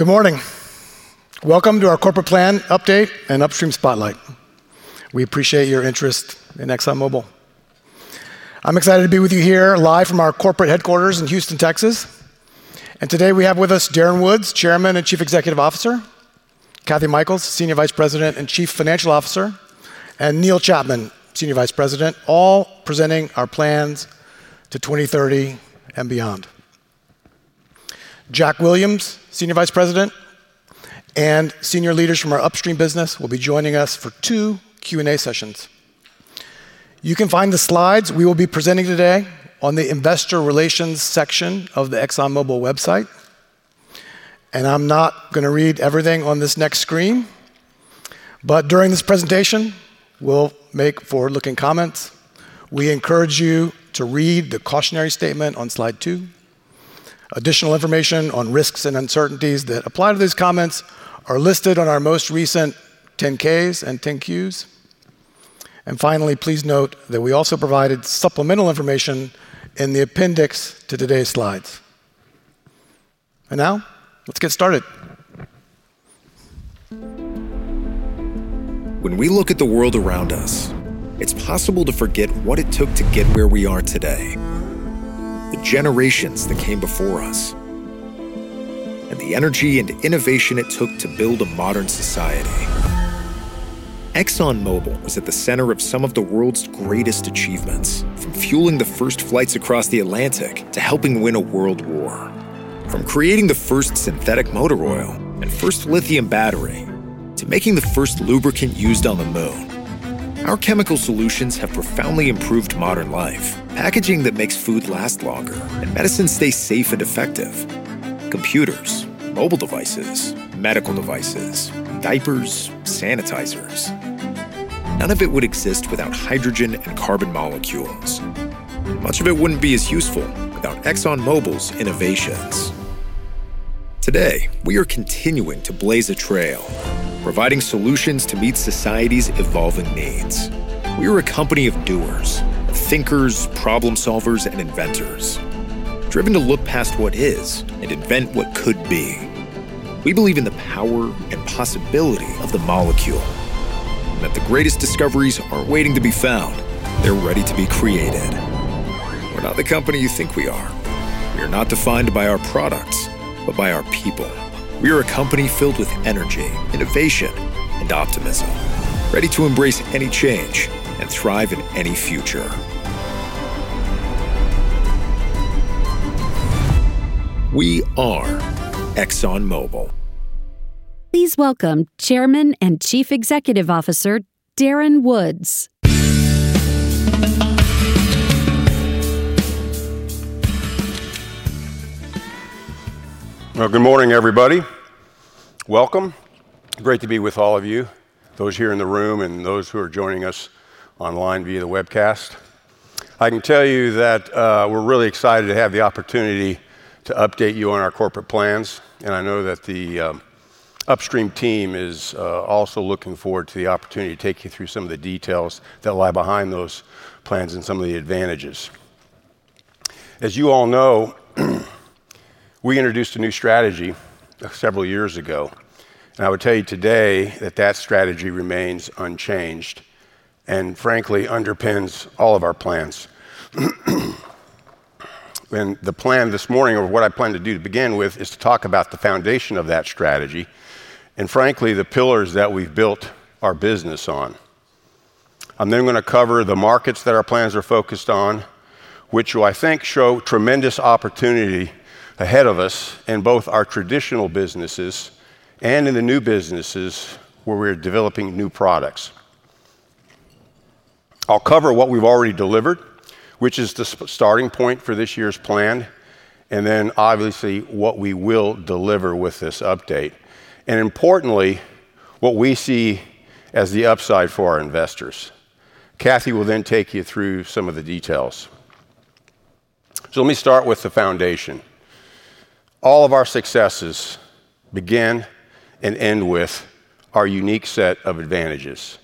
Good morning. Welcome to our corporate plan update and upstream spotlight. We appreciate your interest in ExxonMobil. I'm excited to be with you here live from our corporate headquarters in Houston, Texas. Today we have with us Darren Woods, Chairman and Chief Executive Officer, Kathy Mikells, Senior Vice President and Chief Financial Officer, and Neil Chapman, Senior Vice President, all presenting our plans to 2030 and beyond. Jack Williams, Senior Vice President, and senior leaders from our upstream business will be joining us for two Q&A sessions. You can find the slides we will be presenting today on the Investor Relations section of the ExxonMobil website. I'm not going to read everything on this next screen, but during this presentation, we'll make forward-looking comments. We encourage you to read the cautionary statement on slide two. Additional information on risks and uncertainties that apply to these comments is listed on our most recent 10-Ks and 10-Qs. And finally, please note that we also provided supplemental information in the appendix to today's slides. And now, let's get started. When we look at the world around us, it's possible to forget what it took to get where we are today, the generations that came before us, and the energy and innovation it took to build a modern society. ExxonMobil was at the center of some of the world's greatest achievements, from fueling the first flights across the Atlantic to helping win a world war, from creating the first synthetic motor oil and first lithium battery to making the first lubricant used on the moon. Our chemical solutions have profoundly improved modern life: packaging that makes food last longer and medicines stay safe and effective. Computers, mobile devices, medical devices, diapers, sanitizers, none of it would exist without hydrogen and carbon molecules. Much of it wouldn't be as useful without ExxonMobil's innovations. Today, we are continuing to blaze a trail, providing solutions to meet society's evolving needs. We are a company of doers, thinkers, problem solvers, and inventors, driven to look past what is and invent what could be. We believe in the power and possibility of the molecule, and that the greatest discoveries aren't waiting to be found. They're ready to be created. We're not the company you think we are. We are not defined by our products, but by our people. We are a company filled with energy, innovation, and optimism, ready to embrace any change and thrive in any future. We are ExxonMobil. Please welcome Chairman and Chief Executive Officer Darren Woods. Good morning, everybody. Welcome. Great to be with all of you, those here in the room and those who are joining us online via the webcast. I can tell you that we're really excited to have the opportunity to update you on our corporate plans. I know that the upstream team is also looking forward to the opportunity to take you through some of the details that lie behind those plans and some of the advantages. As you all know, we introduced a new strategy several years ago. I would tell you today that that strategy remains unchanged and, frankly, underpins all of our plans. The plan this morning, or what I plan to do to begin with, is to talk about the foundation of that strategy and, frankly, the pillars that we've built our business on. I'm then going to cover the markets that our plans are focused on, which I think show tremendous opportunity ahead of us in both our traditional businesses and in the new businesses where we're developing new products. I'll cover what we've already delivered, which is the starting point for this year's plan, and then, obviously, what we will deliver with this update, and, importantly, what we see as the upside for our investors. Kathy will then take you through some of the details. So let me start with the foundation. All of our successes begin and end with our unique set of advantages,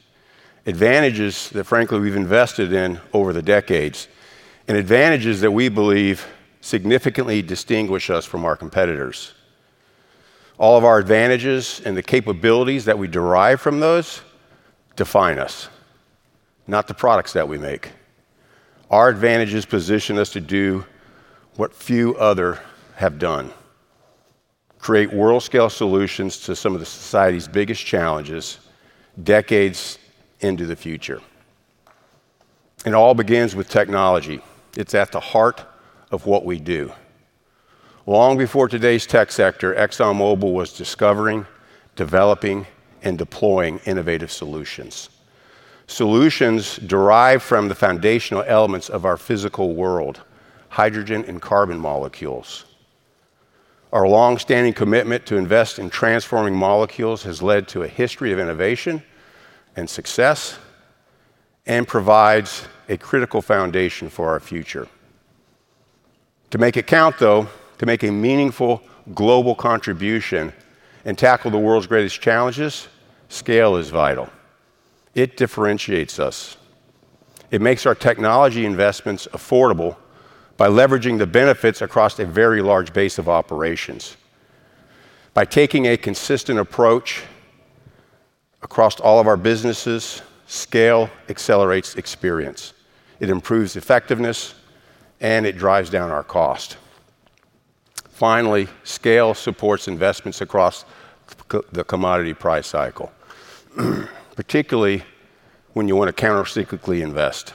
advantages that, frankly, we've invested in over the decades and advantages that we believe significantly distinguish us from our competitors. All of our advantages and the capabilities that we derive from those define us, not the products that we make. Our advantages position us to do what few other have done: create world-scale solutions to some of the society's biggest challenges decades into the future. It all begins with technology. It's at the heart of what we do. Long before today's tech sector, ExxonMobil was discovering, developing, and deploying innovative solutions, solutions derived from the foundational elements of our physical world: hydrogen and carbon molecules. Our longstanding commitment to invest in transforming molecules has led to a history of innovation and success and provides a critical foundation for our future. To make a count, though, to make a meaningful global contribution and tackle the world's greatest challenges, scale is vital. It differentiates us. It makes our technology investments affordable by leveraging the benefits across a very large base of operations. By taking a consistent approach across all of our businesses, scale accelerates experience. It improves effectiveness, and it drives down our cost. Finally, scale supports investments across the commodity price cycle, particularly when you want to countercyclically invest.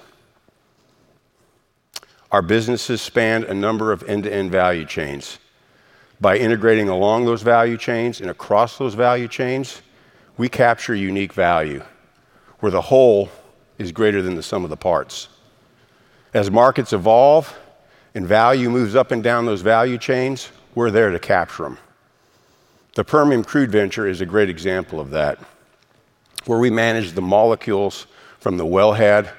Our businesses span a number of end-to-end value chains. By integrating along those value chains and across those value chains, we capture unique value, where the whole is greater than the sum of the parts. As markets evolve and value moves up and down those value chains, we're there to capture them. The Permian Crude Venture is a great example of that, where we manage the molecules from the wellhead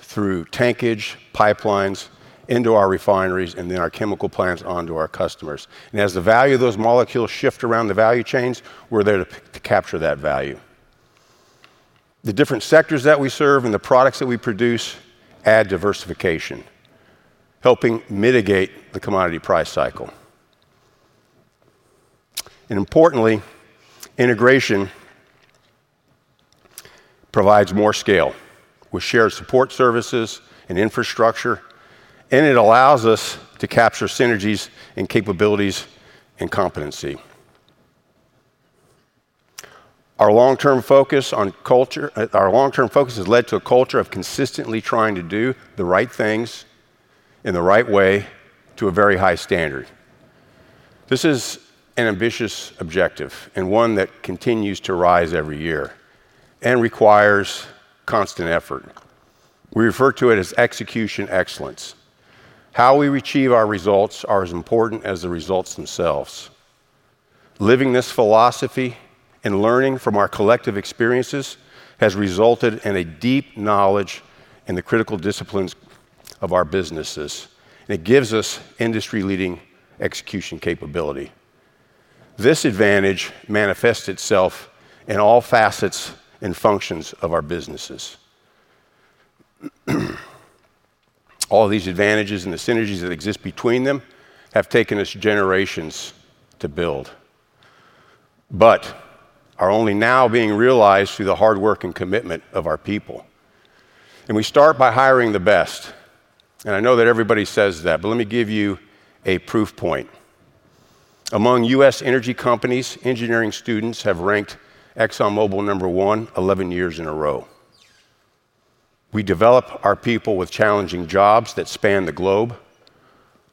through tankage, pipelines, into our refineries, and then our chemical plants onto our customers. And as the value of those molecules shifts around the value chains, we're there to capture that value. The different sectors that we serve and the products that we produce add diversification, helping mitigate the commodity price cycle. Importantly, integration provides more scale with shared support services and infrastructure, and it allows us to capture synergies and capabilities and competency. Our long-term focus on culture, our long-term focus has led to a culture of consistently trying to do the right things in the right way to a very high standard. This is an ambitious objective and one that continues to rise every year and requires constant effort. We refer to it as execution excellence. How we achieve our results is as important as the results themselves. Living this philosophy and learning from our collective experiences has resulted in a deep knowledge in the critical disciplines of our businesses, and it gives us industry-leading execution capability. This advantage manifests itself in all facets and functions of our businesses. All of these advantages and the synergies that exist between them have taken us generations to build, but are only now being realized through the hard work and commitment of our people. We start by hiring the best. I know that everybody says that, but let me give you a proof point. Among U.S. energy companies, engineering students have ranked ExxonMobil number one 11 years in a row. We develop our people with challenging jobs that span the globe,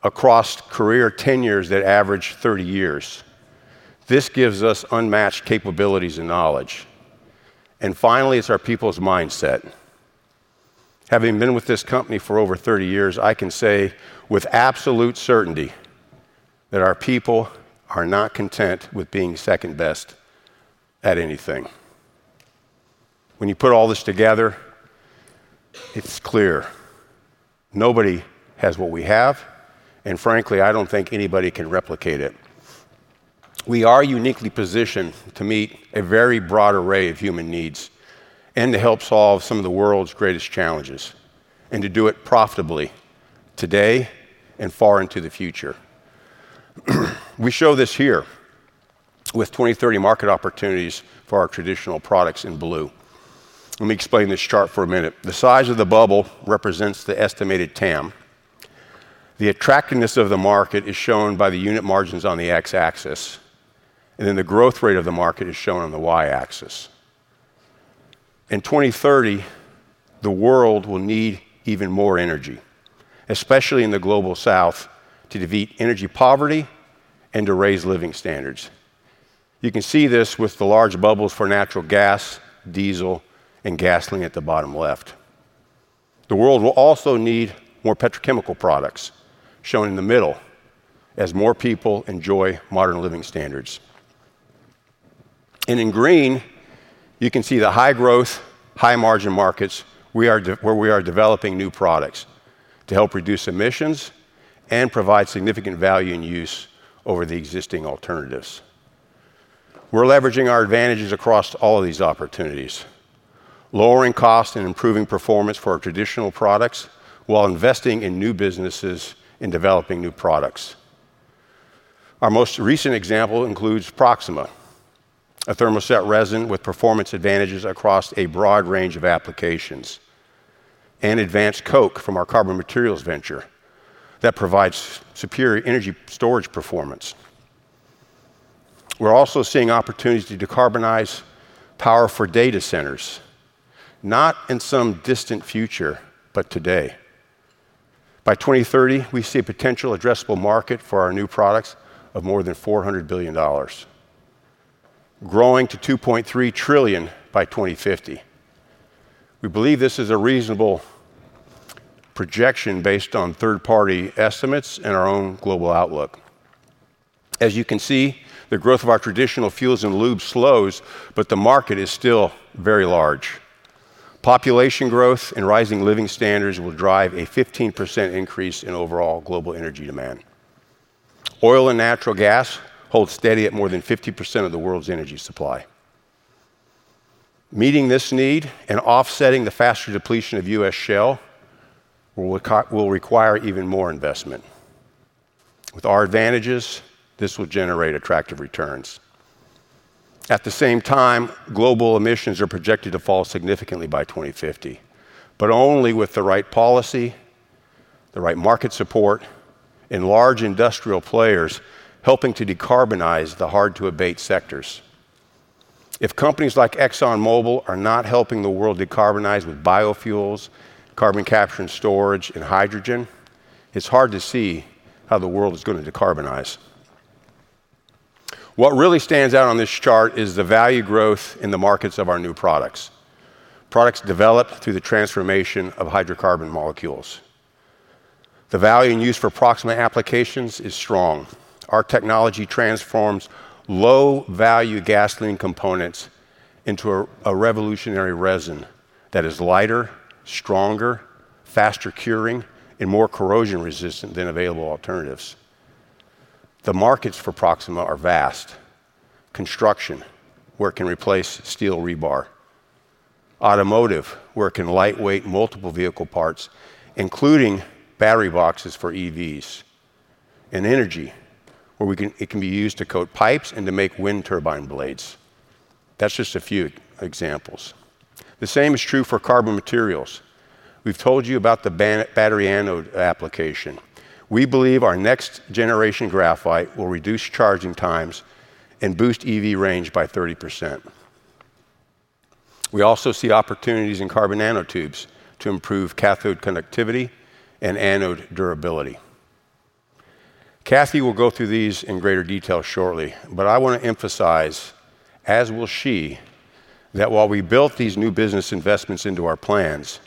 across career tenures that average 30 years. This gives us unmatched capabilities and knowledge. Finally, it's our people's mindset. Having been with this company for over 30 years, I can say with absolute certainty that our people are not content with being second best at anything. When you put all this together, it's clear: nobody has what we have, and frankly, I don't think anybody can replicate it. We are uniquely positioned to meet a very broad array of human needs and to help solve some of the world's greatest challenges, and to do it profitably today and far into the future. We show this here with 2030 market opportunities for our traditional products in blue. Let me explain this chart for a minute. The size of the bubble represents the estimated TAM. The attractiveness of the market is shown by the unit margins on the X-axis, and then the growth rate of the market is shown on the Y-axis. In 2030, the world will need even more energy, especially in the Global South, to defeat energy poverty and to raise living standards. You can see this with the large bubbles for natural gas, diesel, and gasoline at the bottom left. The world will also need more petrochemical products, shown in the middle, as more people enjoy modern living standards, and in green, you can see the high-growth, high-margin markets where we are developing new products to help reduce emissions and provide significant value and use over the existing alternatives. We're leveraging our advantages across all of these opportunities, lowering costs and improving performance for our traditional products while investing in new businesses and developing new products. Our most recent example includes Proxxima, a thermoset resin with performance advantages across a broad range of applications, and Advanced Coke from our Carbon Materials venture that provides superior energy storage performance. We're also seeing opportunities to decarbonize power for data centers, not in some distant future, but today. By 2030, we see a potential addressable market for our new products of more than $400 billion, growing to $2.3 trillion by 2050. We believe this is a reasonable projection based on third-party estimates and our own global outlook. As you can see, the growth of our traditional fuels and lubes slows, but the market is still very large. Population growth and rising living standards will drive a 15% increase in overall global energy demand. Oil and natural gas hold steady at more than 50% of the world's energy supply. Meeting this need and offsetting the faster depletion of U.S. shale will require even more investment. With our advantages, this will generate attractive returns. At the same time, global emissions are projected to fall significantly by 2050, but only with the right policy, the right market support, and large industrial players helping to decarbonize the hard-to-abate sectors. If companies like ExxonMobil are not helping the world decarbonize with biofuels, carbon capture and storage, and hydrogen, it's hard to see how the world is going to decarbonize. What really stands out on this chart is the value growth in the markets of our new products, products developed through the transformation of hydrocarbon molecules. The value and use for Proxxima applications is strong. Our technology transforms low-value gasoline components into a revolutionary resin that is lighter, stronger, faster curing, and more corrosion-resistant than available alternatives. The markets for Proxxima are vast: construction, where it can replace steel rebar. Automotive, where it can lightweight multiple vehicle parts, including battery boxes for EVs. And energy, where it can be used to coat pipes and to make wind turbine blades. That's just a few examples. The same is true for Carbon Materials. We've told you about the battery anode application. We believe our next-generation graphite will reduce charging times and boost EV range by 30%. We also see opportunities in carbon nanotubes to improve cathode connectivity and anode durability. Kathy will go through these in greater detail shortly, but I want to emphasize, as will she, that while we built these new business investments into our plans,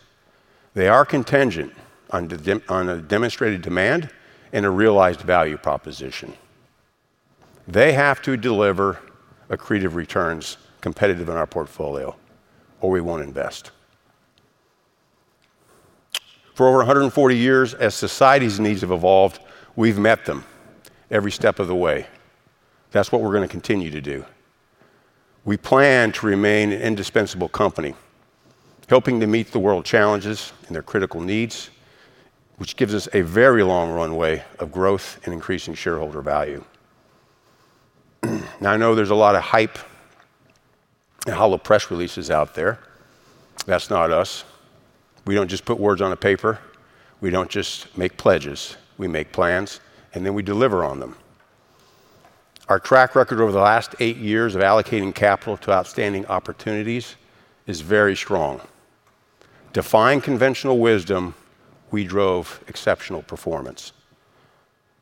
they are contingent on a demonstrated demand and a realized value proposition. They have to deliver accretive returns competitive in our portfolio, or we won't invest. For over 140 years, as society's needs have evolved, we've met them every step of the way. That's what we're going to continue to do. We plan to remain an indispensable company, helping to meet the world's challenges and their critical needs, which gives us a very long runway of growth and increasing shareholder value. Now, I know there's a lot of hype and hollow press releases out there. That's not us. We don't just put words on a paper. We don't just make pledges. We make plans, and then we deliver on them. Our track record over the last eight years of allocating capital to outstanding opportunities is very strong. Defying conventional wisdom, we drove exceptional performance.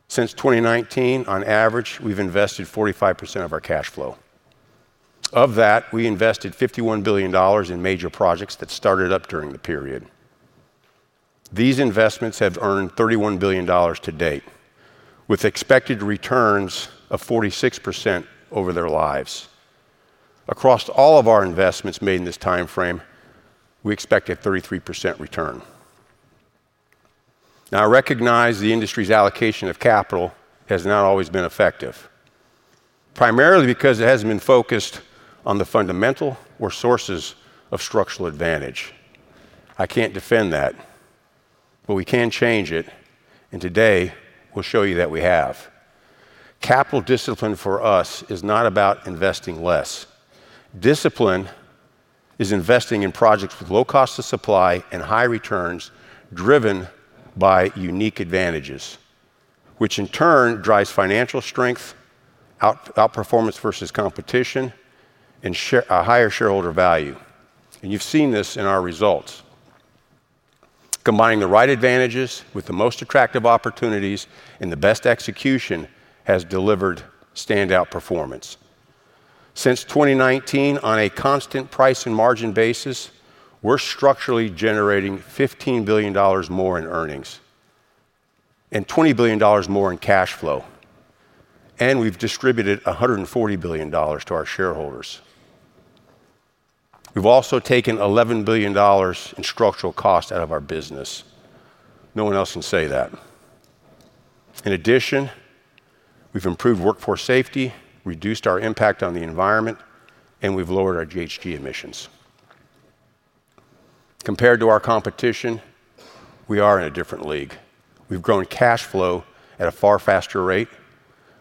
Since 2019, on average, we've invested 45% of our cash flow. Of that, we invested $51 billion in major projects that started up during the period. These investments have earned $31 billion to date, with expected returns of 46% over their lives. Across all of our investments made in this timeframe, we expect a 33% return. Now, I recognize the industry's allocation of capital has not always been effective, primarily because it hasn't been focused on the fundamental or sources of structural advantage. I can't defend that, but we can change it, and today we'll show you that we have. Capital discipline for us is not about investing less. Discipline is investing in projects with low cost of supply and high returns driven by unique advantages, which in turn drives financial strength, outperformance versus competition, and higher shareholder value. And you've seen this in our results. Combining the right advantages with the most attractive opportunities and the best execution has delivered standout performance. Since 2019, on a constant price and margin basis, we're structurally generating $15 billion more in earnings and $20 billion more in cash flow, and we've distributed $140 billion to our shareholders. We've also taken $11 billion in structural cost out of our business. No one else can say that. In addition, we've improved workforce safety, reduced our impact on the environment, and we've lowered our GHG emissions. Compared to our competition, we are in a different league. We've grown cash flow at a far faster rate.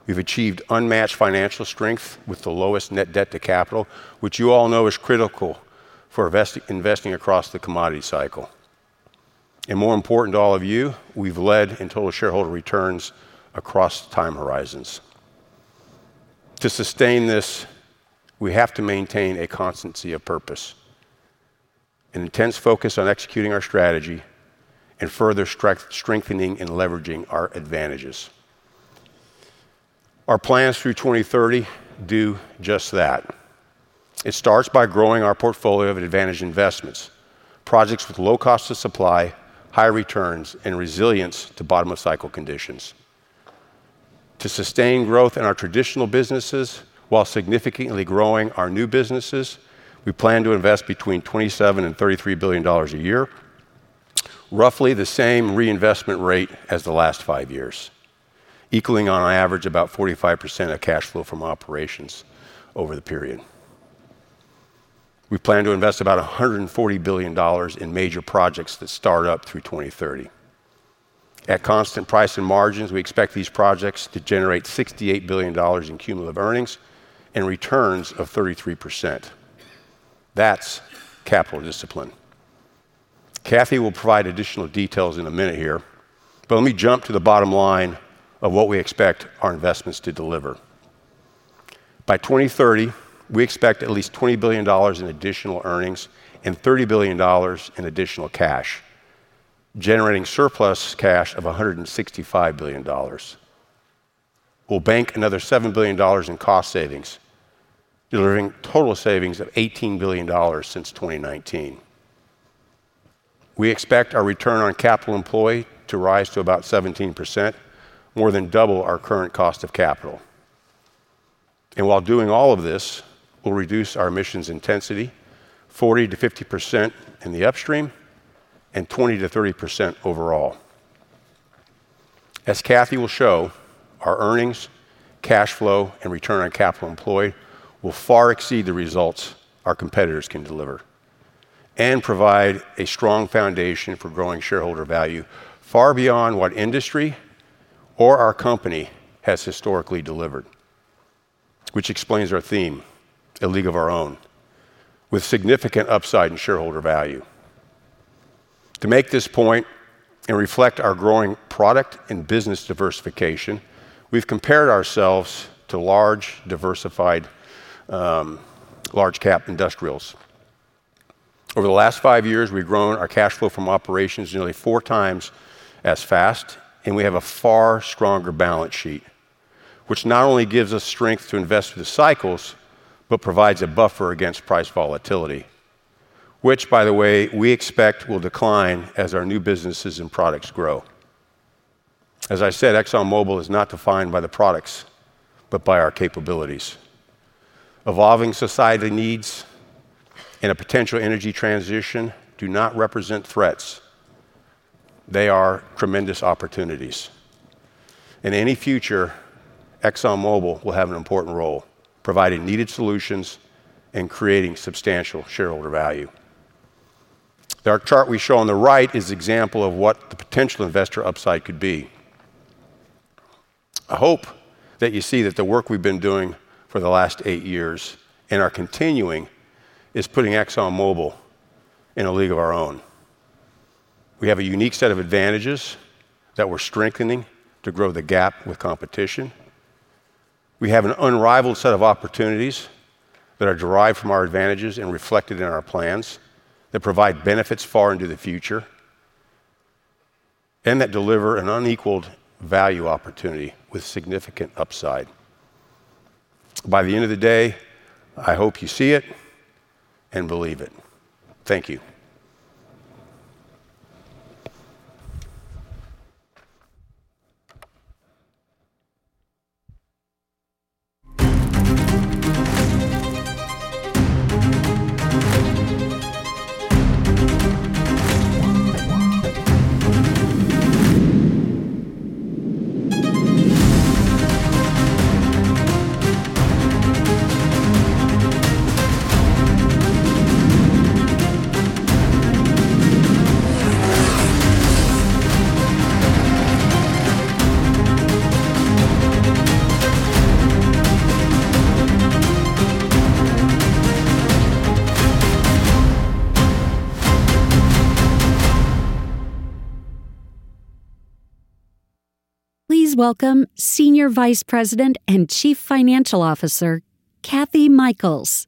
We've achieved unmatched financial strength with the lowest net debt to capital, which you all know is critical for investing across the commodity cycle, and more important to all of you, we've led in total shareholder returns across time horizons. To sustain this, we have to maintain a constancy of purpose, an intense focus on executing our strategy, and further strengthening and leveraging our advantages. Our plans through 2030 do just that. It starts by growing our portfolio of advantage investments, projects with low cost of supply, high returns, and resilience to bottom-of-cycle conditions. To sustain growth in our traditional businesses while significantly growing our new businesses, we plan to invest between $27 and $33 billion a year, roughly the same reinvestment rate as the last five years, equaling on average about 45% of cash flow from operations over the period. We plan to invest about $140 billion in major projects that start up through 2030. At constant price and margins, we expect these projects to generate $68 billion in cumulative earnings and returns of 33%. That's capital discipline. Kathy will provide additional details in a minute here, but let me jump to the bottom line of what we expect our investments to deliver. By 2030, we expect at least $20 billion in additional earnings and $30 billion in additional cash, generating surplus cash of $165 billion. We'll bank another $7 billion in cost savings, delivering total savings of $18 billion since 2019. We expect our return on capital employed to rise to about 17%, more than double our current cost of capital, and while doing all of this, we'll reduce our emissions intensity 40%-50% in the upstream and 20%-30% overall. As Kathy will show, our earnings, cash flow, and return on capital employed will far exceed the results our competitors can deliver and provide a strong foundation for growing shareholder value far beyond what industry or our company has historically delivered, which explains our theme, a league of our own, with significant upside in shareholder value. To make this point and reflect our growing product and business diversification, we've compared ourselves to large, diversified, large-cap industrials. Over the last five years, we've grown our cash flow from operations nearly four times as fast, and we have a far stronger balance sheet, which not only gives us strength to invest through the cycles but provides a buffer against price volatility, which, by the way, we expect will decline as our new businesses and products grow. As I said, ExxonMobil is not defined by the products but by our capabilities. Evolving society needs and a potential energy transition do not represent threats. They are tremendous opportunities. In any future, ExxonMobil will have an important role, providing needed solutions and creating substantial shareholder value. The chart we show on the right is an example of what the potential investor upside could be. I hope that you see that the work we've been doing for the last eight years and are continuing is putting ExxonMobil in a league of our own. We have a unique set of advantages that we're strengthening to grow the gap with competition. We have an unrivaled set of opportunities that are derived from our advantages and reflected in our plans that provide benefits far into the future and that deliver an unequaled value opportunity with significant upside. By the end of the day, I hope you see it and believe it. Thank you. Please welcome Senior Vice President and Chief Financial Officer, Kathy Mikells.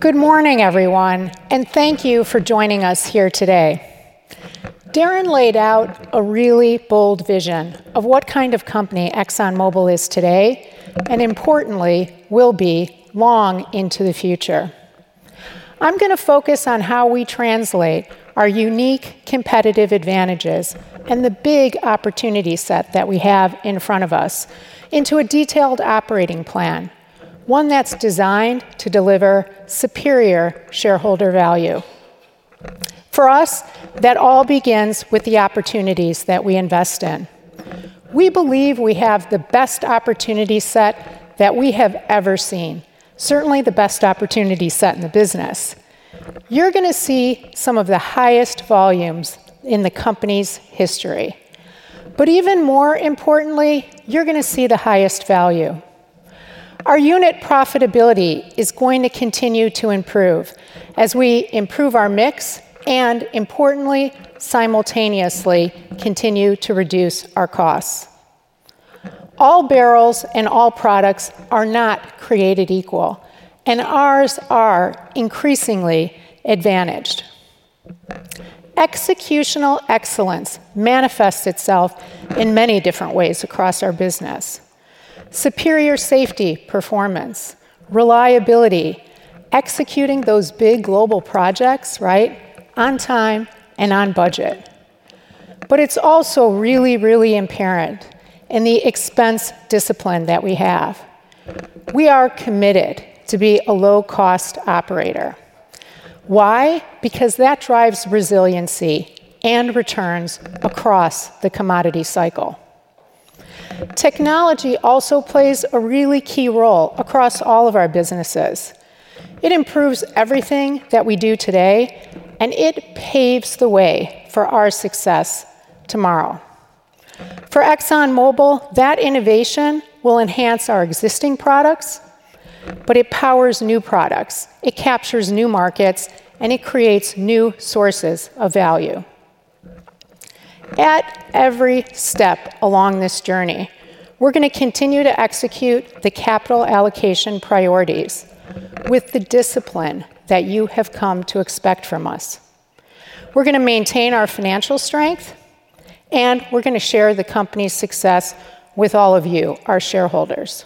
Good morning, everyone, and thank you for joining us here today. Darren laid out a really bold vision of what kind of company ExxonMobil is today and, importantly, will be long into the future. I'm going to focus on how we translate our unique competitive advantages and the big opportunity set that we have in front of us into a detailed operating plan, one that's designed to deliver superior shareholder value. For us, that all begins with the opportunities that we invest in. We believe we have the best opportunity set that we have ever seen, certainly the best opportunity set in the business. You're going to see some of the highest volumes in the company's history. But even more importantly, you're going to see the highest value. Our unit profitability is going to continue to improve as we improve our mix and, importantly, simultaneously continue to reduce our costs. All barrels and all products are not created equal, and ours are increasingly advantaged. Executional excellence manifests itself in many different ways across our business: superior safety performance, reliability, executing those big global projects on time and on budget. But it's also really, really apparent in the expense discipline that we have. We are committed to be a low-cost operator. Why? Because that drives resiliency and returns across the commodity cycle. Technology also plays a really key role across all of our businesses. It improves everything that we do today, and it paves the way for our success tomorrow. For ExxonMobil, that innovation will enhance our existing products, but it powers new products, it captures new markets, and it creates new sources of value. At every step along this journey, we're going to continue to execute the capital allocation priorities with the discipline that you have come to expect from us. We're going to maintain our financial strength, and we're going to share the company's success with all of you, our shareholders.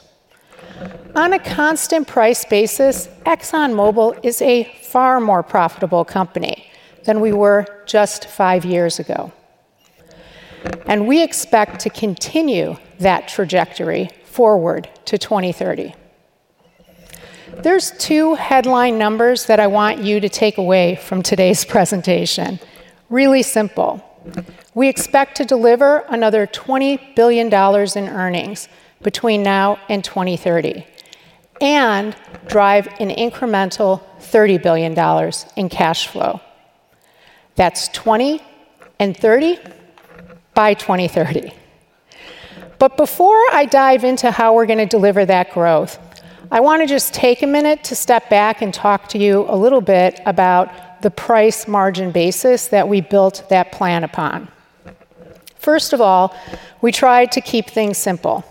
On a constant price basis, ExxonMobil is a far more profitable company than we were just five years ago, and we expect to continue that trajectory forward to 2030. There are two headline numbers that I want you to take away from today's presentation. Really simple. We expect to deliver another $20 billion in earnings between now and 2030 and drive an incremental $30 billion in cash flow. That's $20 billion and $30 billion by 2030. But before I dive into how we're going to deliver that growth, I want to just take a minute to step back and talk to you a little bit about the price margin basis that we built that plan upon. First of all, we tried to keep things simple.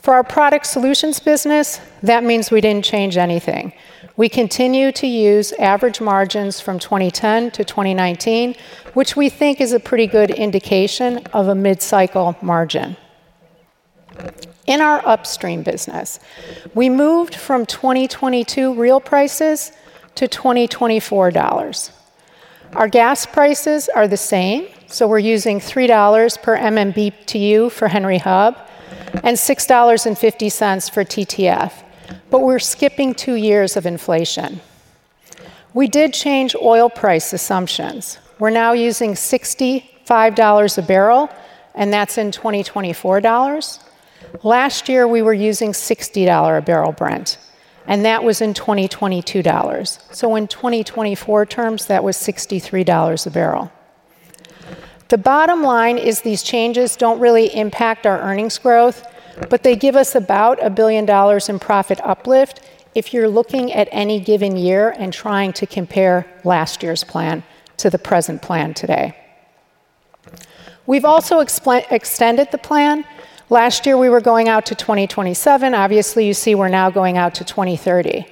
For our Product Solutions business, that means we didn't change anything. We continue to use average margins from 2010 to 2019, which we think is a pretty good indication of a mid-cycle margin. In our upstream business, we moved from 2022 real prices to 2024. Our gas prices are the same, so we're using $3 per MMBTU for Henry Hub and $6.50 for TTF, but we're skipping two years of inflation. We did change oil price assumptions. We're now using $65 a barrel, and that's in 2024. Last year, we were using $60 a barrel Brent, and that was in 2022. In 2024 terms, that was $63 a barrel. The bottom line is these changes don't really impact our earnings growth, but they give us about $1 billion in profit uplift if you're looking at any given year and trying to compare last year's plan to the present plan today. We've also extended the plan. Last year, we were going out to 2027. Obviously, you see we're now going out to 2030.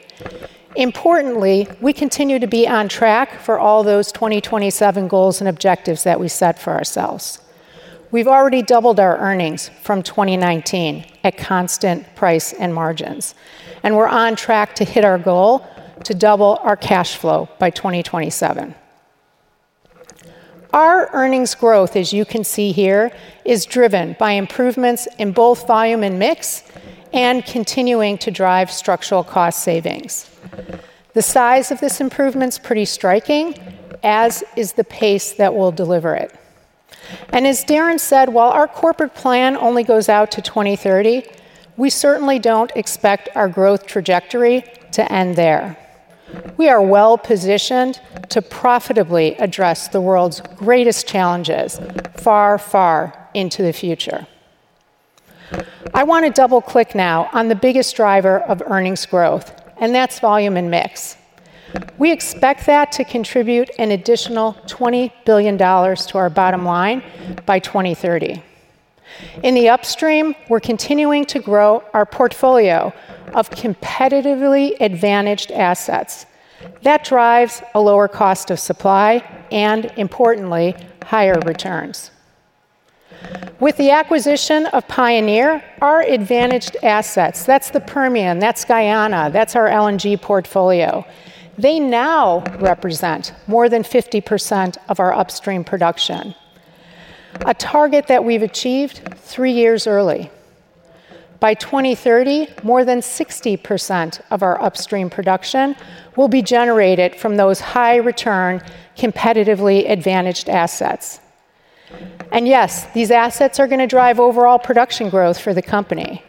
Importantly, we continue to be on track for all those 2027 goals and objectives that we set for ourselves. We've already doubled our earnings from 2019 at constant price and margins, and we're on track to hit our goal to double our cash flow by 2027. Our earnings growth, as you can see here, is driven by improvements in both volume and mix and continuing to drive structural cost savings. The size of this improvement is pretty striking, as is the pace that will deliver it, and as Darren said, while our corporate plan only goes out to 2030, we certainly don't expect our growth trajectory to end there. We are well-positioned to profitably address the world's greatest challenges far, far into the future. I want to double-click now on the biggest driver of earnings growth, and that's volume and mix. We expect that to contribute an additional $20 billion to our bottom line by 2030. In the upstream, we're continuing to grow our portfolio of competitively advantaged assets. That drives a lower cost of supply and, importantly, higher returns. With the acquisition of Pioneer, our advantaged assets, that's the Permian, that's Guyana, that's our LNG portfolio, they now represent more than 50% of our upstream production, a target that we've achieved three years early. By 2030, more than 60% of our upstream production will be generated from those high-return, competitively advantaged assets. And yes, these assets are going to drive overall production growth for the company.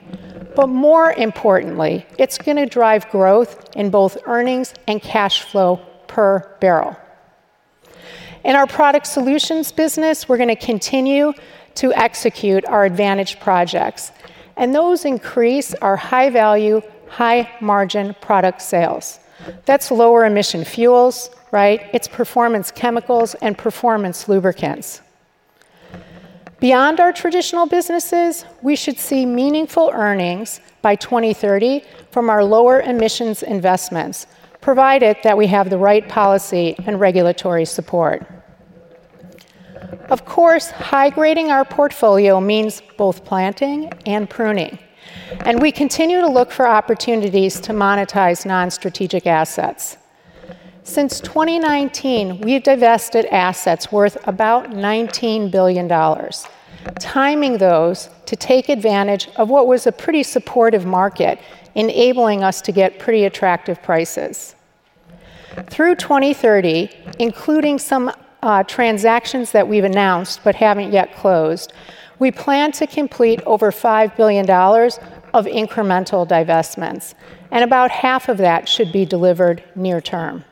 But more importantly, it's going to drive growth in both earnings and cash flow per barrel. In our Product Solutions business, we're going to continue to execute our advantaged projects, and those increase our high-value, high-margin product sales. That's lower emission fuels, right? It's performance chemicals and performance lubricants. Beyond our traditional businesses, we should see meaningful earnings by 2030 from our lower emissions investments, provided that we have the right policy and regulatory support. Of course, high-grading our portfolio means both planting and pruning, and we continue to look for opportunities to monetize non-strategic assets. Since 2019, we've divested assets worth about $19 billion, timing those to take advantage of what was a pretty supportive market, enabling us to get pretty attractive prices. Through 2030, including some transactions that we've announced but haven't yet closed, we plan to complete over $5 billion of incremental divestments, and about half of that should be delivered near term.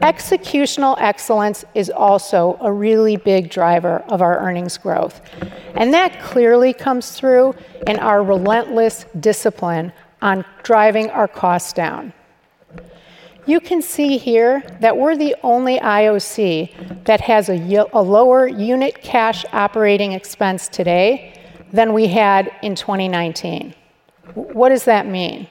Executional excellence is also a really big driver of our earnings growth, and that clearly comes through in our relentless discipline on driving our costs down. You can see here that we're the only IOC that has a lower unit cash operating expense today than we had in 2019. What does that mean?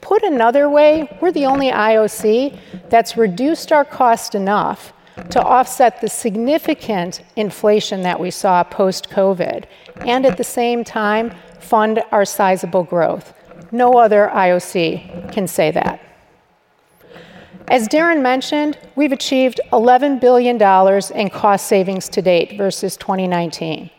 Put another way, we're the only IOC that's reduced our cost enough to offset the significant inflation that we saw post-COVID and, at the same time, fund our sizable growth. No other IOC can say that. As Darren mentioned, we've achieved $11 billion in cost savings to date versus 2019.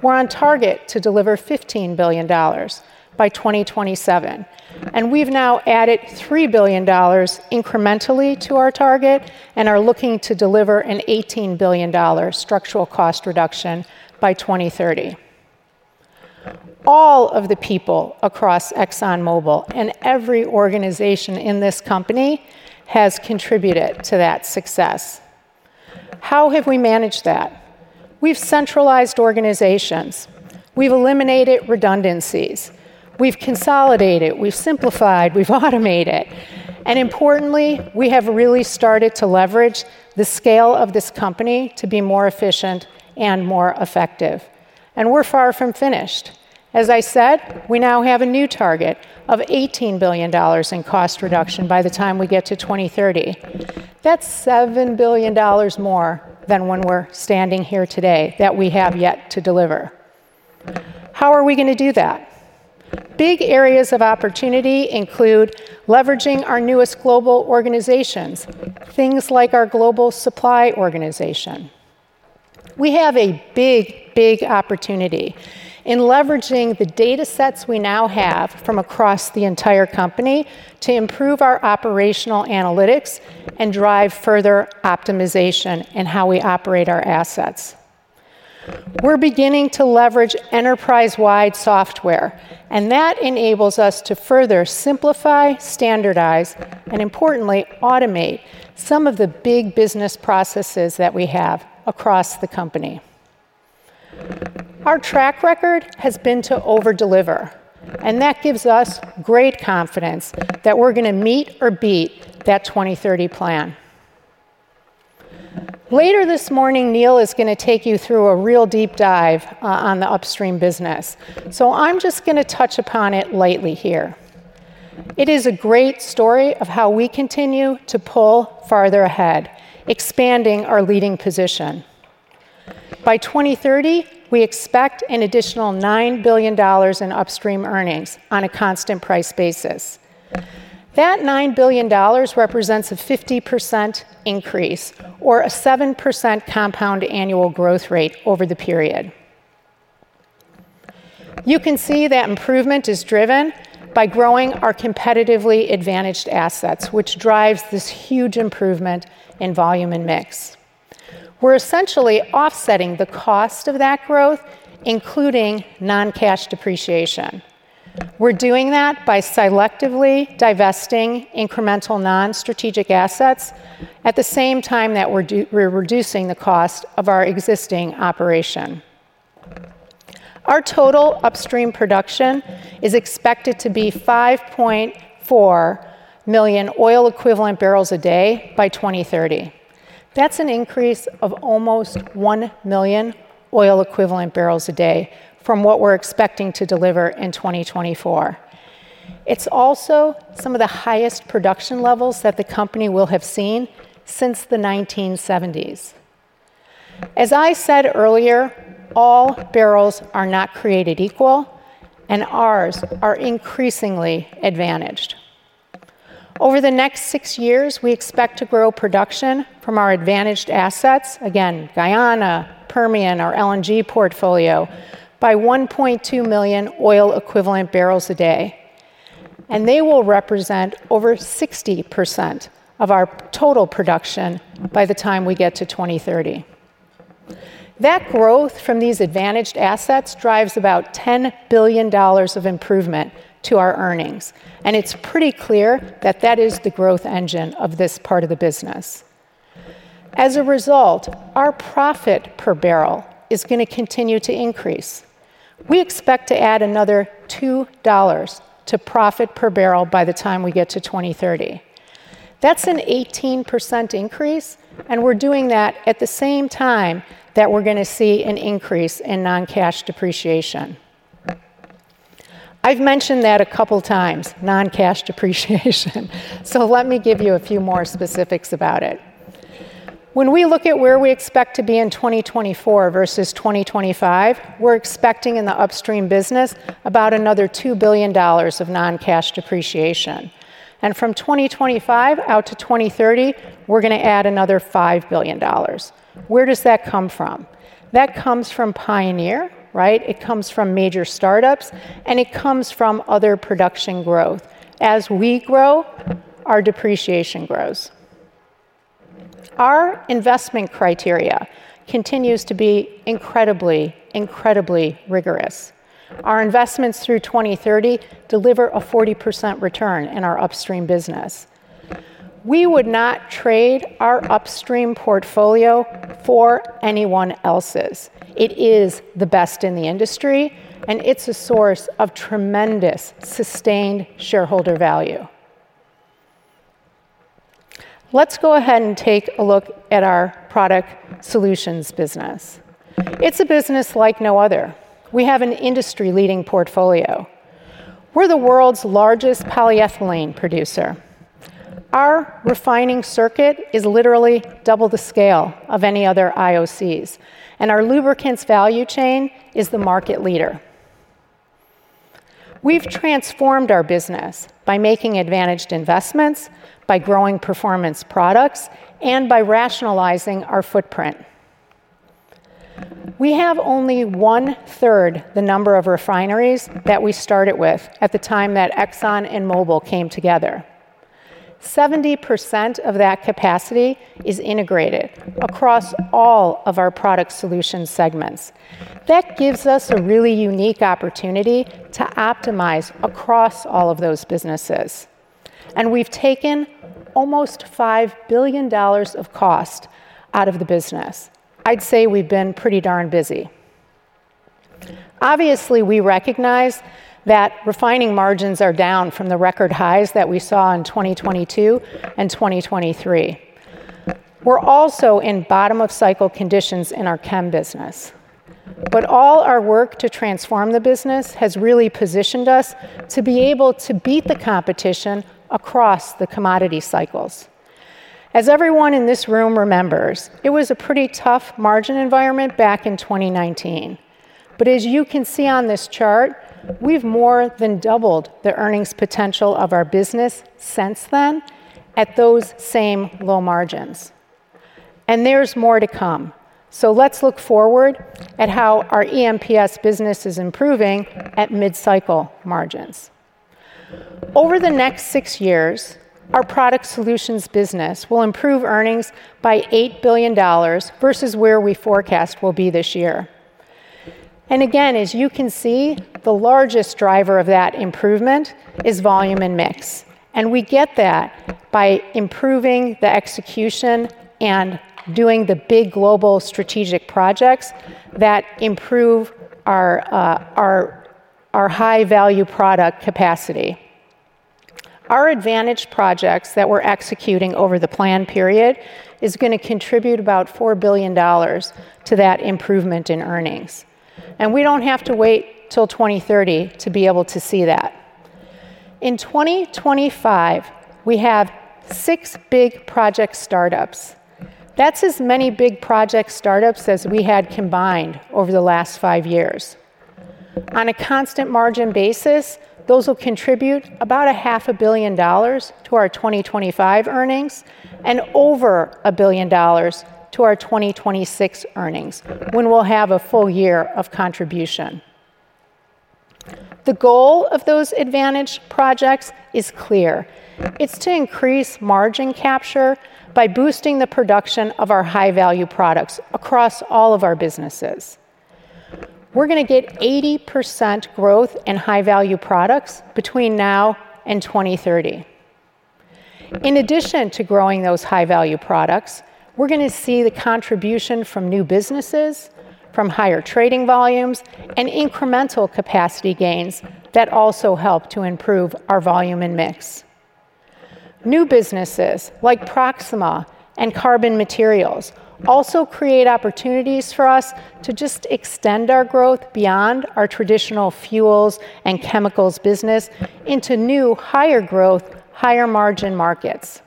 We're on target to deliver $15 billion by 2027, and we've now added $3 billion incrementally to our target and are looking to deliver an $18 billion structural cost reduction by 2030. All of the people across ExxonMobil and every organization in this company have contributed to that success. How have we managed that? We've centralized organizations. We've eliminated redundancies. We've consolidated. We've simplified. We've automated. And importantly, we have really started to leverage the scale of this company to be more efficient and more effective. And we're far from finished. As I said, we now have a new target of $18 billion in cost reduction by the time we get to 2030. That's $7 billion more than when we're standing here today that we have yet to deliver. How are we going to do that? Big areas of opportunity include leveraging our newest global organizations, things like our global supply organization. We have a big, big opportunity in leveraging the data sets we now have from across the entire company to improve our operational analytics and drive further optimization in how we operate our assets. We're beginning to leverage enterprise-wide software, and that enables us to further simplify, standardize, and, importantly, automate some of the big business processes that we have across the company. Our track record has been to overdeliver, and that gives us great confidence that we're going to meet or beat that 2030 plan. Later this morning, Neil is going to take you through a real deep dive on the upstream business, so I'm just going to touch upon it lightly here. It is a great story of how we continue to pull farther ahead, expanding our leading position. By 2030, we expect an additional $9 billion in upstream earnings on a constant price basis. That $9 billion represents a 50% increase or a 7% compound annual growth rate over the period. You can see that improvement is driven by growing our competitively advantaged assets, which drives this huge improvement in volume and mix. We're essentially offsetting the cost of that growth, including non-cash depreciation. We're doing that by selectively divesting incremental non-strategic assets at the same time that we're reducing the cost of our existing operation. Our total upstream production is expected to be 5.4 million oil-equivalent barrels a day by 2030. That's an increase of almost 1 million oil-equivalent barrels a day from what we're expecting to deliver in 2024. It's also some of the highest production levels that the company will have seen since the 1970s. As I said earlier, all barrels are not created equal, and ours are increasingly advantaged. Over the next six years, we expect to grow production from our advantaged assets, again, Guyana, Permian, our LNG portfolio, by 1.2 million oil-equivalent barrels a day, and they will represent over 60% of our total production by the time we get to 2030. That growth from these advantaged assets drives about $10 billion of improvement to our earnings, and it's pretty clear that that is the growth engine of this part of the business. As a result, our profit per barrel is going to continue to increase. We expect to add another $2 to profit per barrel by the time we get to 2030. That's an 18% increase, and we're doing that at the same time that we're going to see an increase in non-cash depreciation. I've mentioned that a couple of times, non-cash depreciation, so let me give you a few more specifics about it. When we look at where we expect to be in 2024 versus 2025, we're expecting in the upstream business about another $2 billion of non-cash depreciation. And from 2025 out to 2030, we're going to add another $5 billion. Where does that come from? That comes from Pioneer, right? It comes from major startups, and it comes from other production growth. As we grow, our depreciation grows. Our investment criteria continues to be incredibly, incredibly rigorous. Our investments through 2030 deliver a 40% return in our upstream business. We would not trade our upstream portfolio for anyone else's. It is the best in the industry, and it's a source of tremendous sustained shareholder value. Let's go ahead and take a look at our Product Solutions business. It's a business like no other. We have an industry-leading portfolio. We're the world's largest polyethylene producer. Our refining circuit is literally double the scale of any other IOCs, and our lubricants value chain is the market leader. We've transformed our business by making advantaged investments, by growing performance products, and by rationalizing our footprint. We have only one-third the number of refineries that we started with at the time that Exxon and Mobil came together. 70% of that capacity is integrated across all of our product solution segments. That gives us a really unique opportunity to optimize across all of those businesses, and we've taken almost $5 billion of cost out of the business. I'd say we've been pretty darn busy. Obviously, we recognize that refining margins are down from the record highs that we saw in 2022 and 2023. We're also in bottom-of-cycle conditions in our chem business. But all our work to transform the business has really positioned us to be able to beat the competition across the commodity cycles. As everyone in this room remembers, it was a pretty tough margin environment back in 2019. But as you can see on this chart, we've more than doubled the earnings potential of our business since then at those same low margins. And there's more to come. So let's look forward at how our EMPS business is improving at mid-cycle margins. Over the next six years, our Product Solutions business will improve earnings by $8 billion versus where we forecast we'll be this year. And again, as you can see, the largest driver of that improvement is volume and mix. We get that by improving the execution and doing the big global strategic projects that improve our high-value product capacity. Our advantaged projects that we're executing over the planned period are going to contribute about $4 billion to that improvement in earnings. We don't have to wait till 2030 to be able to see that. In 2025, we have six big project startups. That's as many big project startups as we had combined over the last five years. On a constant margin basis, those will contribute about $500 million to our 2025 earnings and over $1 billion to our 2026 earnings when we'll have a full year of contribution. The goal of those advantaged projects is clear. It's to increase margin capture by boosting the production of our high-value products across all of our businesses. We're going to get 80% growth in high-value products between now and 2030. In addition to growing those high-value products, we're going to see the contribution from new businesses, from higher trading volumes, and incremental capacity gains that also help to improve our volume and mix. New businesses like Proxxima and Carbon Materials also create opportunities for us to just extend our growth beyond our traditional fuels and chemicals business into new higher growth, higher margin markets.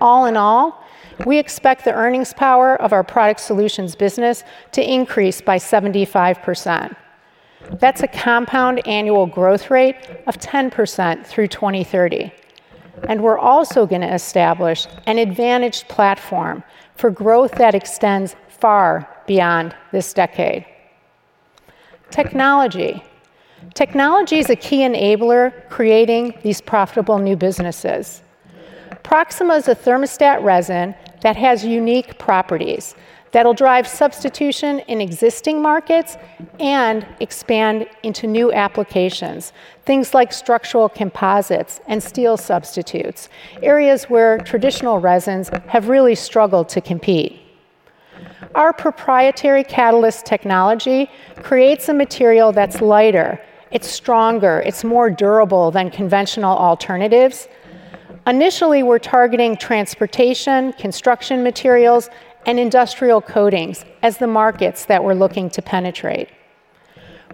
All in all, we expect the earnings power of our Product Solutions business to increase by 75%. That's a compound annual growth rate of 10% through 2030. And we're also going to establish an advantaged platform for growth that extends far beyond this decade. Technology. Technology is a key enabler in creating these profitable new businesses. Proxxima is a thermoset resin that has unique properties that will drive substitution in existing markets and expand into new applications, things like structural composites and steel substitutes, areas where traditional resins have really struggled to compete. Our proprietary catalyst technology creates a material that's lighter. It's stronger. It's more durable than conventional alternatives. Initially, we're targeting transportation, construction materials, and industrial coatings as the markets that we're looking to penetrate.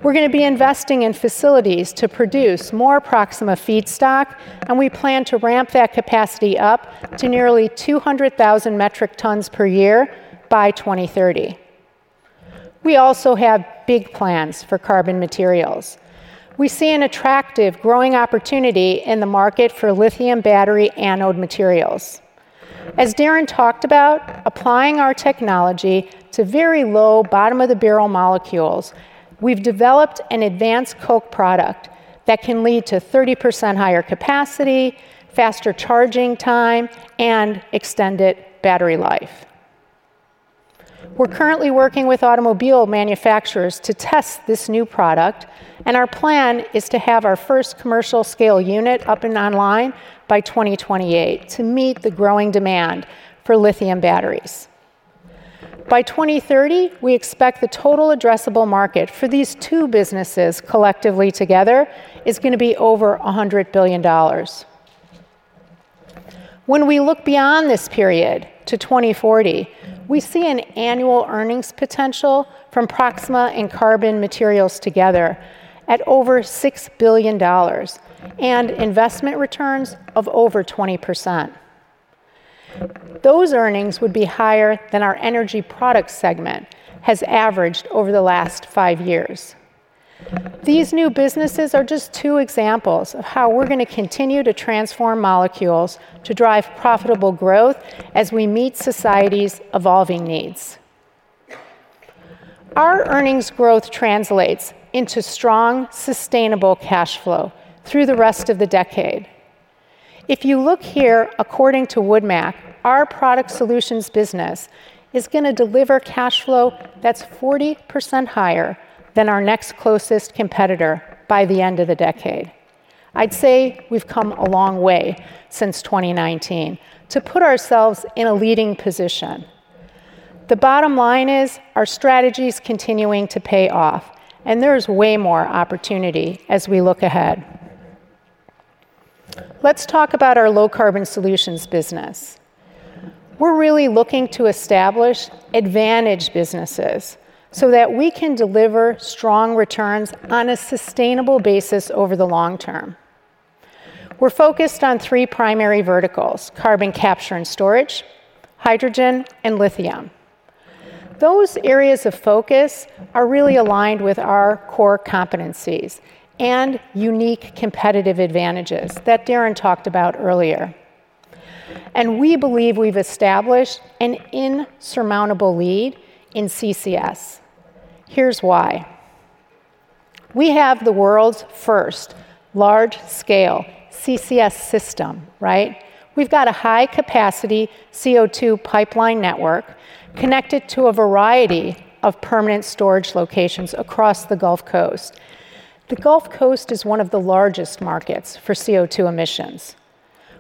We're going to be investing in facilities to produce more Proxxima feedstock, and we plan to ramp that capacity up to nearly 200,000 metric tons per year by 2030. We also have big plans for Carbon Materials. We see an attractive growing opportunity in the market for lithium battery anode materials. As Darren talked about, applying our technology to very low bottom-of-the-barrel molecules, we've developed an Advanced Coke product that can lead to 30% higher capacity, faster charging time, and extended battery life. We're currently working with automobile manufacturers to test this new product, and our plan is to have our first commercial-scale unit up and online by 2028 to meet the growing demand for lithium batteries. By 2030, we expect the total addressable market for these two businesses collectively together is going to be over $100 billion. When we look beyond this period to 2040, we see an annual earnings potential from Proxxima and Carbon Materials together at over $6 billion and investment returns of over 20%. Those earnings would be higher than our energy product segment has averaged over the last five years. These new businesses are just two examples of how we're going to continue to transform molecules to drive profitable growth as we meet society's evolving needs. Our earnings growth translates into strong, sustainable cash flow through the rest of the decade. If you look here, according to Wood Mackenzie, our Product Solutions business is going to deliver cash flow that's 40% higher than our next closest competitor by the end of the decade. I'd say we've come a long way since 2019 to put ourselves in a leading position. The bottom line is our strategy is continuing to pay off, and there is way more opportunity as we look ahead. Let's talk about our Low Carbon Solutions business. We're really looking to establish advantage businesses so that we can deliver strong returns on a sustainable basis over the long term. We're focused on three primary verticals: carbon capture and storage, hydrogen, and lithium. Those areas of focus are really aligned with our core competencies and unique competitive advantages that Darren talked about earlier. And we believe we've established an insurmountable lead in CCS. Here's why. We have the world's first large-scale CCS system, right? We've got a high-capacity CO2 pipeline network connected to a variety of permanent storage locations across the Gulf Coast. The Gulf Coast is one of the largest markets for CO2 emissions.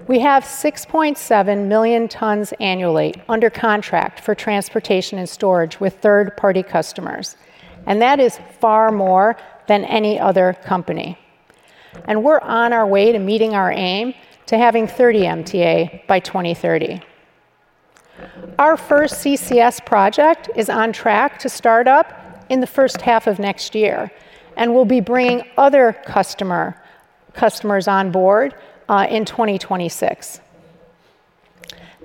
We have 6.7 million tons annually under contract for transportation and storage with third-party customers, and that is far more than any other company. And we're on our way to meeting our aim to having 30 MTA by 2030. Our first CCS project is on track to start up in the first half of next year, and we'll be bringing other customers on board in 2026.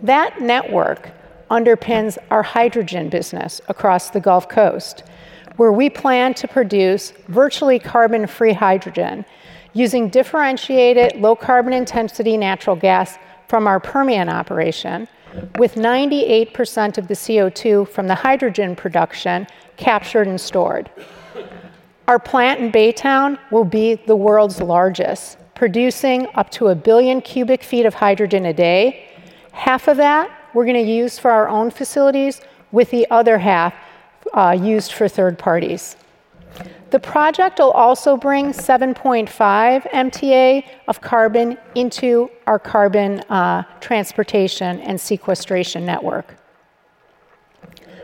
That network underpins our hydrogen business across the Gulf Coast, where we plan to produce virtually carbon-free hydrogen using differentiated low-carbon intensity natural gas from our Permian operation, with 98% of the CO2 from the hydrogen production captured and stored. Our plant in Baytown will be the world's largest, producing up to a billion cubic feet of hydrogen a day. Half of that we're going to use for our own facilities, with the other half used for third parties. The project will also bring 7.5 MTA of carbon into our carbon transportation and sequestration network.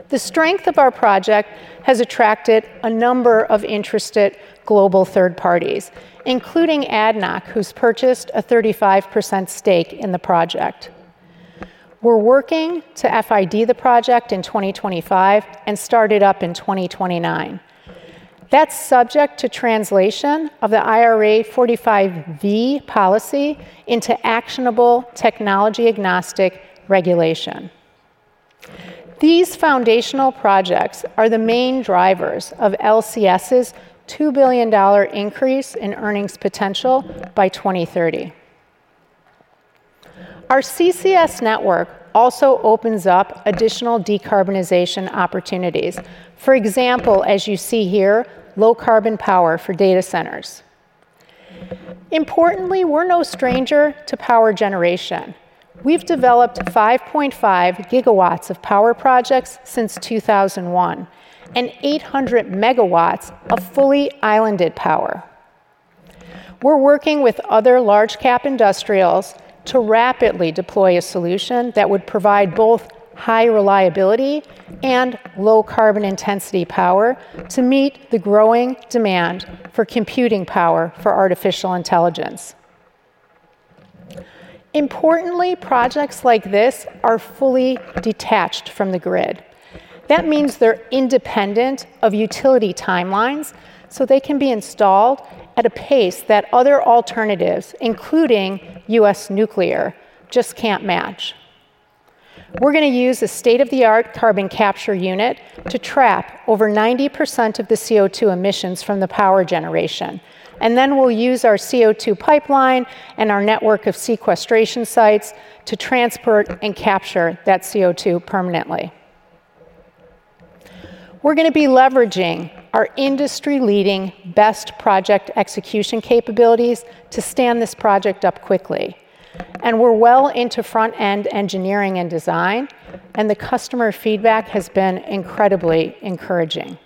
The strength of our project has attracted a number of interested global third parties, including ADNOC, who's purchased a 35% stake in the project. We're working to FID the project in 2025 and start it up in 2029. That's subject to translation of the IRA 45V policy into actionable technology-agnostic regulation. These foundational projects are the main drivers of LCS's $2 billion increase in earnings potential by 2030. Our CCS network also opens up additional decarbonization opportunities. For example, as you see here, low-carbon power for data centers. Importantly, we're no stranger to power generation. We've developed 5.5 GW of power projects since 2001 and 800 megawatts of fully islanded power. We're working with other large-cap industrials to rapidly deploy a solution that would provide both high reliability and low-carbon intensity power to meet the growing demand for computing power for artificial intelligence. Importantly, projects like this are fully detached from the grid. That means they're independent of utility timelines so they can be installed at a pace that other alternatives, including U.S. Nuclear, just can't match. We're going to use a state-of-the-art carbon capture unit to trap over 90% of the CO2 emissions from the power generation. And then we'll use our CO2 pipeline and our network of sequestration sites to transport and capture that CO2 permanently. We're going to be leveraging our industry-leading best project execution capabilities to stand this project up quickly. And we're well into front-end engineering and design, and the customer feedback has been incredibly encouraging.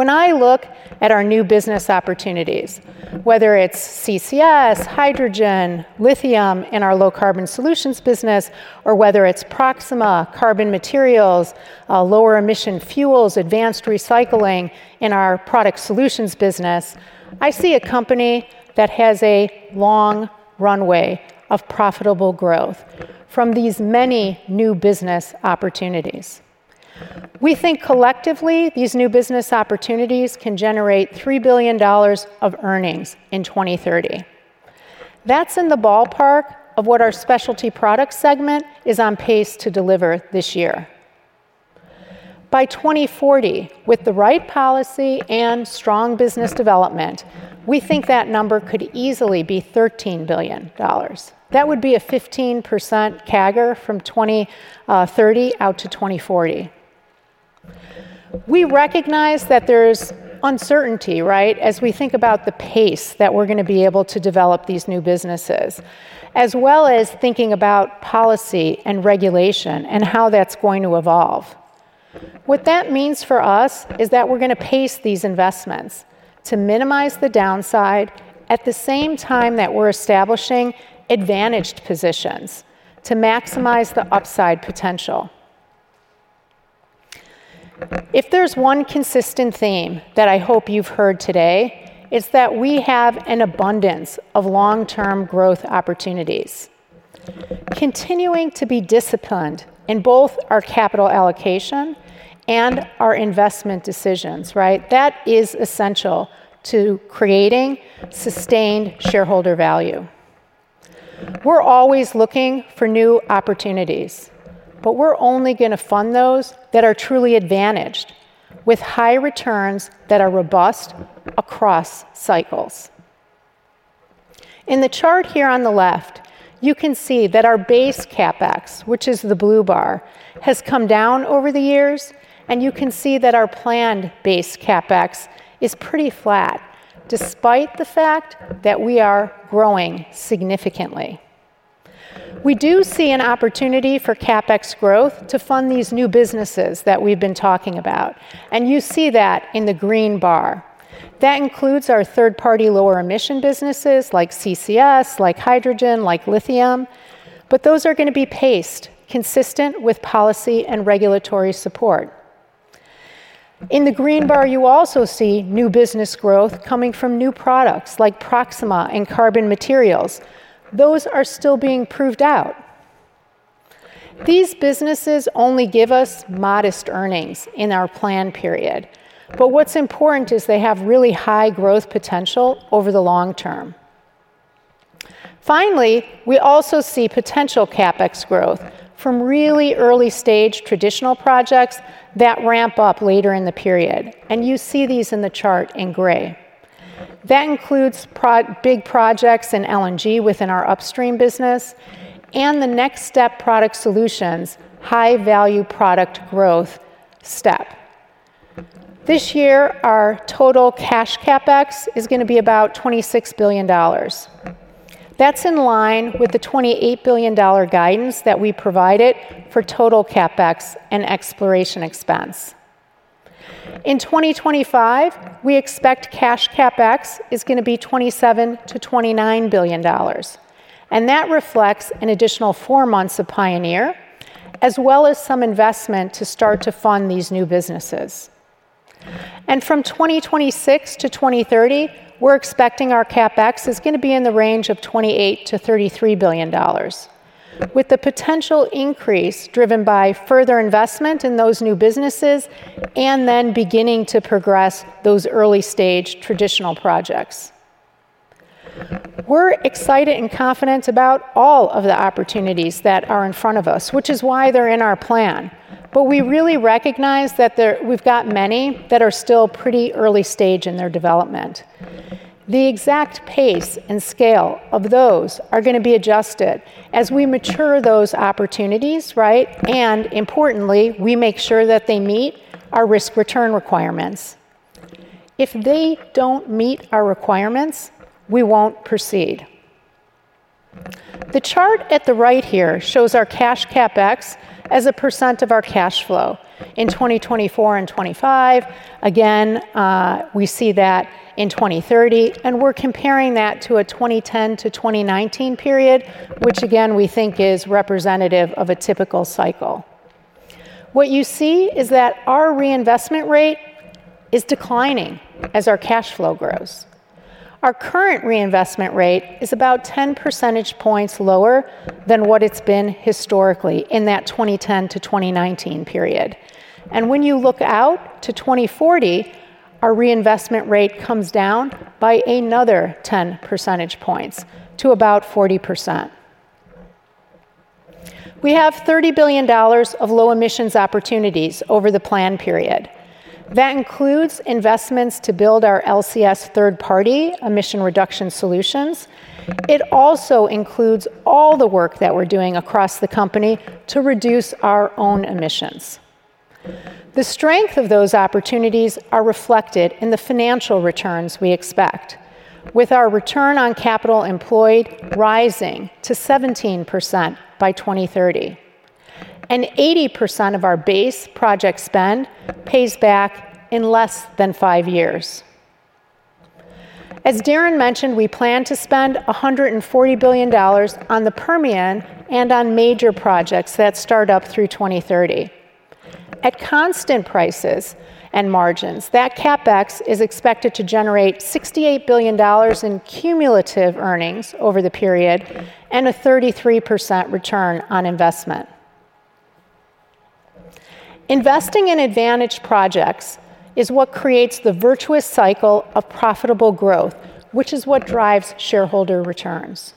When I look at our new business opportunities, whether it's CCS, hydrogen, lithium in our Low Carbon Solutions business, or whether it's Proxxima, Carbon Materials, lower-emission fuels, advanced recycling in our Product Solutions business, I see a company that has a long runway of profitable growth from these many new business opportunities. We think collectively these new business opportunities can generate $3 billion of earnings in 2030. That's in the ballpark of what our specialty product segment is on pace to deliver this year. By 2040, with the right policy and strong business development, we think that number could easily be $13 billion. That would be a 15% CAGR from 2030 out to 2040. We recognize that there's uncertainty, right, as we think about the pace that we're going to be able to develop these new businesses, as well as thinking about policy and regulation and how that's going to evolve. What that means for us is that we're going to pace these investments to minimize the downside at the same time that we're establishing advantaged positions to maximize the upside potential. If there's one consistent theme that I hope you've heard today, it's that we have an abundance of long-term growth opportunities. Continuing to be disciplined in both our capital allocation and our investment decisions, right, that is essential to creating sustained shareholder value. We're always looking for new opportunities, but we're only going to fund those that are truly advantaged with high returns that are robust across cycles. In the chart here on the left, you can see that our base CapEx, which is the blue bar, has come down over the years, and you can see that our planned base CapEx is pretty flat despite the fact that we are growing significantly. We do see an opportunity for CapEx growth to fund these new businesses that we've been talking about, and you see that in the green bar. That includes our third-party lower-emission businesses like CCS, like hydrogen, like lithium, but those are going to be paced consistent with policy and regulatory support. In the green bar, you also see new business growth coming from new products like Proxxima and Carbon Materials. Those are still being proved out. These businesses only give us modest earnings in our planned period, but what's important is they have really high growth potential over the long term. Finally, we also see potential CapEx growth from really early-stage traditional projects that ramp up later in the period, and you see these in the chart in gray. That includes big projects in LNG within our upstream business and the next step Product Solutions, high-value product growth step. This year, our total cash CapEx is going to be about $26 billion. That's in line with the $28 billion guidance that we provided for total CapEx and exploration expense. In 2025, we expect cash CapEx is going to be $27 billion-$29 billion, and that reflects an additional four months of Pioneer, as well as some investment to start to fund these new businesses. From 2026 to 2030, we're expecting our CapEx is going to be in the range of $28 billion-$33 billion, with the potential increase driven by further investment in those new businesses and then beginning to progress those early-stage traditional projects. We're excited and confident about all of the opportunities that are in front of us, which is why they're in our plan. We really recognize that we've got many that are still pretty early-stage in their development. The exact pace and scale of those are going to be adjusted as we mature those opportunities, right? Importantly, we make sure that they meet our risk-return requirements. If they don't meet our requirements, we won't proceed. The chart at the right here shows our cash CapEx as a percent of our cash flow in 2024 and 2025. Again, we see that in 2030, and we're comparing that to a 2010 to 2019 period, which again, we think is representative of a typical cycle. What you see is that our reinvestment rate is declining as our cash flow grows. Our current reinvestment rate is about 10 percentage points lower than what it's been historically in that 2010 to 2019 period. And when you look out to 2040, our reinvestment rate comes down by another 10 percentage points to about 40%. We have $30 billion of low-emissions opportunities over the planned period. That includes investments to build our LCS third-party emission reduction solutions. It also includes all the work that we're doing across the company to reduce our own emissions. The strength of those opportunities is reflected in the financial returns we expect, with our return on capital employed rising to 17% by 2030. 80% of our base project spend pays back in less than five years. As Darren mentioned, we plan to spend $140 billion on the Permian and on major projects that start up through 2030. At constant prices and margins, that CapEx is expected to generate $68 billion in cumulative earnings over the period and a 33% return on investment. Investing in advantaged projects is what creates the virtuous cycle of profitable growth, which is what drives shareholder returns.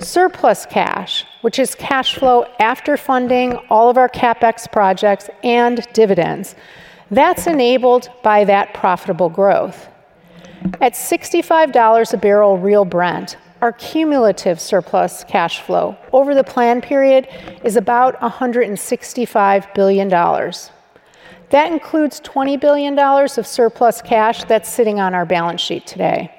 Surplus cash, which is cash flow after funding all of our CapEx projects and dividends, that's enabled by that profitable growth. At $65 a barrel real Brent, our cumulative surplus cash flow over the planned period is about $165 billion. That includes $20 billion of surplus cash that's sitting on our balance sheet today.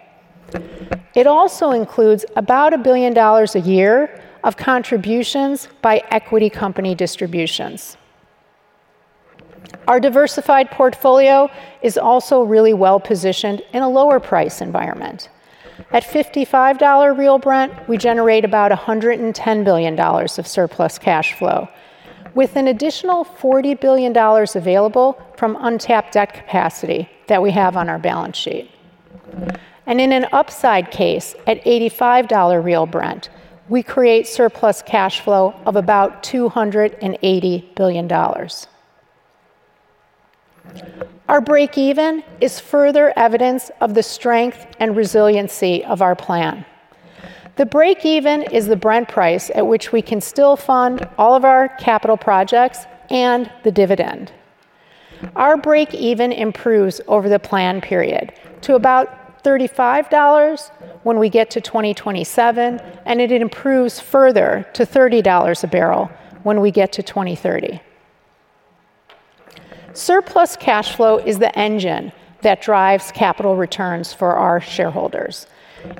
It also includes about a billion dollars a year of contributions by equity company distributions. Our diversified portfolio is also really well positioned in a lower-priced environment. At $55 real Brent, we generate about $110 billion of surplus cash flow, with an additional $40 billion available from untapped debt capacity that we have on our balance sheet and in an upside case at $85 real Brent, we create surplus cash flow of about $280 billion. Our break-even is further evidence of the strength and resiliency of our plan. The break-even is the Brent price at which we can still fund all of our capital projects and the dividend. Our break-even improves over the planned period to about $35 when we get to 2027, and it improves further to $30 a barrel when we get to 2030. Surplus cash flow is the engine that drives capital returns for our shareholders.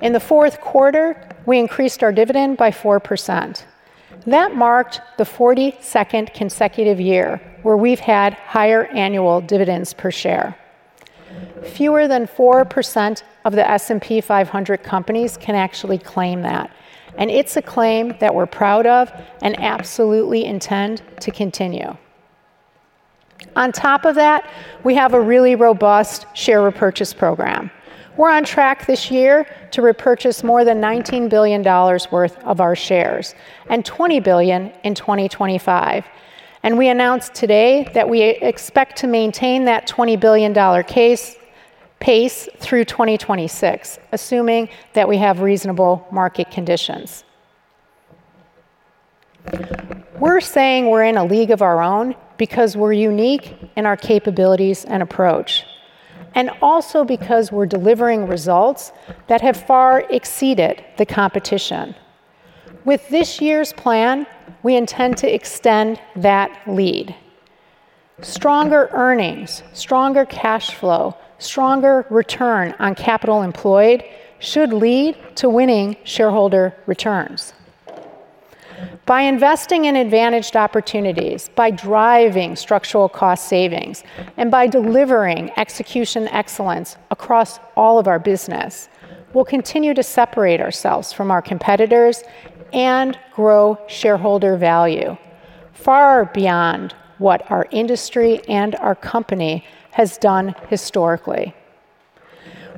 In the fourth quarter, we increased our dividend by 4%. That marked the 42nd consecutive year where we've had higher annual dividends per share. Fewer than 4% of the S&P 500 companies can actually claim that, and it's a claim that we're proud of and absolutely intend to continue. On top of that, we have a really robust share repurchase program. We're on track this year to repurchase more than $19 billion worth of our shares and $20 billion in 2025. And we announced today that we expect to maintain that $20 billion pace through 2026, assuming that we have reasonable market conditions. We're saying we're in a league of our own because we're unique in our capabilities and approach, and also because we're delivering results that have far exceeded the competition. With this year's plan, we intend to extend that lead. Stronger earnings, stronger cash flow, stronger return on capital employed should lead to winning shareholder returns. By investing in advantaged opportunities, by driving structural cost savings, and by delivering execution excellence across all of our business, we'll continue to separate ourselves from our competitors and grow shareholder value far beyond what our industry and our company has done historically.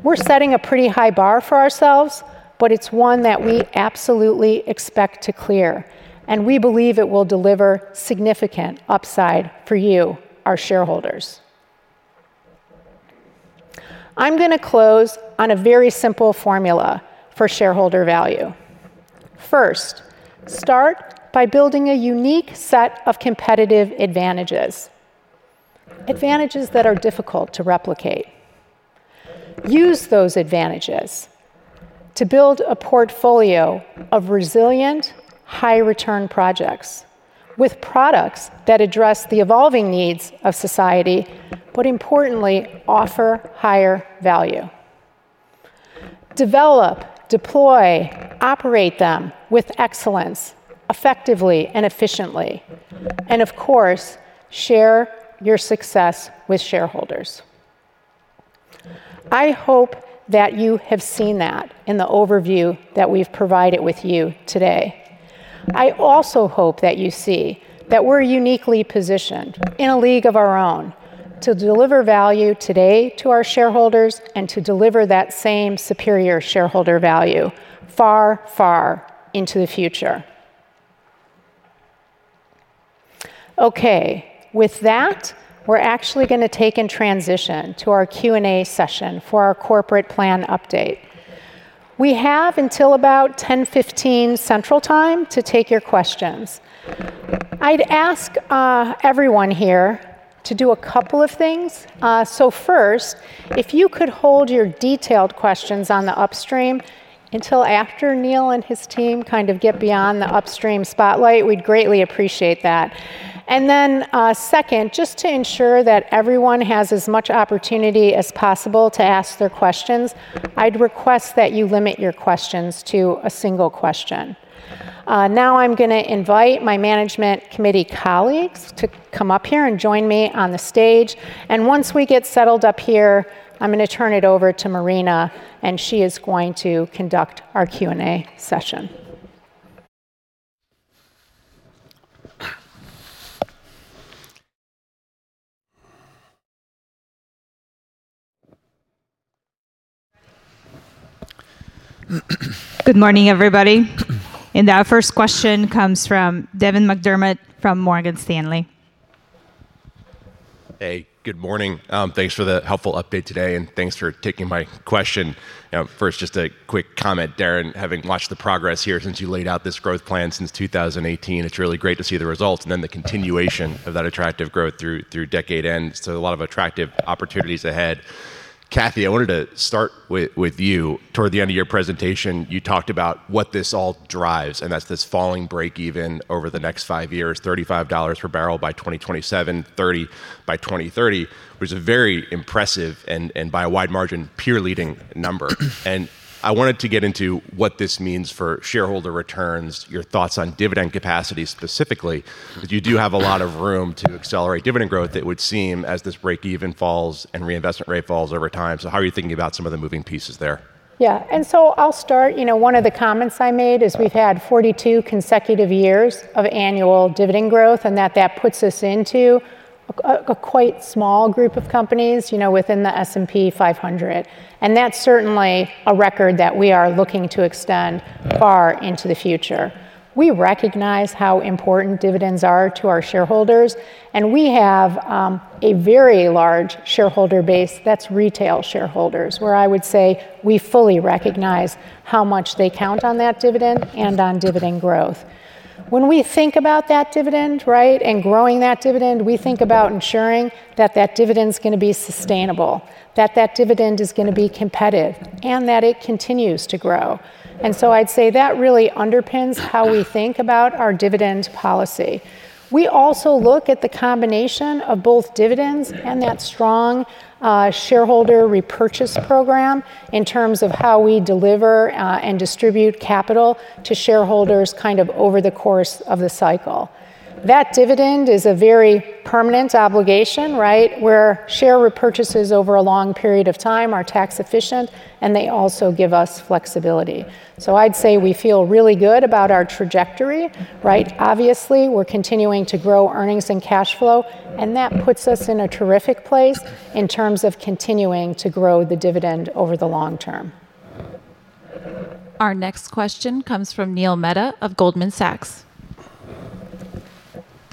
We're setting a pretty high bar for ourselves, but it's one that we absolutely expect to clear, and we believe it will deliver significant upside for you, our shareholders. I'm going to close on a very simple formula for shareholder value. First, start by building a unique set of competitive advantages, advantages that are difficult to replicate. Use those advantages to build a portfolio of resilient, high-return projects with products that address the evolving needs of society, but importantly, offer higher value. Develop, deploy, operate them with excellence, effectively and efficiently, and of course, share your success with shareholders. I hope that you have seen that in the overview that we've provided with you today. I also hope that you see that we're uniquely positioned in a league of our own to deliver value today to our shareholders and to deliver that same superior shareholder value far, far into the future. Okay, with that, we're actually going to take a transition to our Q&A session for our corporate plan update. We have until about 10:15 A.M. Central Time to take your questions. I'd ask everyone here to do a couple of things. So first, if you could hold your detailed questions on the upstream until after Neil and his team kind of get beyond the upstream spotlight, we'd greatly appreciate that, and then second, just to ensure that everyone has as much opportunity as possible to ask their questions, I'd request that you limit your questions to a single question. Now I'm going to invite my management committee colleagues to come up here and join me on the stage. And once we get settled up here, I'm going to turn it over to Marina, and she is going to conduct our Q&A session. Good morning, everybody. And that first question comes from Devin McDermott from Morgan Stanley. Hey, good morning. Thanks for the helpful update today, and thanks for taking my question. First, just a quick comment, Darren, having watched the progress here since you laid out this growth plan since 2018, it's really great to see the results and then the continuation of that attractive growth through decade end. So a lot of attractive opportunities ahead. Kathy, I wanted to start with you. Toward the end of your presentation, you talked about what this all drives, and that's this falling break-even over the next five years, $35 per barrel by 2027, $30 by 2030, which is a very impressive and by a wide margin peer-leading number. And I wanted to get into what this means for shareholder returns, your thoughts on dividend capacity specifically, because you do have a lot of room to accelerate dividend growth. It would seem as this break-even falls and reinvestment rate falls over time. So how are you thinking about some of the moving pieces there? Yeah, and so I'll start. One of the comments I made is we've had 42 consecutive years of annual dividend growth, and that puts us into a quite small group of companies within the S&P 500. And that's certainly a record that we are looking to extend far into the future. We recognize how important dividends are to our shareholders, and we have a very large shareholder base that's retail shareholders, where I would say we fully recognize how much they count on that dividend and on dividend growth. When we think about that dividend, right, and growing that dividend, we think about ensuring that dividend is going to be sustainable, that dividend is going to be competitive, and that it continues to grow. And so I'd say that really underpins how we think about our dividend policy. We also look at the combination of both dividends and that strong shareholder repurchase program in terms of how we deliver and distribute capital to shareholders kind of over the course of the cycle. That dividend is a very permanent obligation, right, where share repurchases over a long period of time are tax efficient, and they also give us flexibility. So I'd say we feel really good about our trajectory, right? Obviously, we're continuing to grow earnings and cash flow, and that puts us in a terrific place in terms of continuing to grow the dividend over the long term. Our next question comes from Neil Mehta of Goldman Sachs.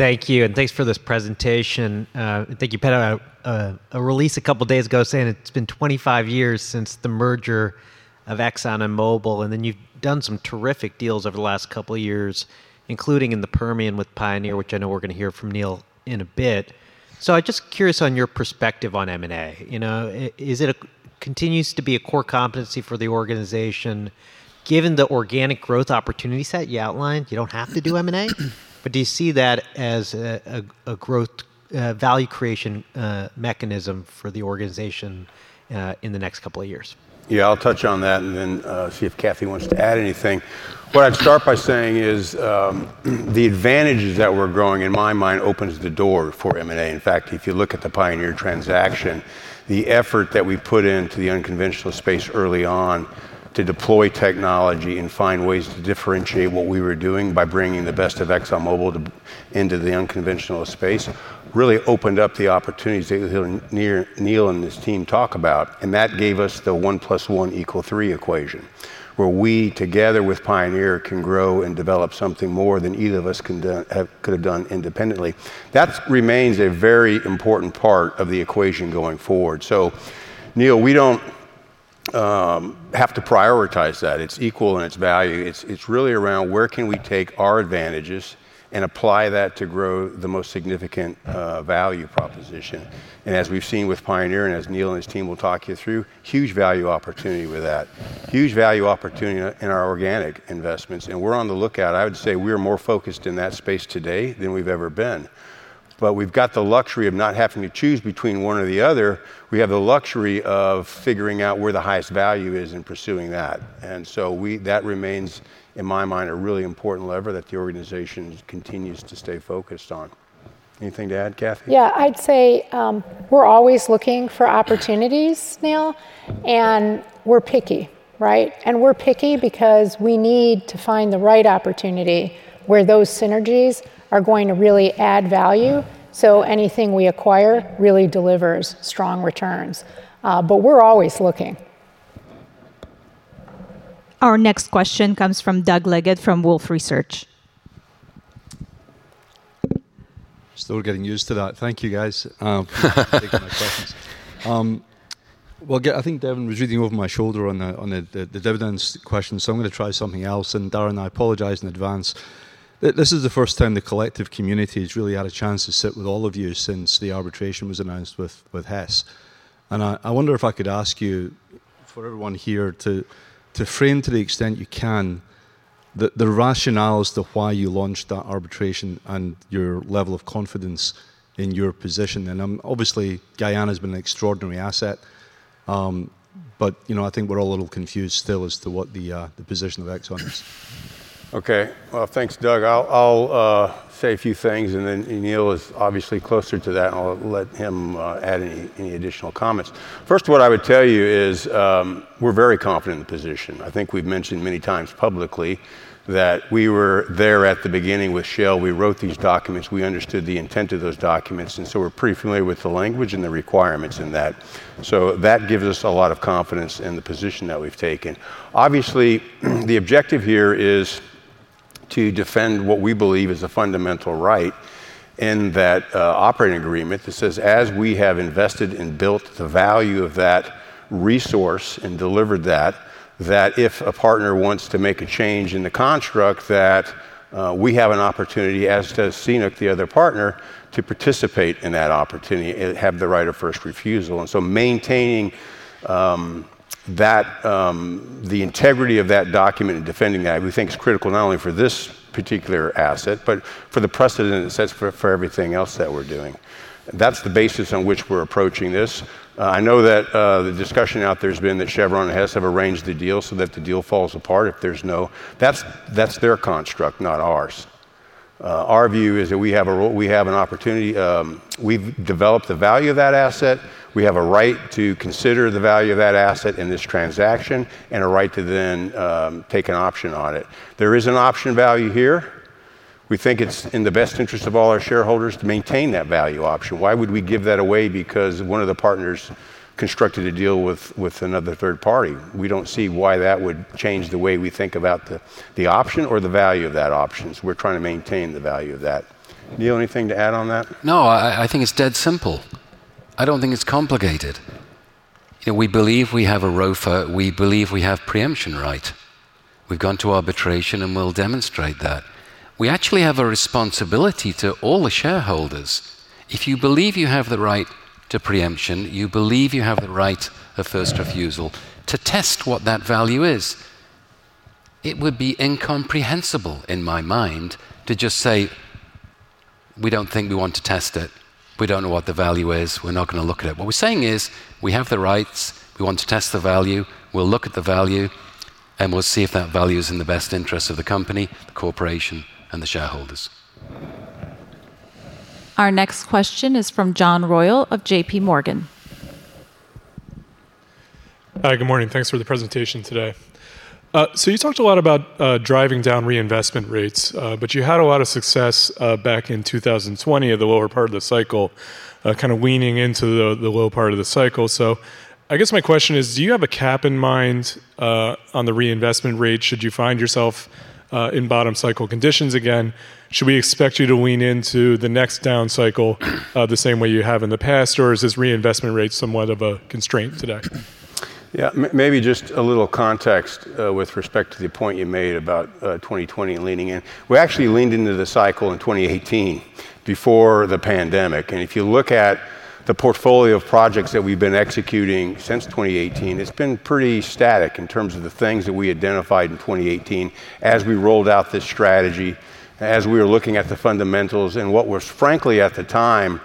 Thank you, and thanks for this presentation. Thank you, Petta. A release a couple of days ago saying it's been 25 years since the merger of Exxon and Mobil, and then you've done some terrific deals over the last couple of years, including in the Permian with Pioneer, which I know we're going to hear from Neil in a bit. So I'm just curious on your perspective on M&A. Is it continues to be a core competency for the organization given the organic growth opportunities that you outlined? You don't have to do M&A, but do you see that as a growth value creation mechanism for the organization in the next couple of years? Yeah, I'll touch on that and then see if Kathy wants to add anything. What I'd start by saying is the advantages that we're growing, in my mind, opens the door for M&A. In fact, if you look at the Pioneer transaction, the effort that we put into the unconventional space early on to deploy technology and find ways to differentiate what we were doing by bringing the best of ExxonMobil into the unconventional space really opened up the opportunities that Neil and his team talk about, and that gave us the one plus one equals three equation, where we together with Pioneer can grow and develop something more than either of us could have done independently. That remains a very important part of the equation going forward. So Neil, we don't have to prioritize that. It's equal in its value. It's really around where can we take our advantages and apply that to grow the most significant value proposition. And as we've seen with Pioneer and as Neil and his team will talk you through, huge value opportunity with that, huge value opportunity in our organic investments. And we're on the lookout, I would say we're more focused in that space today than we've ever been. But we've got the luxury of not having to choose between one or the other. We have the luxury of figuring out where the highest value is and pursuing that. And so that remains, in my mind, a really important lever that the organization continues to stay focused on. Anything to add, Kathy? Yeah, I'd say we're always looking for opportunities, Neil, and we're picky, right? And we're picky because we need to find the right opportunity where those synergies are going to really add value. So anything we acquire really delivers strong returns. But we're always looking. Our next question comes from Doug Leggett from Wolfe Research. Still getting used to that. Thank you, guys. Well, I think Darren was reading over my shoulder on the dividends question, so I'm going to try something else. And Darren, I apologize in advance. This is the first time the collective community has really had a chance to sit with all of you since the arbitration was announced with Hess. And I wonder if I could ask you for everyone here to frame to the extent you can the rationales to why you launched that arbitration and your level of confidence in your position. And obviously, Guyana has been an extraordinary asset, but I think we're all a little confused still as to what the position of Exxon is. Okay, well, thanks, Doug. I'll say a few things, and then Neil is obviously closer to that, and I'll let him add any additional comments. First, what I would tell you is we're very confident in the position. I think we've mentioned many times publicly that we were there at the beginning with Shell. We wrote these documents. We understood the intent of those documents, and so we're pretty familiar with the language and the requirements in that. So that gives us a lot of confidence in the position that we've taken. Obviously, the objective here is to defend what we believe is a fundamental right in that operating agreement that says, as we have invested and built the value of that resource and delivered that, that if a partner wants to make a change in the construct, that we have an opportunity, as does CNOOC, the other partner, to participate in that opportunity and have the right of first refusal. So maintaining the integrity of that document and defending that, we think, is critical not only for this particular asset, but for the precedent it sets for everything else that we're doing. That's the basis on which we're approaching this. I know that the discussion out there has been that Chevron and Hess have arranged the deal so that the deal falls apart if there's no. That's their construct, not ours. Our view is that we have an opportunity. We've developed the value of that asset. We have a right to consider the value of that asset in this transaction and a right to then take an option on it. There is an option value here. We think it's in the best interest of all our shareholders to maintain that value option. Why would we give that away? Because one of the partners constructed a deal with another third party. We don't see why that would change the way we think about the option or the value of that option. We're trying to maintain the value of that. Neil, anything to add on that? No, I think it's dead simple. I don't think it's complicated. We believe we have a ROFA. We believe we have preemption right. We've gone to arbitration, and we'll demonstrate that. We actually have a responsibility to all the shareholders. If you believe you have the right to preemption, you believe you have the right of first refusal to test what that value is. It would be incomprehensible in my mind to just say, "We don't think we want to test it. We don't know what the value is. We're not going to look at it." What we're saying is we have the rights. We want to test the value. We'll look at the value, and we'll see if that value is in the best interest of the company, the corporation, and the shareholders. Our next question is from John Royall of JPMorgan. Hi, good morning. Thanks for the presentation today. So you talked a lot about driving down reinvestment rates, but you had a lot of success back in 2020 at the lower part of the cycle, kind of weaning into the low part of the cycle. So I guess my question is, do you have a cap in mind on the reinvestment rate should you find yourself in bottom cycle conditions again? Should we expect you to wean into the next down cycle the same way you have in the past, or is this reinvestment rate somewhat of a constraint today? Yeah, maybe just a little context with respect to the point you made about 2020 and leaning in. We actually leaned into the cycle in 2018 before the pandemic, and if you look at the portfolio of projects that we've been executing since 2018, it's been pretty static in terms of the things that we identified in 2018 as we rolled out this strategy, as we were looking at the fundamentals and what was, frankly, at the time,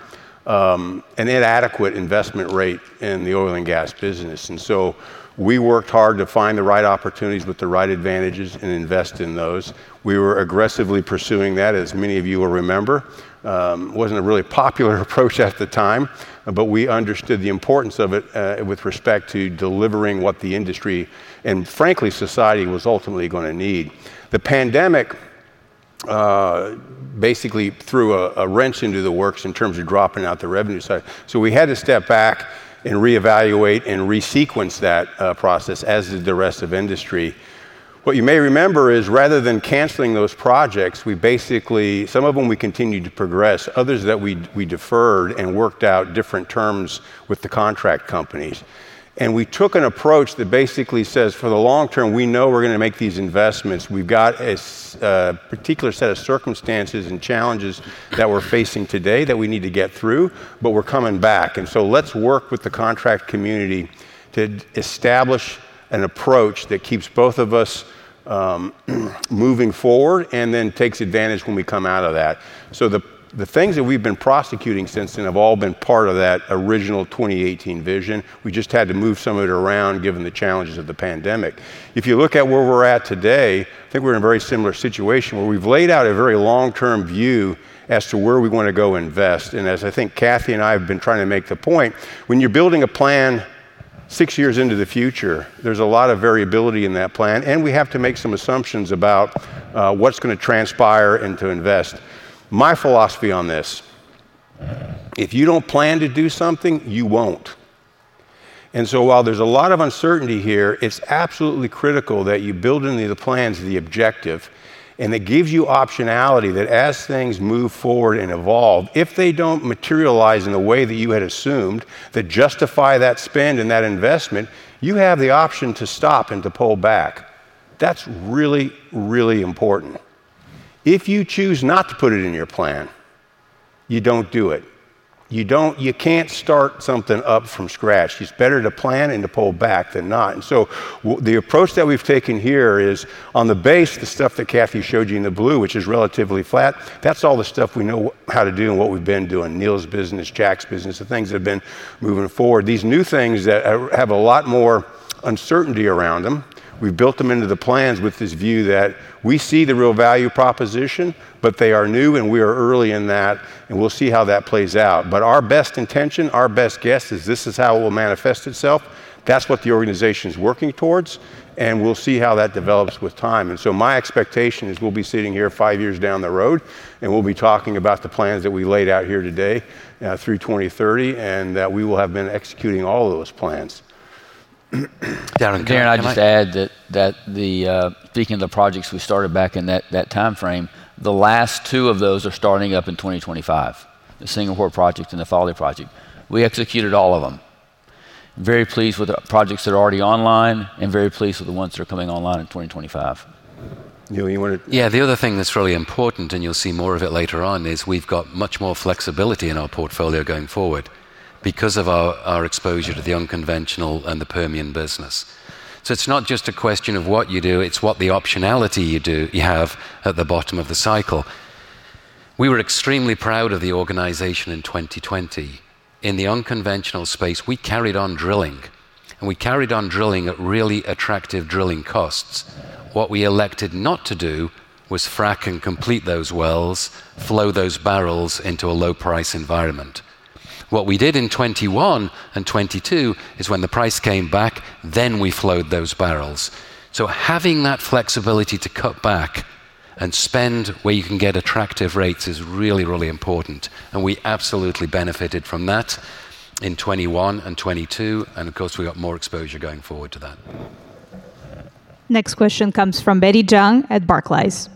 an inadequate investment rate in the oil and gas business. And so we worked hard to find the right opportunities with the right advantages and invest in those. We were aggressively pursuing that, as many of you will remember. It wasn't a really popular approach at the time, but we understood the importance of it with respect to delivering what the industry and, frankly, society was ultimately going to need. The pandemic basically threw a wrench into the works in terms of dropping out the revenue side. So we had to step back and reevaluate and resequence that process, as did the rest of industry. What you may remember is, rather than canceling those projects, we basically, some of them we continued to progress, others that we deferred and worked out different terms with the contract companies. And we took an approach that basically says, for the long term, we know we're going to make these investments. We've got a particular set of circumstances and challenges that we're facing today that we need to get through, but we're coming back, and so let's work with the contractor community to establish an approach that keeps both of us moving forward and then takes advantage when we come out of that, so the things that we've been pursuing since then have all been part of that original 2018 vision. We just had to move some of it around given the challenges of the pandemic. If you look at where we're at today, I think we're in a very similar situation where we've laid out a very long-term view as to where we want to go invest. As I think Kathy and I have been trying to make the point, when you're building a plan six years into the future, there's a lot of variability in that plan, and we have to make some assumptions about what's going to transpire and to invest. My philosophy on this, if you don't plan to do something, you won't. And so while there's a lot of uncertainty here, it's absolutely critical that you build into the plans the objective, and it gives you optionality that as things move forward and evolve, if they don't materialize in the way that you had assumed that justify that spend and that investment, you have the option to stop and to pull back. That's really, really important. If you choose not to put it in your plan, you don't do it. You can't start something up from scratch. It's better to plan and to pull back than not. And so the approach that we've taken here is on the base, the stuff that Kathy showed you in the blue, which is relatively flat. That's all the stuff we know how to do and what we've been doing, Neil's business, Jack's business, the things that have been moving forward. These new things that have a lot more uncertainty around them, we've built them into the plans with this view that we see the real value proposition, but they are new and we are early in that, and we'll see how that plays out. But our best intention, our best guess is this is how it will manifest itself. That's what the organization is working towards, and we'll see how that develops with time. And so my expectation is we'll be sitting here five years down the road, and we'll be talking about the plans that we laid out here today through 2030 and that we will have been executing all of those plans. Darren, I'd just add that speaking of the projects we started back in that timeframe, the last two of those are starting up in 2025, the Singapore project and the Fawley project. We executed all of them. Very pleased with the projects that are already online and very pleased with the ones that are coming online in 2025. Neil, you want to? Yeah, the other thing that's really important, and you'll see more of it later on, is we've got much more flexibility in our portfolio going forward because of our exposure to the unconventional and the Permian business. So it's not just a question of what you do, it's what the optionality you have at the bottom of the cycle. We were extremely proud of the organization in 2020. In the unconventional space, we carried on drilling, and we carried on drilling at really attractive drilling costs. What we elected not to do was frack and complete those wells, flow those barrels into a low-price environment. What we did in 2021 and 2022 is when the price came back, then we flowed those barrels. So having that flexibility to cut back and spend where you can get attractive rates is really, really important. And we absolutely benefited from that in 2021 and 2022, and of course, we got more exposure going forward to that. Next question comes from Betty Jiang at Barclays.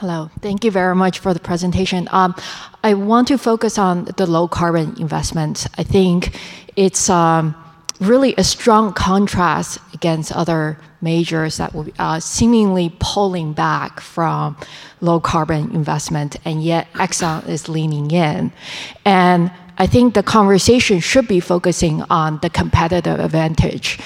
Hello. Thank you very much for the presentation. I want to focus on the low-carbon investments. I think it's really a strong contrast against other majors that were seemingly pulling back from low-carbon investment, and yet Exxon is leaning in. And I think the conversation should be focusing on the competitive advantage.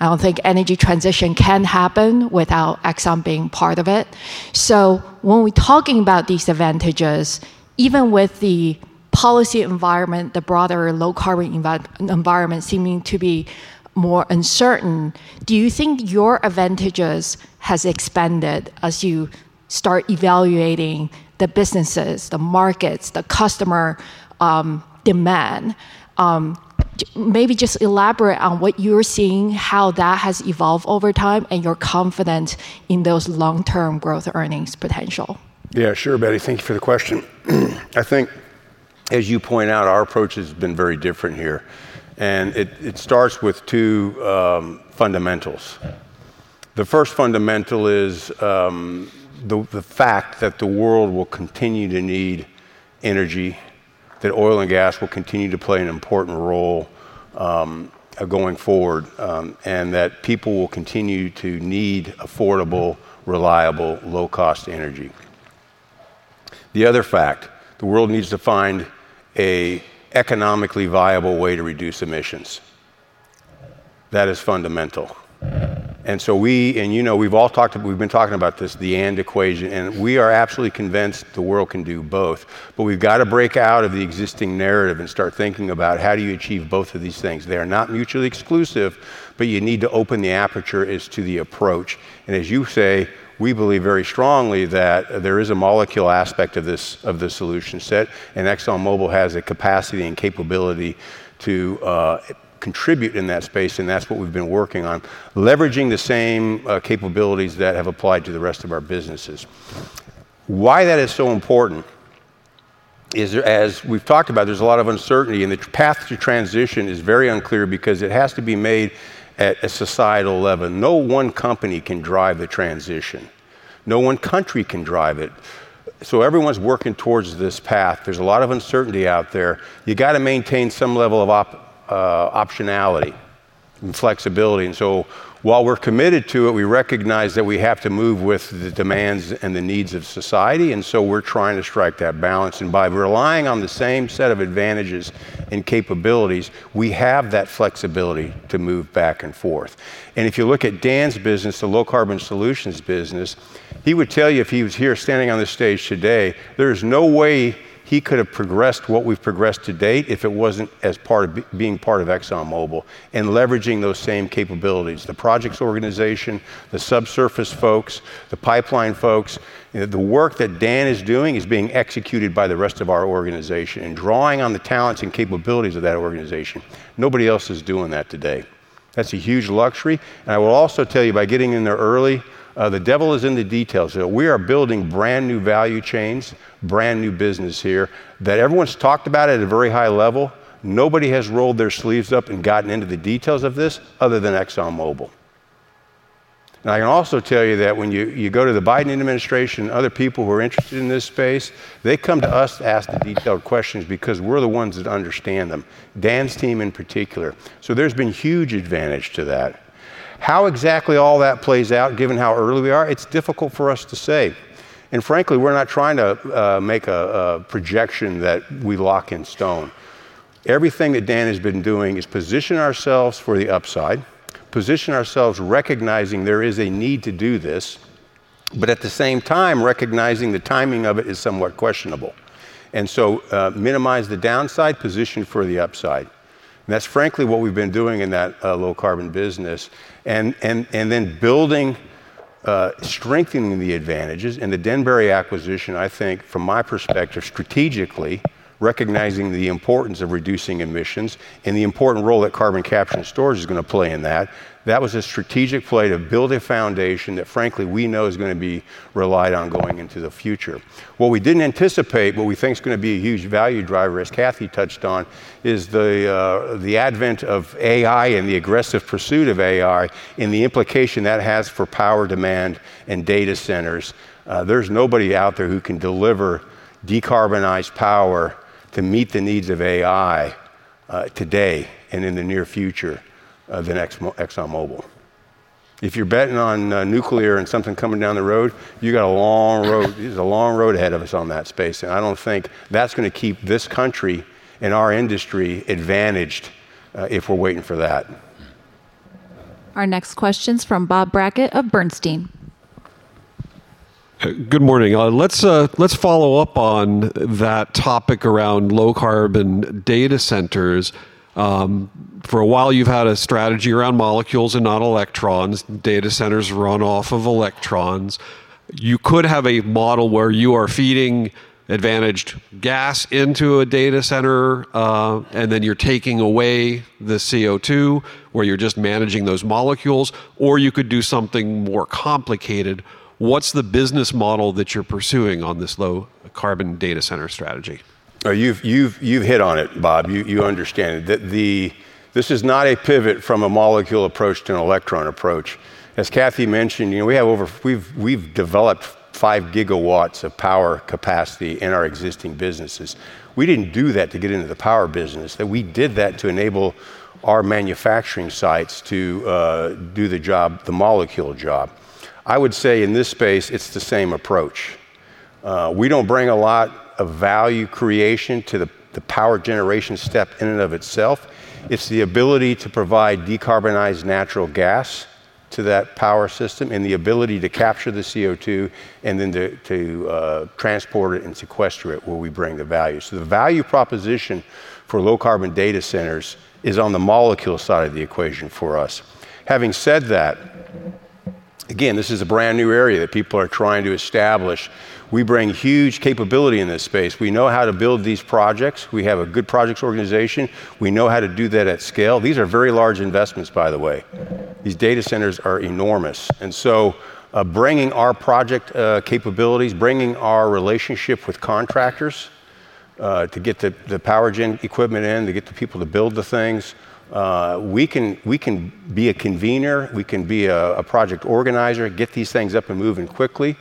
I don't think energy transition can happen without Exxon being part of it. So when we're talking about these advantages, even with the policy environment, the broader low-carbon environment seeming to be more uncertain, do you think your advantages have expanded as you start evaluating the businesses, the markets, the customer demand? Maybe just elaborate on what you're seeing, how that has evolved over time, and your confidence in those long-term growth earnings potential. Yeah, sure, Betty. Thank you for the question. I think, as you point out, our approach has been very different here. And it starts with two fundamentals. The first fundamental is the fact that the world will continue to need energy, that oil and gas will continue to play an important role going forward, and that people will continue to need affordable, reliable, low-cost energy. The other fact, the world needs to find an economically viable way to reduce emissions. That is fundamental, and so we, and you know we've all talked about, we've been talking about this, the and equation, and we are absolutely convinced the world can do both, but we've got to break out of the existing narrative and start thinking about how do you achieve both of these things. They are not mutually exclusive, but you need to open the aperture as to the approach. As you say, we believe very strongly that there is a molecule aspect of this solution set, and ExxonMobil has the capacity and capability to contribute in that space, and that's what we've been working on, leveraging the same capabilities that have applied to the rest of our businesses. Why that is so important is, as we've talked about, there's a lot of uncertainty, and the path to transition is very unclear because it has to be made at a societal level. No one company can drive the transition. No one country can drive it. So everyone's working towards this path. There's a lot of uncertainty out there. You got to maintain some level of optionality and flexibility. And so while we're committed to it, we recognize that we have to move with the demands and the needs of society, and so we're trying to strike that balance. And by relying on the same set of advantages and capabilities, we have that flexibility to move back and forth. And if you look at Dan's business, the Low Carbon Solutions business, he would tell you if he was here standing on this stage today, there is no way he could have progressed what we've progressed to date if it wasn't as part of being part of ExxonMobil and leveraging those same capabilities. The projects organization, the subsurface folks, the pipeline folks, the work that Dan is doing is being executed by the rest of our organization and drawing on the talents and capabilities of that organization. Nobody else is doing that today. That's a huge luxury. And I will also tell you, by getting in there early, the devil is in the details. We are building brand new value chains, brand new business here that everyone's talked about at a very high level. Nobody has rolled their sleeves up and gotten into the details of this other than ExxonMobil, and I can also tell you that when you go to the Biden administration, other people who are interested in this space, they come to us to ask the detailed questions because we're the ones that understand them, Dan's team in particular. So there's been huge advantage to that. How exactly all that plays out, given how early we are, it's difficult for us to say, and frankly, we're not trying to make a projection that we lock in stone. Everything that Dan has been doing is position ourselves for the upside, position ourselves recognizing there is a need to do this, but at the same time, recognizing the timing of it is somewhat questionable, and so minimize the downside, position for the upside, and that's frankly what we've been doing in that low-carbon business, and then building, strengthening the advantages and the Denbury acquisition, I think, from my perspective, strategically recognizing the importance of reducing emissions and the important role that carbon capture and storage is going to play in that, that was a strategic play to build a foundation that, frankly, we know is going to be relied on going into the future. What we didn't anticipate, what we think is going to be a huge value driver, as Kathy touched on, is the advent of AI and the aggressive pursuit of AI and the implication that has for power demand and data centers. There's nobody out there who can deliver decarbonized power to meet the needs of AI today and in the near future of the next ExxonMobil. If you're betting on nuclear and something coming down the road, you got a long road. There's a long road ahead of us on that space, and I don't think that's going to keep this country and our industry advantaged if we're waiting for that. Our next question is from Bob Brackett of Bernstein. Good morning. Let's follow up on that topic around low-carbon data centers. For a while, you've had a strategy around molecules and not electrons. Data centers run off of electrons. You could have a model where you are feeding advantaged gas into a data center, and then you're taking away the CO2, or you're just managing those molecules, or you could do something more complicated. What's the business model that you're pursuing on this low-carbon data center strategy? You've hit on it, Bob. You understand that this is not a pivot from a molecule approach to an electron approach. As Kathy mentioned, we've developed five gigawatts of power capacity in our existing businesses. We didn't do that to get into the power business. We did that to enable our manufacturing sites to do the job, the molecule job. I would say in this space, it's the same approach. We don't bring a lot of value creation to the power generation step in and of itself. It's the ability to provide decarbonized natural gas to that power system and the ability to capture the CO2 and then to transport it and sequester it where we bring the value, so the value proposition for low-carbon data centers is on the molecule side of the equation for us. Having said that, again, this is a brand new area that people are trying to establish. We bring huge capability in this space. We know how to build these projects. We have a good projects organization. We know how to do that at scale. These are very large investments, by the way. These data centers are enormous. And so bringing our project capabilities, bringing our relationship with contractors to get the power gen equipment in, to get the people to build the things, we can be a convener, we can be a project organizer, get these things up and moving quickly.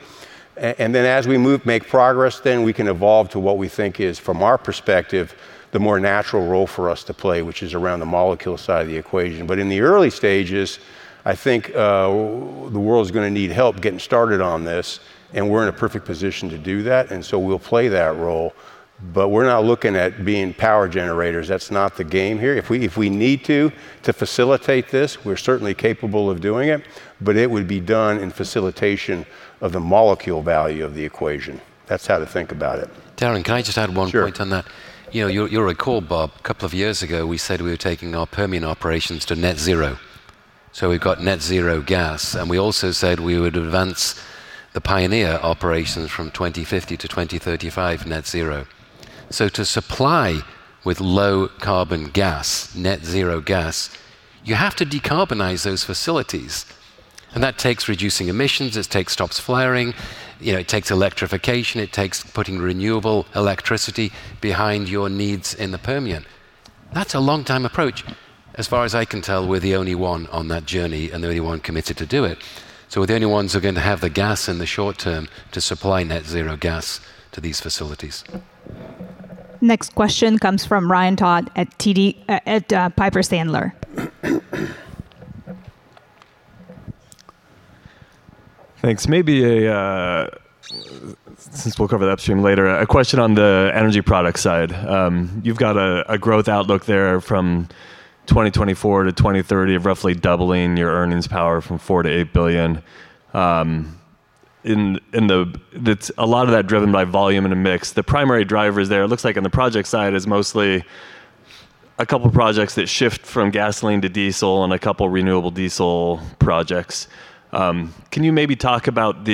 And then as we move, make progress, then we can evolve to what we think is, from our perspective, the more natural role for us to play, which is around the molecule side of the equation. But in the early stages, I think the world is going to need help getting started on this, and we're in a perfect position to do that. And so we'll play that role. But we're not looking at being power generators. That's not the game here. If we need to facilitate this, we're certainly capable of doing it, but it would be done in facilitation of the molecule value of the equation. That's how to think about it. Darren, can I just add one point on that? Sure. You'll recall, Bob, a couple of years ago, we said we were taking our Permian operations to net zero. So we've got net zero gas. And we also said we would advance the Pioneer operations from 2050 to 2035 net zero. So to supply with low-carbon gas, net zero gas, you have to decarbonize those facilities. And that takes reducing emissions, it takes stop flaring, it takes electrification, it takes putting renewable electricity behind your needs in the Permian. That's a long-time approach. As far as I can tell, we're the only one on that journey and the only one committed to do it. We're the only ones who are going to have the gas in the short term to supply net zero gas to these facilities. Next question comes from Ryan Todd at Piper Sandler. Thanks. Maybe, since we'll cover that stream later, a question on the energy products side. You've got a growth outlook there from 2024 to 2030 of roughly doubling your earnings power from $4 billion to $8 billion. A lot of that driven by volume and a mix. The primary drivers there, it looks like on the project side, is mostly a couple of projects that shift from gasoline to diesel and a couple of renewable diesel projects. Can you maybe talk about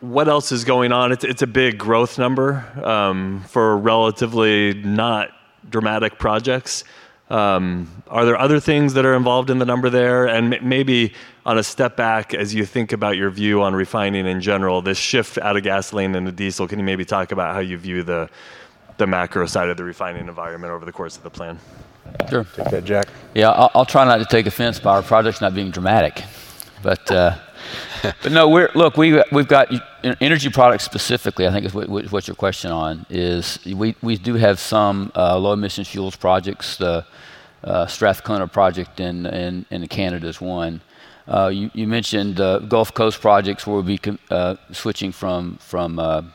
what else is going on? It's a big growth number for relatively not dramatic projects. Are there other things that are involved in the number there? And maybe on a step back, as you think about your view on refining in general, this shift out of gasoline and the diesel, can you maybe talk about how you view the macro side of the refining environment over the course of the plan? Sure. Take that, Jack. Yeah, I'll try not to take offense by our projects not being dramatic. But no, look, we've got energy products specifically. I think is what your question on, is we do have some low-emission fuels projects. The Strathcona project in Canada is one. You mentioned the Gulf Coast projects where we'll be switching from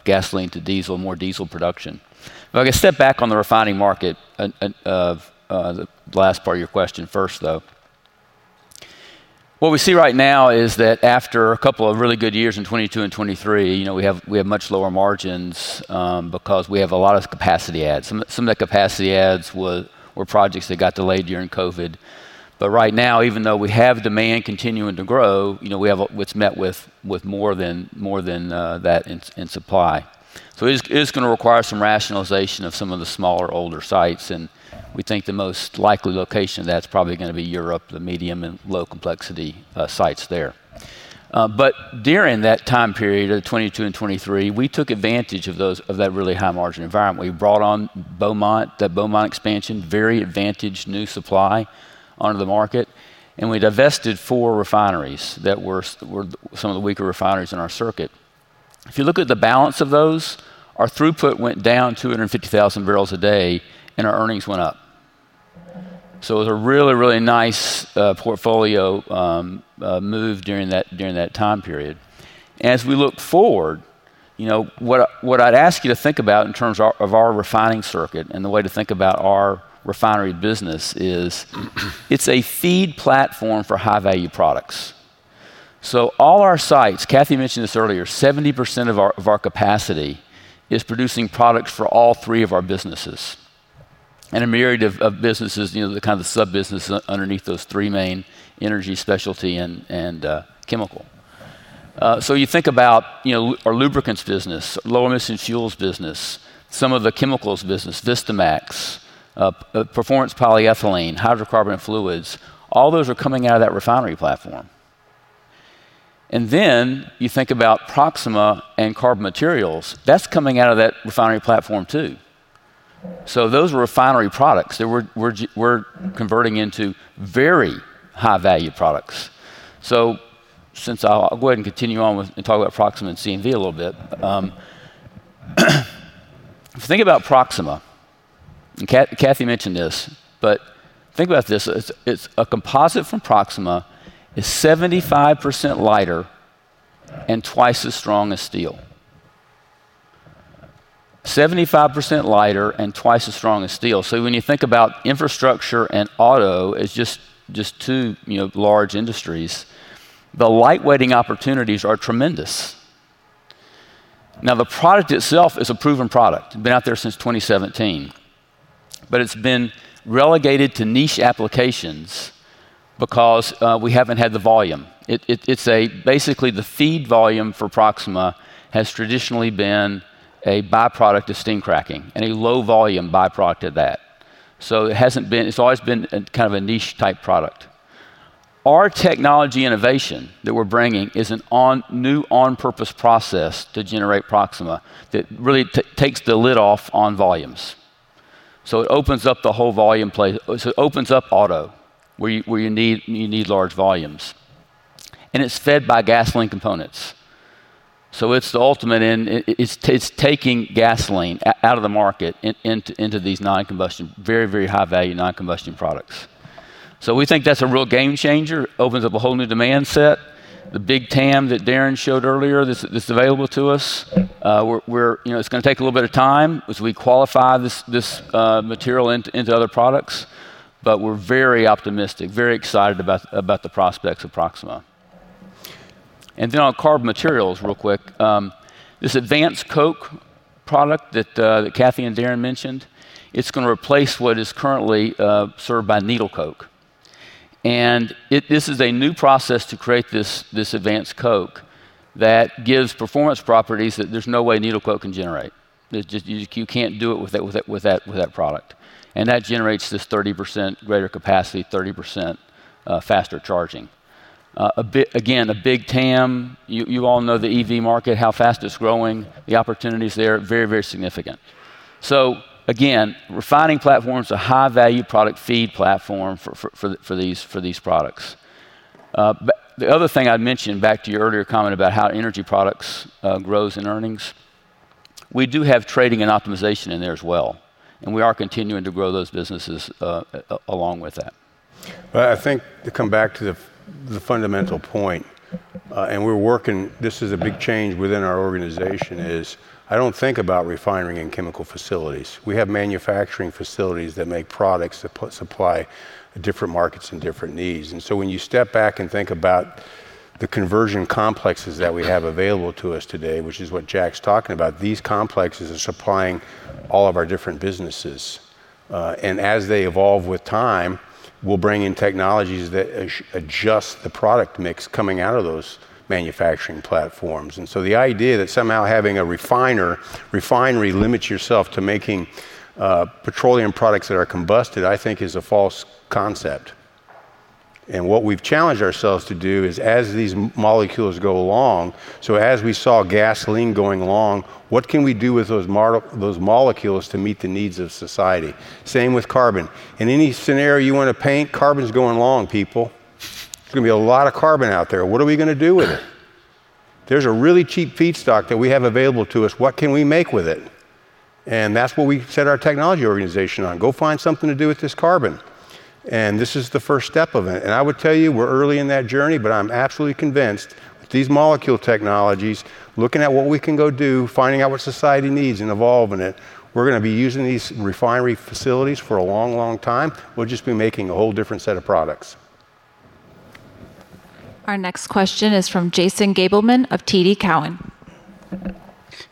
gasoline to diesel, more diesel production. If I could step back on the refining market, the last part of your question first, though. What we see right now is that after a couple of really good years in 2022 and 2023, we have much lower margins because we have a lot of capacity adds. Some of the capacity adds were projects that got delayed during COVID. But right now, even though we have demand continuing to grow, we have what's met with more than that in supply. So it's going to require some rationalization of some of the smaller, older sites. And we think the most likely location of that's probably going to be Europe, the medium and low-complexity sites there. But during that time period of 2022 and 2023, we took advantage of that really high-margin environment. We brought on Beaumont, the Beaumont expansion, very advantaged new supply onto the market. And we divested four refineries that were some of the weaker refineries in our circuit. If you look at the balance of those, our throughput went down 250,000 barrels a day, and our earnings went up. So it was a really, really nice portfolio move during that time period. As we look forward, what I'd ask you to think about in terms of our refining circuit and the way to think about our refinery business is it's a feed platform for high-value products. So all our sites, Kathy mentioned this earlier, 70% of our capacity is producing products for all three of our businesses. And a myriad of businesses, the kind of sub-business underneath those three main energy, specialty, and chemical. So you think about our lubricants business, low-emission fuels business, some of the chemicals business, Vistamaxx, performance polyethylene, hydrocarbon fluids, all those are coming out of that refinery platform. And then you think about Proxxima and Carbon Materials. That's coming out of that refinery platform too. So those were refinery products that we're converting into very high-value products. So since I'll go ahead and continue on and talk about Proxxima and CNT a little bit, think about Proxxima. Kathy mentioned this, but think about this. A composite from Proxxima is 75% lighter and twice as strong as steel. 75% lighter and twice as strong as steel. So when you think about infrastructure and auto, it's just two large industries. The lightweighting opportunities are tremendous. Now, the product itself is a proven product. It's been out there since 2017. But it's been relegated to niche applications because we haven't had the volume. Basically, the feed volume for Proxxima has traditionally been a byproduct of steam cracking and a low-volume byproduct of that. So it's always been kind of a niche-type product. Our technology innovation that we're bringing is a new on-purpose process to generate Proxxima that really takes the lid off on volumes. So it opens up the whole volume play. So it opens up auto where you need large volumes. And it's fed by gasoline components. So it's the ultimate in its taking gasoline out of the market into these non-combustion, very, very high-value non-combustion products. So we think that's a real game changer. It opens up a whole new demand set. The big TAM that Darren showed earlier, that's available to us. It's going to take a little bit of time as we qualify this material into other products. But we're very optimistic, very excited about the prospects of Proxxima. Then on Carbon Materials real quick, this Advanced Coke product that Kathy and Darren mentioned, it's going to replace what is currently served by needle coke. This is a new process to create this Advanced Coke that gives performance properties that there's no way needle coke can generate. You can't do it with that product. That generates this 30% greater capacity, 30% faster charging. Again, a big TAM. You all know the EV market, how fast it's growing. The opportunities there are very, very significant. Refining platforms are high-value product feed platforms for these products. The other thing I'd mention back to your earlier comment about how energy products grows in earnings, we do have trading and optimization in there as well. We are continuing to grow those businesses along with that. I think, to come back to the fundamental point, and we're working, this is a big change within our organization, is I don't think about refining and chemical facilities. We have manufacturing facilities that make products that supply different markets and different needs. And so when you step back and think about the conversion complexes that we have available to us today, which is what Jack's talking about, these complexes are supplying all of our different businesses. And as they evolve with time, we'll bring in technologies that adjust the product mix coming out of those manufacturing platforms. And so the idea that somehow having a refinery limits yourself to making petroleum products that are combusted, I think, is a false concept. And what we've challenged ourselves to do is as these molecules go along, so as we saw gasoline going along, what can we do with those molecules to meet the needs of society? Same with carbon. In any scenario you want to paint, carbon's going long, people. There's going to be a lot of carbon out there. What are we going to do with it? There's a really cheap feedstock that we have available to us. What can we make with it? And that's what we set our technology organization on. Go find something to do with this carbon. And this is the first step of it. I would tell you, we're early in that journey, but I'm absolutely convinced with these molecule technologies, looking at what we can go do, finding out what society needs and evolving it, we're going to be using these refinery facilities for a long, long time. We'll just be making a whole different set of products. Our next question is from Jason Gabelman of TD Cowen.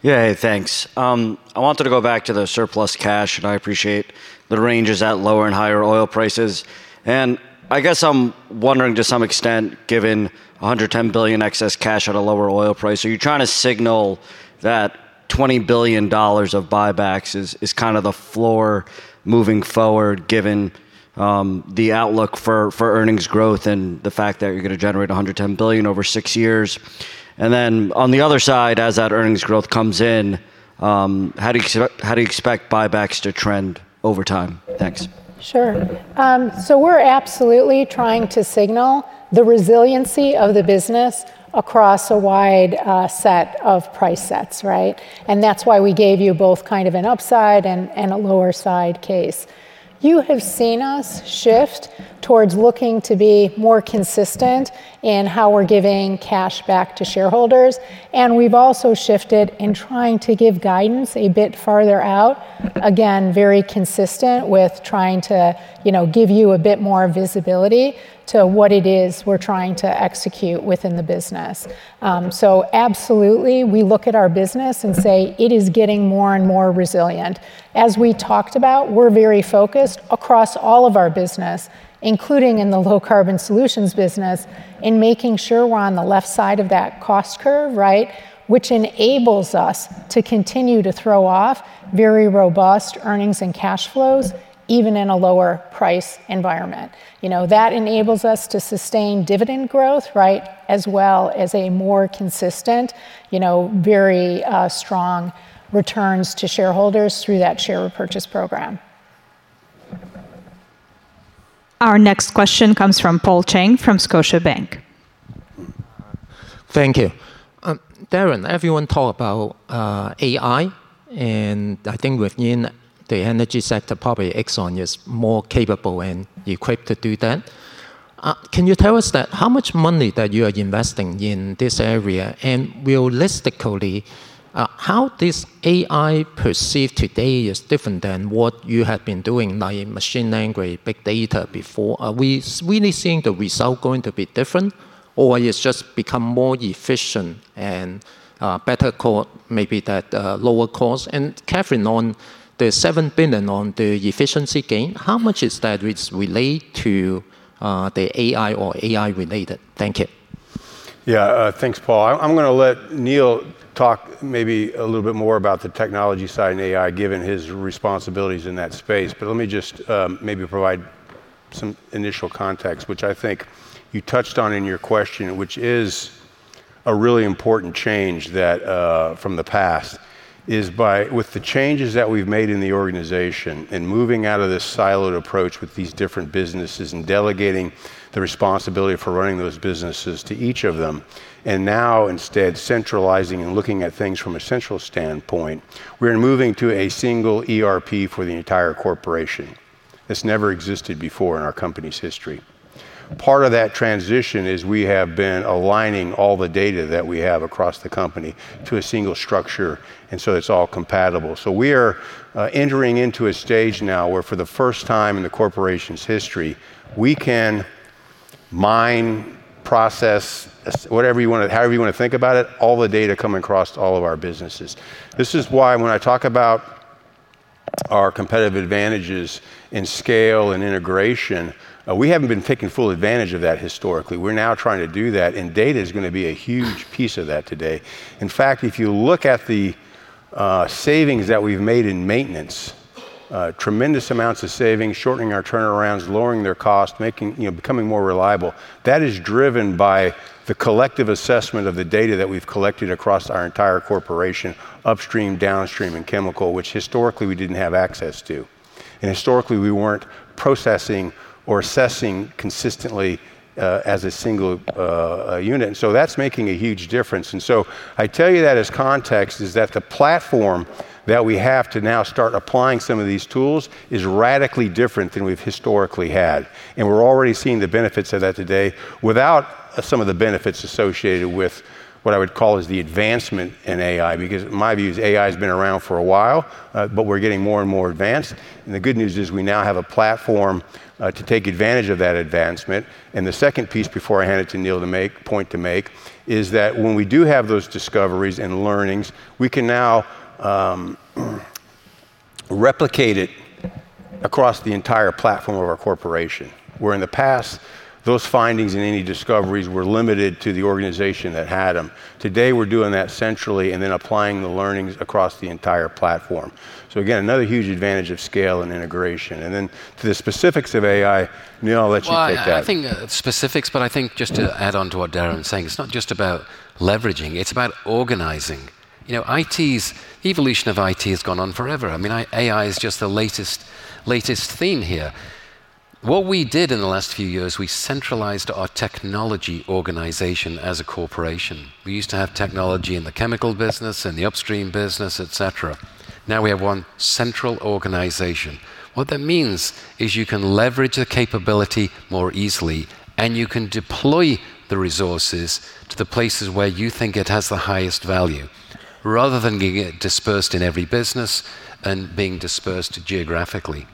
Yeah, hey, thanks. I wanted to go back to the surplus cash, and I appreciate the ranges at lower and higher oil prices. And I guess I'm wondering to some extent, given $110 billion excess cash at a lower oil price, are you trying to signal that $20 billion of buybacks is kind of the floor moving forward given the outlook for earnings growth and the fact that you're going to generate $110 billion over six years? And then on the other side, as that earnings growth comes in, how do you expect buybacks to trend over time? Thanks. Sure. So we're absolutely trying to signal the resiliency of the business across a wide set of price sets, right? And that's why we gave you both kind of an upside and a lower side case. You have seen us shift towards looking to be more consistent in how we're giving cash back to shareholders. And we've also shifted in trying to give guidance a bit farther out, again, very consistent with trying to give you a bit more visibility to what it is we're trying to execute within the business. So absolutely, we look at our business and say it is getting more and more resilient. As we talked about, we're very focused across all of our business, including in the Low Carbon Solutions business, in making sure we're on the left side of that cost curve, right? Which enables us to continue to throw off very robust earnings and cash flows, even in a lower price environment. That enables us to sustain dividend growth, right, as well as a more consistent, very strong returns to shareholders through that share repurchase program. Our next question comes from Paul Chang from Scotiabank. Thank you. Darren, everyone talked about AI, and I think within the energy sector, probably Exxon is more capable and equipped to do that. Can you tell us how much money that you are investing in this area? And realistically, how does AI perceived today is different than what you have been doing, like machine learning, big data before? Are we really seeing the result going to be different, or it's just become more efficient and better code, maybe that lower cost? And Kathy, on the $7 billion on the efficiency gain, how much is that related to the AI or AI-related? Thank you. Yeah, thanks, Paul. I'm going to let Neil talk maybe a little bit more about the technology side and AI, given his responsibilities in that space. But let me just maybe provide some initial context, which I think you touched on in your question, which is a really important change from the past, is by with the changes that we've made in the organization and moving out of this siloed approach with these different businesses and delegating the responsibility for running those businesses to each of them, and now instead centralizing and looking at things from a central standpoint, we're moving to a single ERP for the entire corporation. This never existed before in our company's history. Part of that transition is we have been aligning all the data that we have across the company to a single structure, and so it's all compatible. So we are entering into a stage now where, for the first time in the corporation's history, we can mine, process, whatever you want to, however you want to think about it, all the data coming across all of our businesses. This is why when I talk about our competitive advantages in scale and integration, we haven't been taking full advantage of that historically. We're now trying to do that, and data is going to be a huge piece of that today. In fact, if you look at the savings that we've made in maintenance, tremendous amounts of savings, shortening our turnarounds, lowering their cost, becoming more reliable, that is driven by the collective assessment of the data that we've collected across our entire corporation, upstream, downstream, and chemical, which historically we didn't have access to. And historically, we weren't processing or assessing consistently as a single unit. And so that's making a huge difference. And so I tell you that as context is that the platform that we have to now start applying some of these tools is radically different than we've historically had. And we're already seeing the benefits of that today without some of the benefits associated with what I would call is the advancement in AI, because in my view, AI has been around for a while, but we're getting more and more advanced. And the good news is we now have a platform to take advantage of that advancement. And the second piece before I hand it to Neil to point to make is that when we do have those discoveries and learnings, we can now replicate it across the entire platform of our corporation, where in the past, those findings and any discoveries were limited to the organization that had them. Today, we're doing that centrally and then applying the learnings across the entire platform, so again, another huge advantage of scale and integration, and then to the specifics of AI, Neil, I'll let you take that. I think specifics, but I think just to add on to what Darren's saying, it's not just about leveraging. It's about organizing. The evolution of IT has gone on forever. I mean, AI is just the latest theme here. What we did in the last few years, we centralized our technology organization as a corporation. We used to have technology in the chemical business and the upstream business, etc. Now we have one central organization. What that means is you can leverage the capability more easily, and you can deploy the resources to the places where you think it has the highest value, rather than getting it dispersed in every business and being dispersed geographically.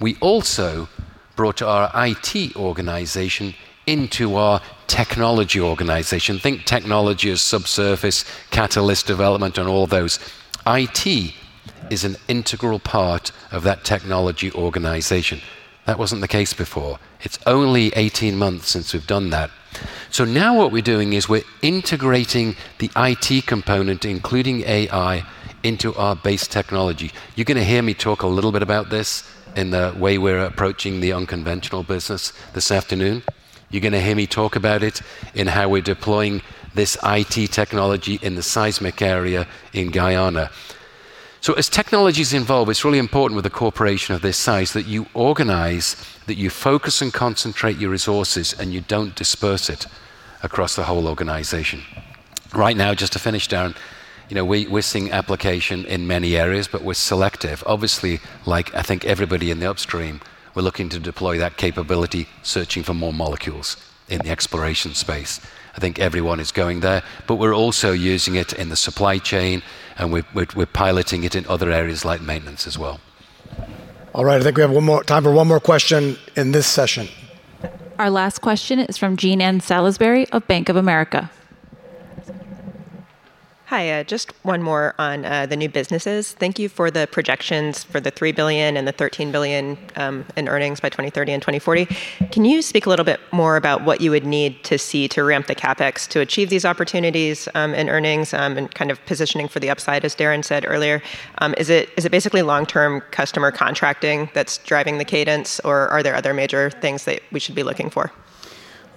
We also brought our IT organization into our technology organization. Think technology as subsurface, catalyst development, and all those. IT is an integral part of that technology organization. That wasn't the case before. It's only 18 months since we've done that. So now what we're doing is we're integrating the IT component, including AI, into our base technology. You're going to hear me talk a little bit about this in the way we're approaching the unconventional business this afternoon. You're going to hear me talk about it in how we're deploying this IT technology in the seismic area in Guyana. So as technologies evolve, it's really important with a corporation of this size that you organize, that you focus and concentrate your resources, and you don't disperse it across the whole organization. Right now, just to finish, Darren, we're seeing application in many areas, but we're selective. Obviously, like I think everybody in the upstream, we're looking to deploy that capability, searching for more molecules in the exploration space. I think everyone is going there, but we're also using it in the supply chain, and we're piloting it in other areas like maintenance as well. All right, I think we have one more time for one more question in this session. Our last question is from Jean Ann Salisbury of Bank of America. Hi, just one more on the new businesses. Thank you for the projections for the $3 billion and the $13 billion in earnings by 2030 and 2040. Can you speak a little bit more about what you would need to see to ramp the CapEx to achieve these opportunities in earnings and kind of positioning for the upside, as Darren said earlier? Is it basically long-term customer contracting that's driving the cadence, or are there other major things that we should be looking for?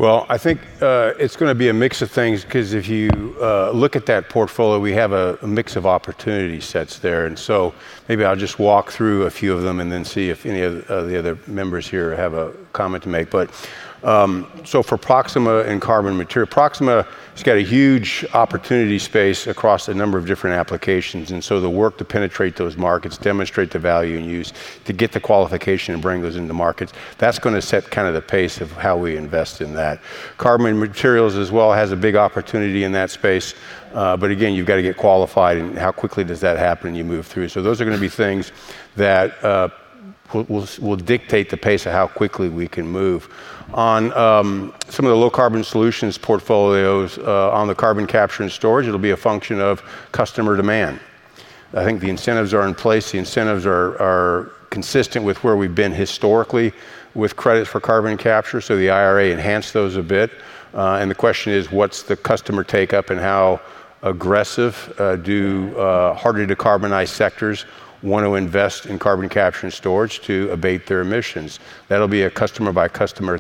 I think it's going to be a mix of things because if you look at that portfolio, we have a mix of opportunity sets there. Maybe I'll just walk through a few of them and then see if any of the other members here have a comment to make. For Proxxima and Carbon Materials, Proxxima has got a huge opportunity space across a number of different applications. And so, the work to penetrate those markets, demonstrate the value and use to get the qualification and bring those into markets, that's going to set kind of the pace of how we invest in that. Carbon Materials as well has a big opportunity in that space. But again, you've got to get qualified, and how quickly does that happen and you move through? So those are going to be things that will dictate the pace of how quickly we can move. On some of the Low Carbon Solutions portfolios on the carbon capture and storage, it'll be a function of customer demand. I think the incentives are in place. The incentives are consistent with where we've been historically with credits for carbon capture. So the IRA enhanced those a bit. The question is, what's the customer take-up and how aggressive do harder-to-decarbonize sectors want to invest in carbon capture and storage to abate their emissions? That'll be a customer-by-customer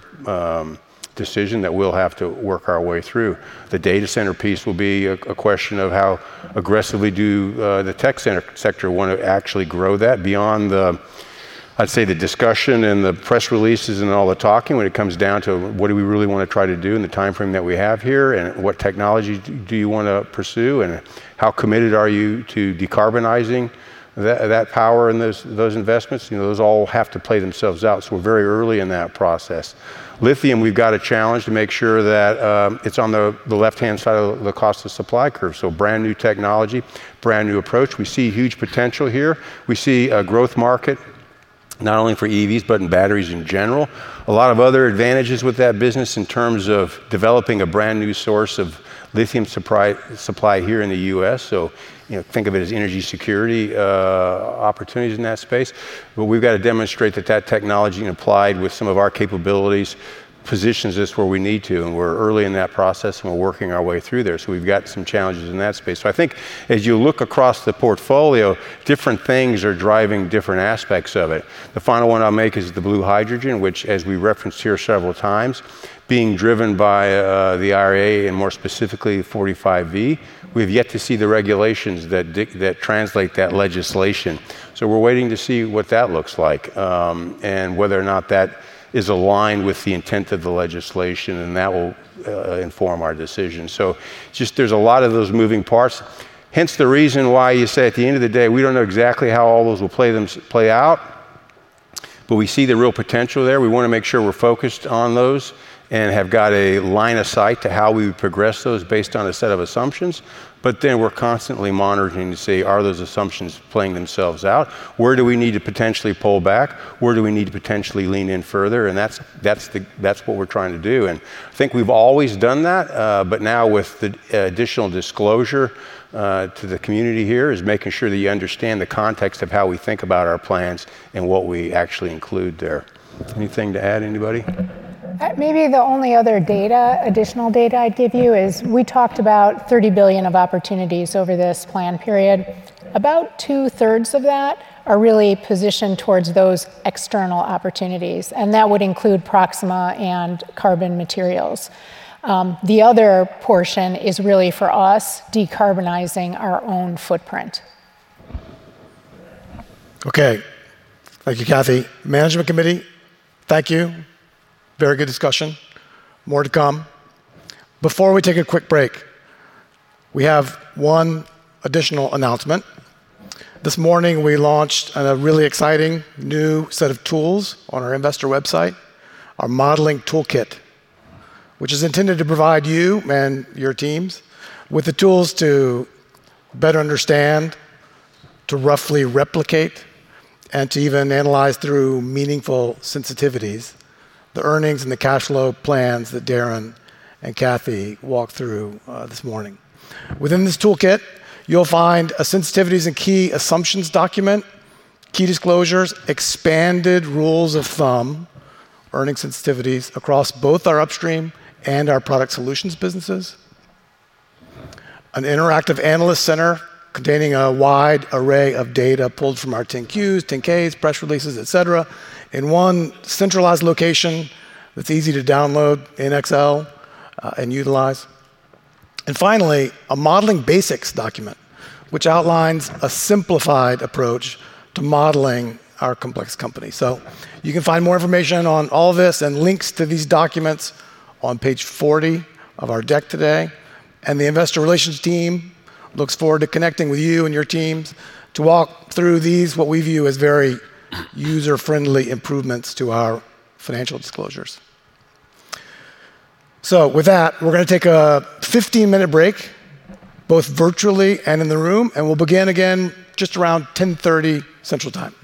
decision that we'll have to work our way through. The data center piece will be a question of how aggressively do the tech sector want to actually grow that beyond the, I'd say, the discussion and the press releases and all the talking when it comes down to what do we really want to try to do in the timeframe that we have here and what technology do you want to pursue and how committed are you to decarbonizing that power and those investments? Those all have to play themselves out. We're very early in that process. Lithium, we've got a challenge to make sure that it's on the left-hand side of the cost of supply curve. So brand new technology, brand new approach. We see huge potential here. We see a growth market not only for EVs, but in batteries in general. A lot of other advantages with that business in terms of developing a brand new source of lithium supply here in the U.S. So think of it as energy security opportunities in that space. But we've got to demonstrate that that technology and applied with some of our capabilities positions us where we need to. And we're early in that process, and we're working our way through there. So we've got some challenges in that space. So I think as you look across the portfolio, different things are driving different aspects of it. The final one I'll make is the blue hydrogen, which, as we referenced here several times, being driven by the IRA and more specifically 45V. We've yet to see the regulations that translate that legislation. So we're waiting to see what that looks like and whether or not that is aligned with the intent of the legislation, and that will inform our decision. So there's a lot of those moving parts. Hence the reason why you say at the end of the day, we don't know exactly how all those will play out, but we see the real potential there. We want to make sure we're focused on those and have got a line of sight to how we progress those based on a set of assumptions. But then we're constantly monitoring to see, are those assumptions playing themselves out? Where do we need to potentially pull back? Where do we need to potentially lean in further? And that's what we're trying to do. I think we've always done that, but now with the additional disclosure to the community here is making sure that you understand the context of how we think about our plans and what we actually include there. Anything to add, anybody? Maybe the only other additional data I'd give you is we talked about $30 billion of opportunities over this plan period. About two-thirds of that are really positioned towards those external opportunities, and that would include Proxxima and Carbon Materials. The other portion is really for us decarbonizing our own footprint. Okay, thank you, Kathy. Management Committee, thank you. Very good discussion. More to come. Before we take a quick break, we have one additional announcement. This morning, we launched a really exciting new set of tools on our investor website, our modeling toolkit, which is intended to provide you and your teams with the tools to better understand, to roughly replicate, and to even analyze through meaningful sensitivities, the earnings and the cash flow plans that Darren and Kathy walked through this morning. Within this toolkit, you'll find a sensitivities and key assumptions document, key disclosures, expanded rules of thumb, earning sensitivities across both our upstream and our Product Solutions businesses, an interactive analyst center containing a wide array of data pulled from our 10Qs, 10Ks, press releases, etc., in one centralized location that's easy to download in Excel and utilize, and finally, a modeling basics document, which outlines a simplified approach to modeling our complex company. So you can find more information on all this and links to these documents on page 40 of our deck today. And the investor relations team looks forward to connecting with you and your teams to walk through these, what we view as very user-friendly improvements to our financial disclosures. So with that, we're going to take a 15-minute break, both virtually and in the room, and we'll begin again just around 10:30 A.M. Central Time.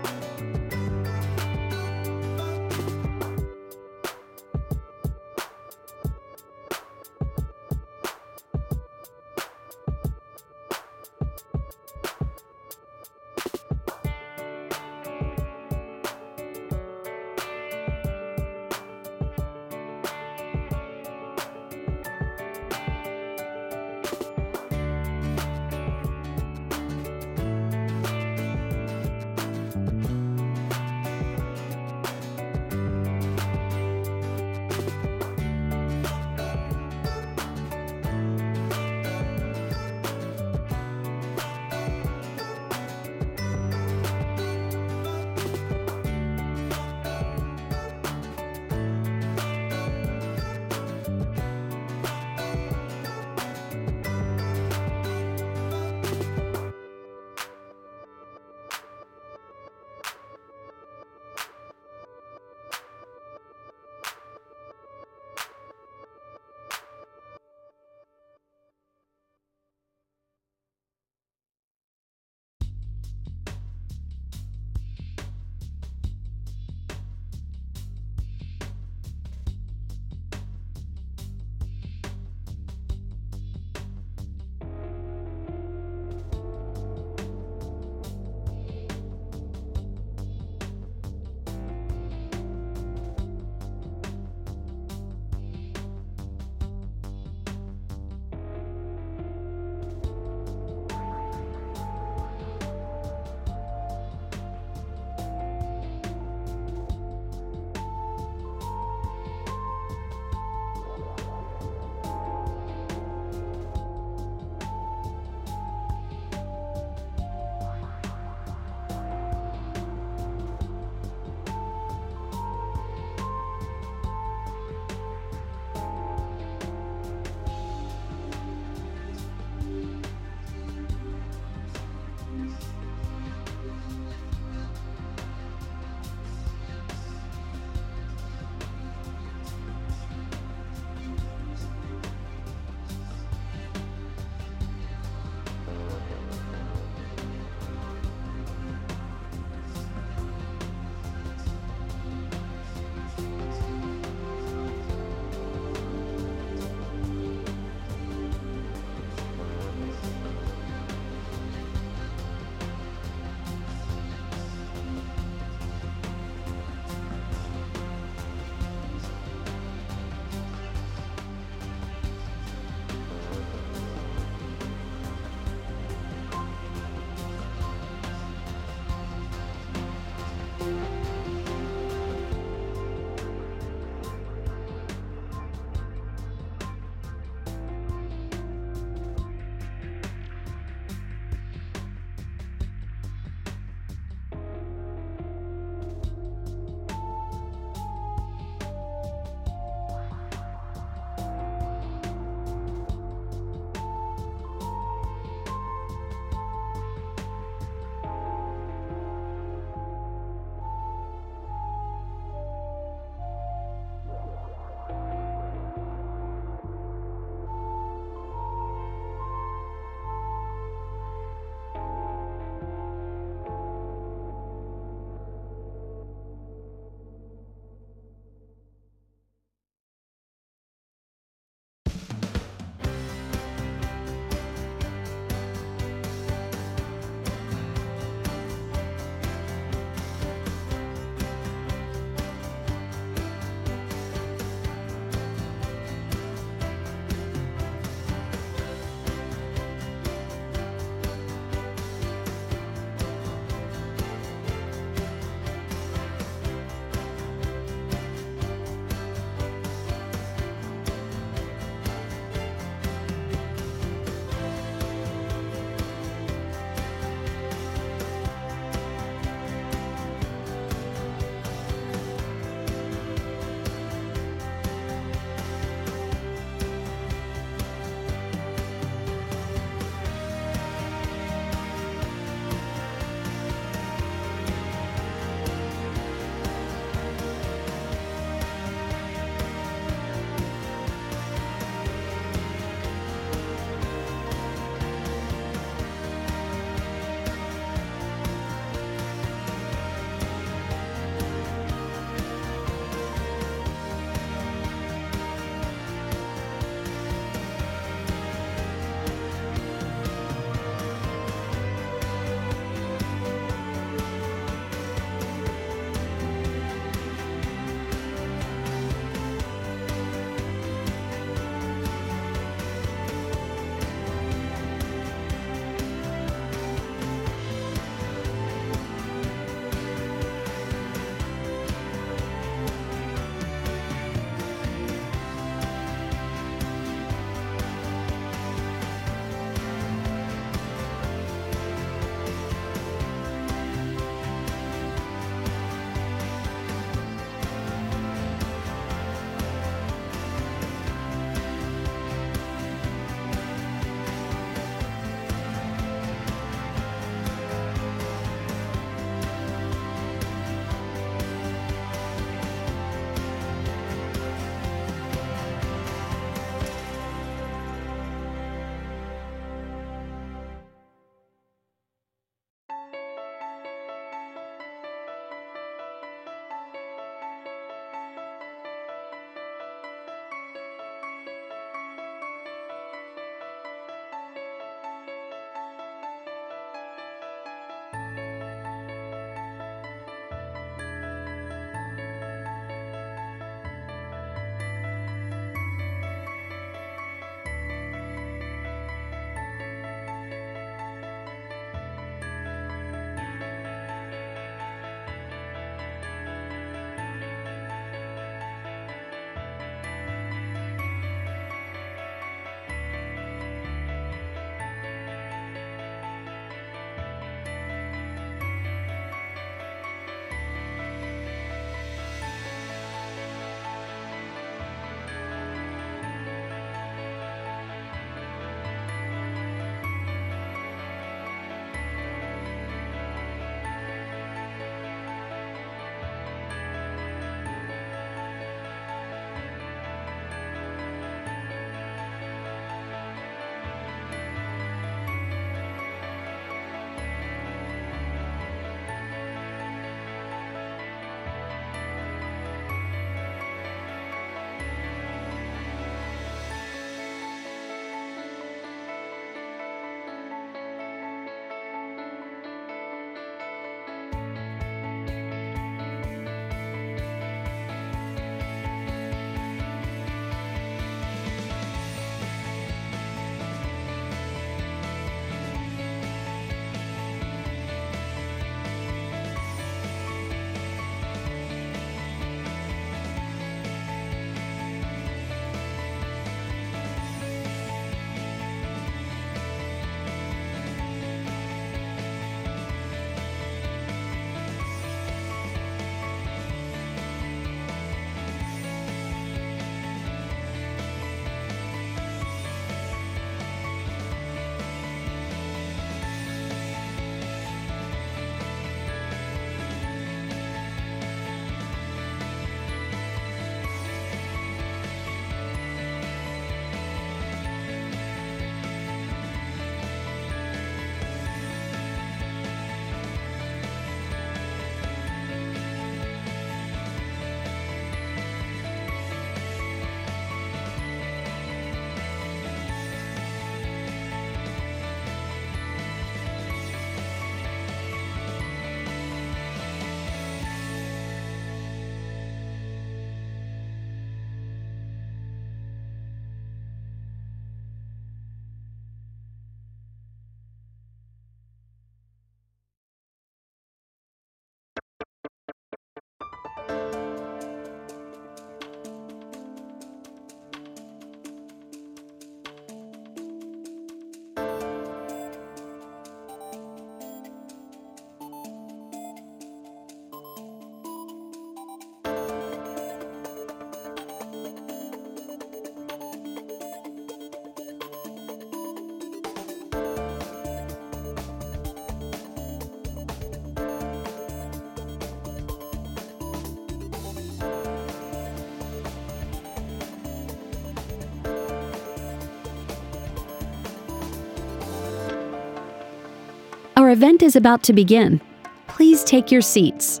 Our event is about to begin. Please take your seats.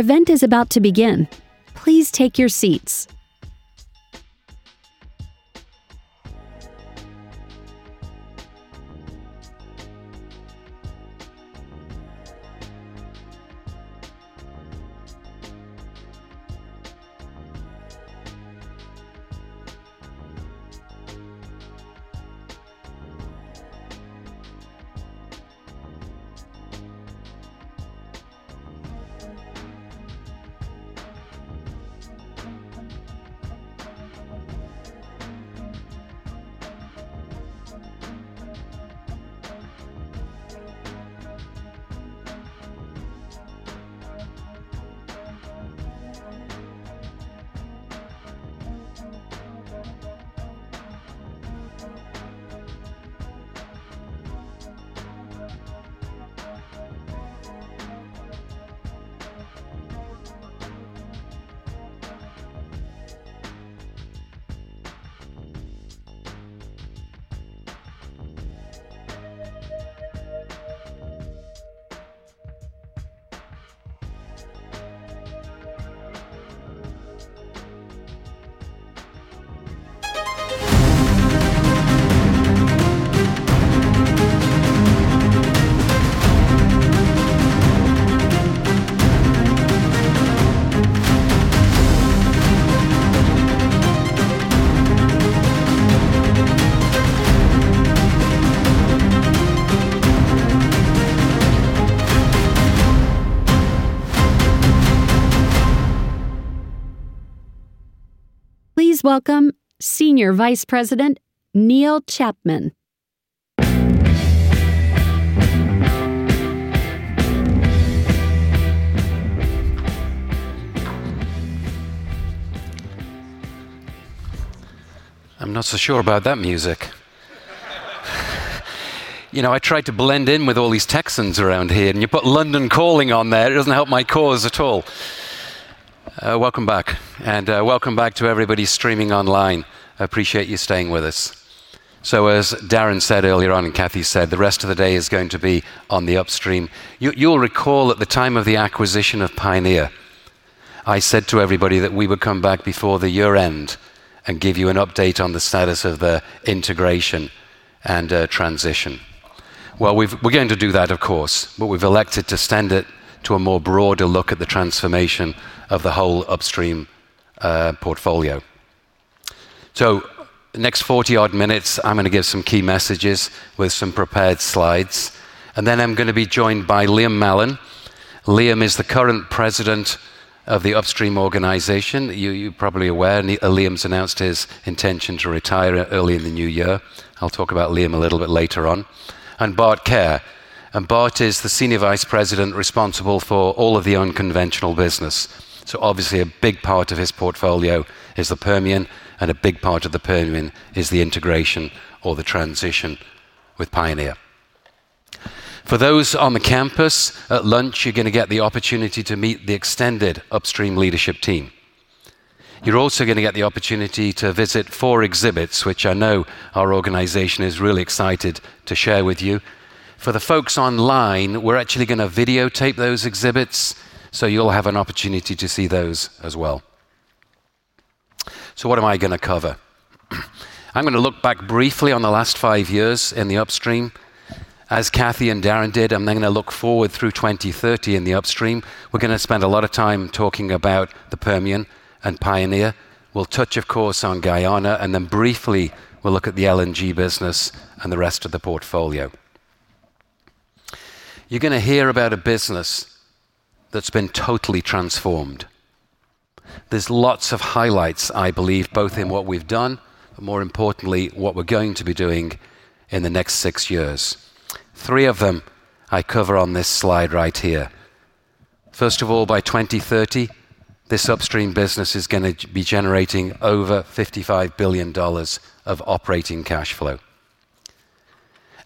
Please welcome Senior Vice President Neil Chapman. I'm not so sure about that music. You know, I tried to blend in with all these Texans around here, and you put "London Calling" on there, it doesn't help my cause at all. Welcome back, and welcome back to everybody streaming online. I appreciate you staying with us. So, as Darren said earlier on, and Kathy said, the rest of the day is going to be on the upstream. You'll recall at the time of the acquisition of Pioneer, I said to everybody that we would come back before the year-end and give you an update on the status of the integration and transition. Well, we're going to do that, of course, but we've elected to extend it to a more broader look at the transformation of the whole upstream portfolio. So, the next 40-odd minutes, I'm going to give some key messages with some prepared slides, and then I'm going to be joined by Liam Mallon. Liam is the current president of the upstream organization. You're probably aware, Liam's announced his intention to retire early in the new year. I'll talk about Liam a little bit later on. And Bart Cahir. Bart is the Senior Vice President responsible for all of the unconventional business. So, obviously, a big part of his portfolio is the Permian, and a big part of the Permian is the integration or the transition with Pioneer. For those on the campus, at lunch, you're going to get the opportunity to meet the extended upstream leadership team. You're also going to get the opportunity to visit four exhibits, which I know our organization is really excited to share with you. For the folks online, we're actually going to videotape those exhibits, so you'll have an opportunity to see those as well. So, what am I going to cover? I'm going to look back briefly on the last five years in the upstream, as Kathy and Darren did. I'm then going to look forward through 2030 in the upstream. We're going to spend a lot of time talking about the Permian and Pioneer. We'll touch, of course, on Guyana, and then briefly, we'll look at the LNG business and the rest of the portfolio. You're going to hear about a business that's been totally transformed. There's lots of highlights, I believe, both in what we've done, but more importantly, what we're going to be doing in the next six years. Three of them I cover on this slide right here. First of all, by 2030, this upstream business is going to be generating over $55 billion of operating cash flow.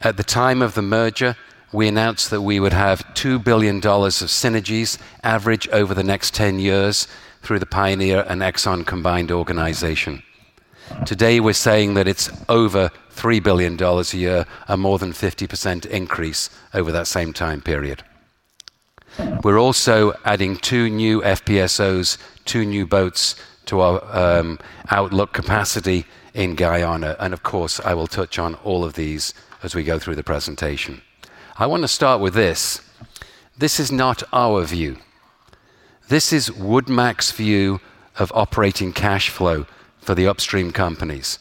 At the time of the merger, we announced that we would have $2 billion of synergies average over the next 10 years through the Pioneer and Exxon combined organization. Today, we're saying that it's over $3 billion a year, a more than 50% increase over that same time period. We're also adding two new FPSOs, two new boats to our outlook capacity in Guyana, and of course, I will touch on all of these as we go through the presentation. I want to start with this. This is not our view. This is Woodmac's view of operating cash flow for the upstream companies.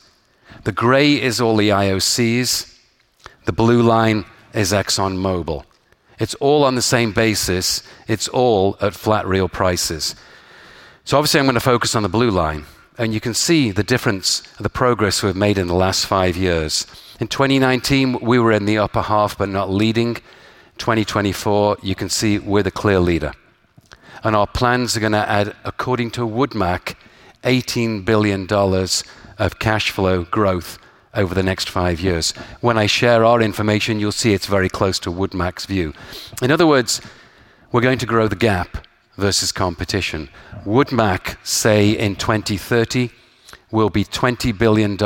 The gray is all the IOCs. The blue line is ExxonMobil. It's all on the same basis. It's all at flat real prices. So, obviously, I'm going to focus on the blue line, and you can see the difference, the progress we've made in the last five years. In 2019, we were in the upper half but not leading. In 2024, you can see we're the clear leader, and our plans are going to add, according to Woodmac, $18 billion of cash flow growth over the next five years. When I share our information, you'll see it's very close to Woodmac's view. In other words, we're going to grow the gap versus competition. Woodmac, say, in 2030, will be $20 billion or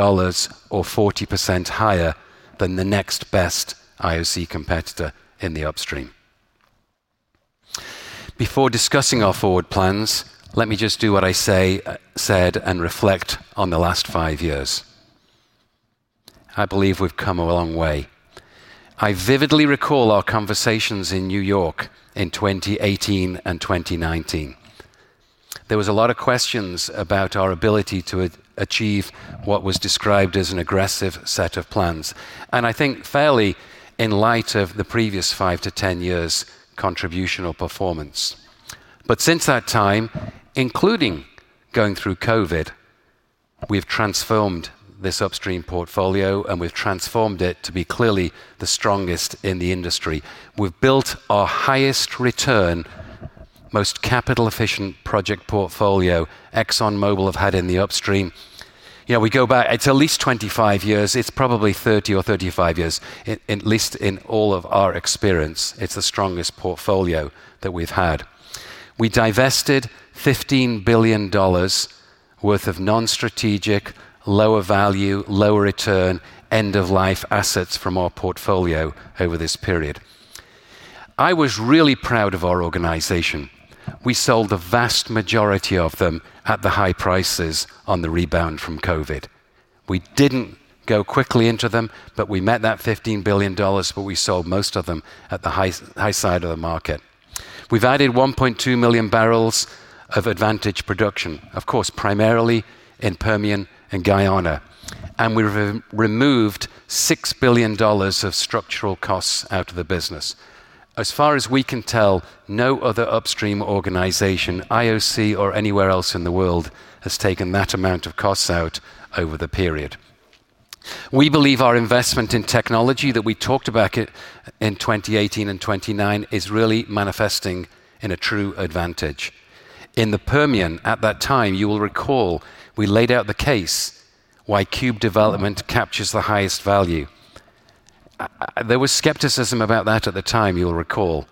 40% higher than the next best IOC competitor in the upstream. Before discussing our forward plans, let me just do what I said and reflect on the last five years. I believe we've come a long way. I vividly recall our conversations in New York in 2018 and 2019. There was a lot of questions about our ability to achieve what was described as an aggressive set of plans, and I think fairly in light of the previous five to ten years' contribution or performance. But since that time, including going through COVID, we've transformed this upstream portfolio, and we've transformed it to be clearly the strongest in the industry. We've built our highest return, most capital-efficient project portfolio ExxonMobil have had in the upstream. You know, we go back, it's at least 25 years. It's probably 30 years or 35 years, at least in all of our experience, it's the strongest portfolio that we've had. We divested $15 billion worth of non-strategic, lower value, lower return, end-of-life assets from our portfolio over this period. I was really proud of our organization. We sold the vast majority of them at the high prices on the rebound from COVID. We didn't go quickly into them, but we met that $15 billion, but we sold most of them at the high side of the market. We've added 1.2 million barrels of advantage production, of course, primarily in Permian and Guyana, and we've removed $6 billion of structural costs out of the business. As far as we can tell, no other upstream organization, IOC or anywhere else in the world, has taken that amount of costs out over the period. We believe our investment in technology that we talked about in 2018 and 2019 is really manifesting in a true advantage. In the Permian, at that time, you will recall we laid out the case why Cube development captures the highest value. There was skepticism about that at the time, you'll recall.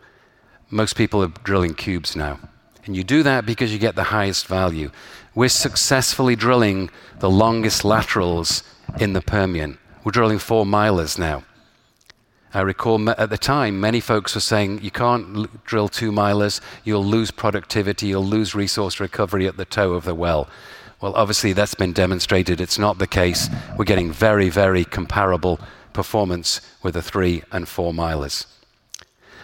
Most people are drilling Cubes now, and you do that because you get the highest value. We're successfully drilling the longest laterals in the Permian. We're drilling four-milers now. I recall at the time, many folks were saying, "You can't drill two-milers. You'll lose productivity. You'll lose resource recovery at the toe of the well," well, obviously, that's been demonstrated. It's not the case. We're getting very, very comparable performance with the three and four milers.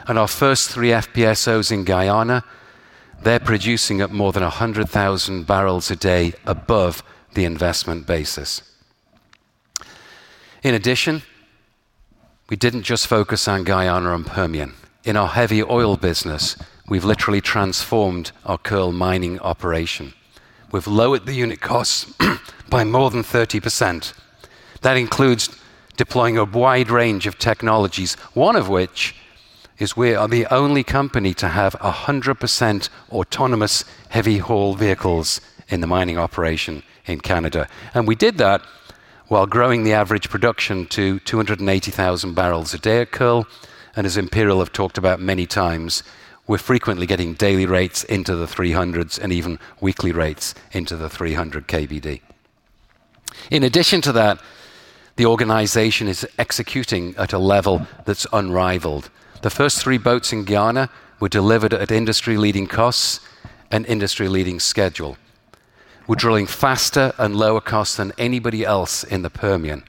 Our first three FPSOs in Guyana, they're producing at more than 100,000 barrels a day above the investment basis. In addition, we didn't just focus on Guyana and Permian. In our heavy oil business, we've literally transformed our Kearl mining operation. We've lowered the unit costs by more than 30%. That includes deploying a wide range of technologies, one of which is we are the only company to have 100% autonomous heavy haul vehicles in the mining operation in Canada. We did that while growing the average production to 280,000 barrels a day of Kearl, and as Imperial have talked about many times, we're frequently getting daily rates into the 300s and even weekly rates into the 300 KBD. In addition to that, the organization is executing at a level that's unrivaled. The first three boats in Guyana were delivered at industry-leading costs and industry-leading schedule. We're drilling faster and lower costs than anybody else in the Permian,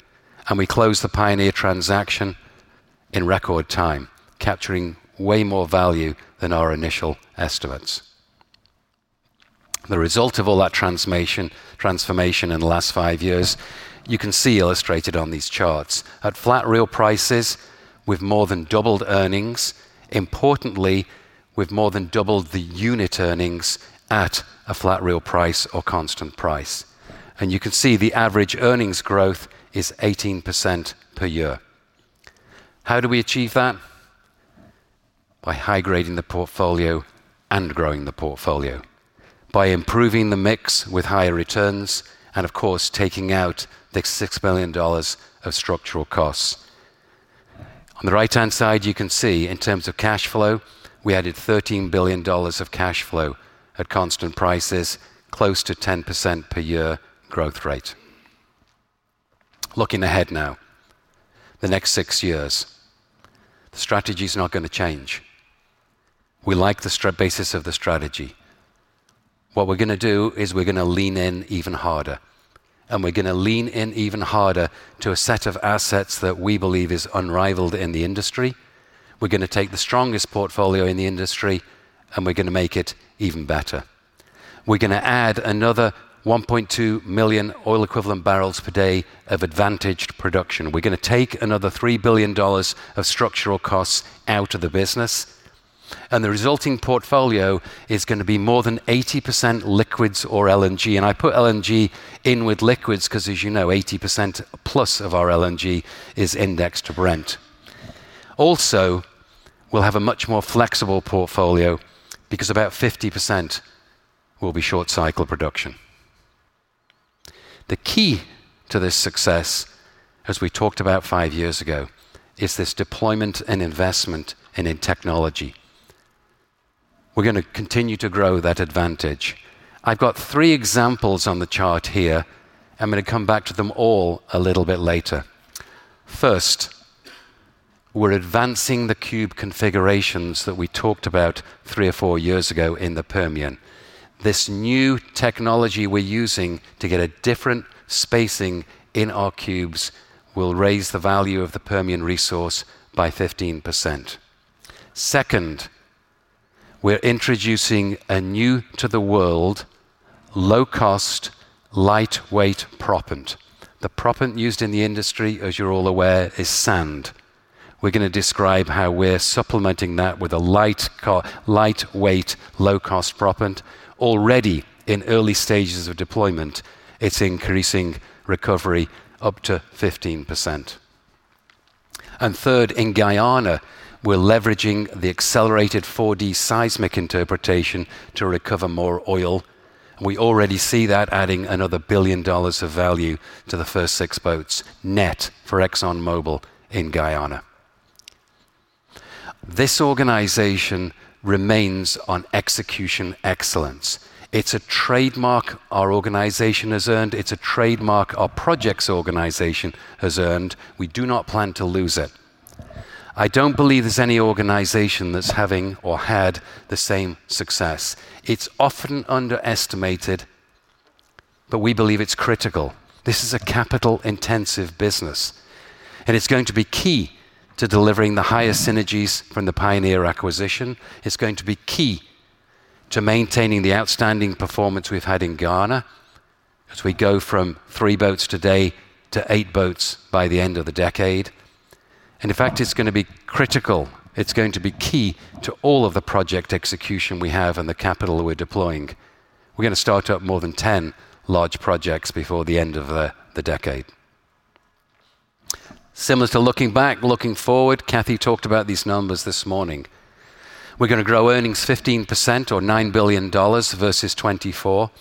and we closed the Pioneer transaction in record time, capturing way more value than our initial estimates. The result of all that transformation in the last five years, you can see illustrated on these charts. At flat real prices, we've more than doubled earnings. Importantly, we've more than doubled the unit earnings at a flat real price or constant price, and you can see the average earnings growth is 18% per year. How do we achieve that? By high-grading the portfolio and growing the portfolio, by improving the mix with higher returns, and of course, taking out the $6 billion of structural costs. On the right-hand side, you can see in terms of cash flow, we added $13 billion of cash flow at constant prices, close to 10% per year growth rate. Looking ahead now, the next six years, the strategy is not going to change. We like the basis of the strategy. What we're going to do is we're going to lean in even harder, and we're going to lean in even harder to a set of assets that we believe is unrivaled in the industry. We're going to take the strongest portfolio in the industry, and we're going to make it even better. We're going to add another 1.2 million oil-equivalent barrels per day of advantaged production. We're going to take another $3 billion of structural costs out of the business, and the resulting portfolio is going to be more than 80% liquids or LNG. And I put LNG in with liquids because, as you know, 80%+ of our LNG is indexed to Brent. Also, we'll have a much more flexible portfolio because about 50% will be short-cycle production. The key to this success, as we talked about five years ago, is this deployment and investment in technology. We're going to continue to grow that advantage. I've got three examples on the chart here. I'm going to come back to them all a little bit later. First, we're advancing the cube configurations that we talked about three or four years ago in the Permian. This new technology we're using to get a different spacing in our cubes will raise the value of the Permian resource by 15%. Second, we're introducing a new-to-the-world low-cost, lightweight proppant. The proppant used in the industry, as you're all aware, is sand. We're going to describe how we're supplementing that with a lightweight, low-cost proppant. Already, in early stages of deployment, it's increasing recovery up to 15%. And third, in Guyana, we're leveraging the accelerated 4D seismic interpretation to recover more oil. We already see that adding another $1 billion of value to the first six boats net for ExxonMobil in Guyana. This organization remains on execution excellence. It's a trademark our organization has earned. It's a trademark our projects organization has earned. We do not plan to lose it. I don't believe there's any organization that's having or had the same success. It's often underestimated, but we believe it's critical. This is a capital-intensive business, and it's going to be key to delivering the highest synergies from the Pioneer acquisition. It's going to be key to maintaining the outstanding performance we've had in Guyana as we go from three boats today to eight boats by the end of the decade, and in fact, it's going to be critical. It's going to be key to all of the project execution we have and the capital we're deploying. We're going to start up more than 10 large projects before the end of the decade. Similar to looking back, looking forward, Kathy talked about these numbers this morning. We're going to grow earnings 15% or $9 billion versus 24.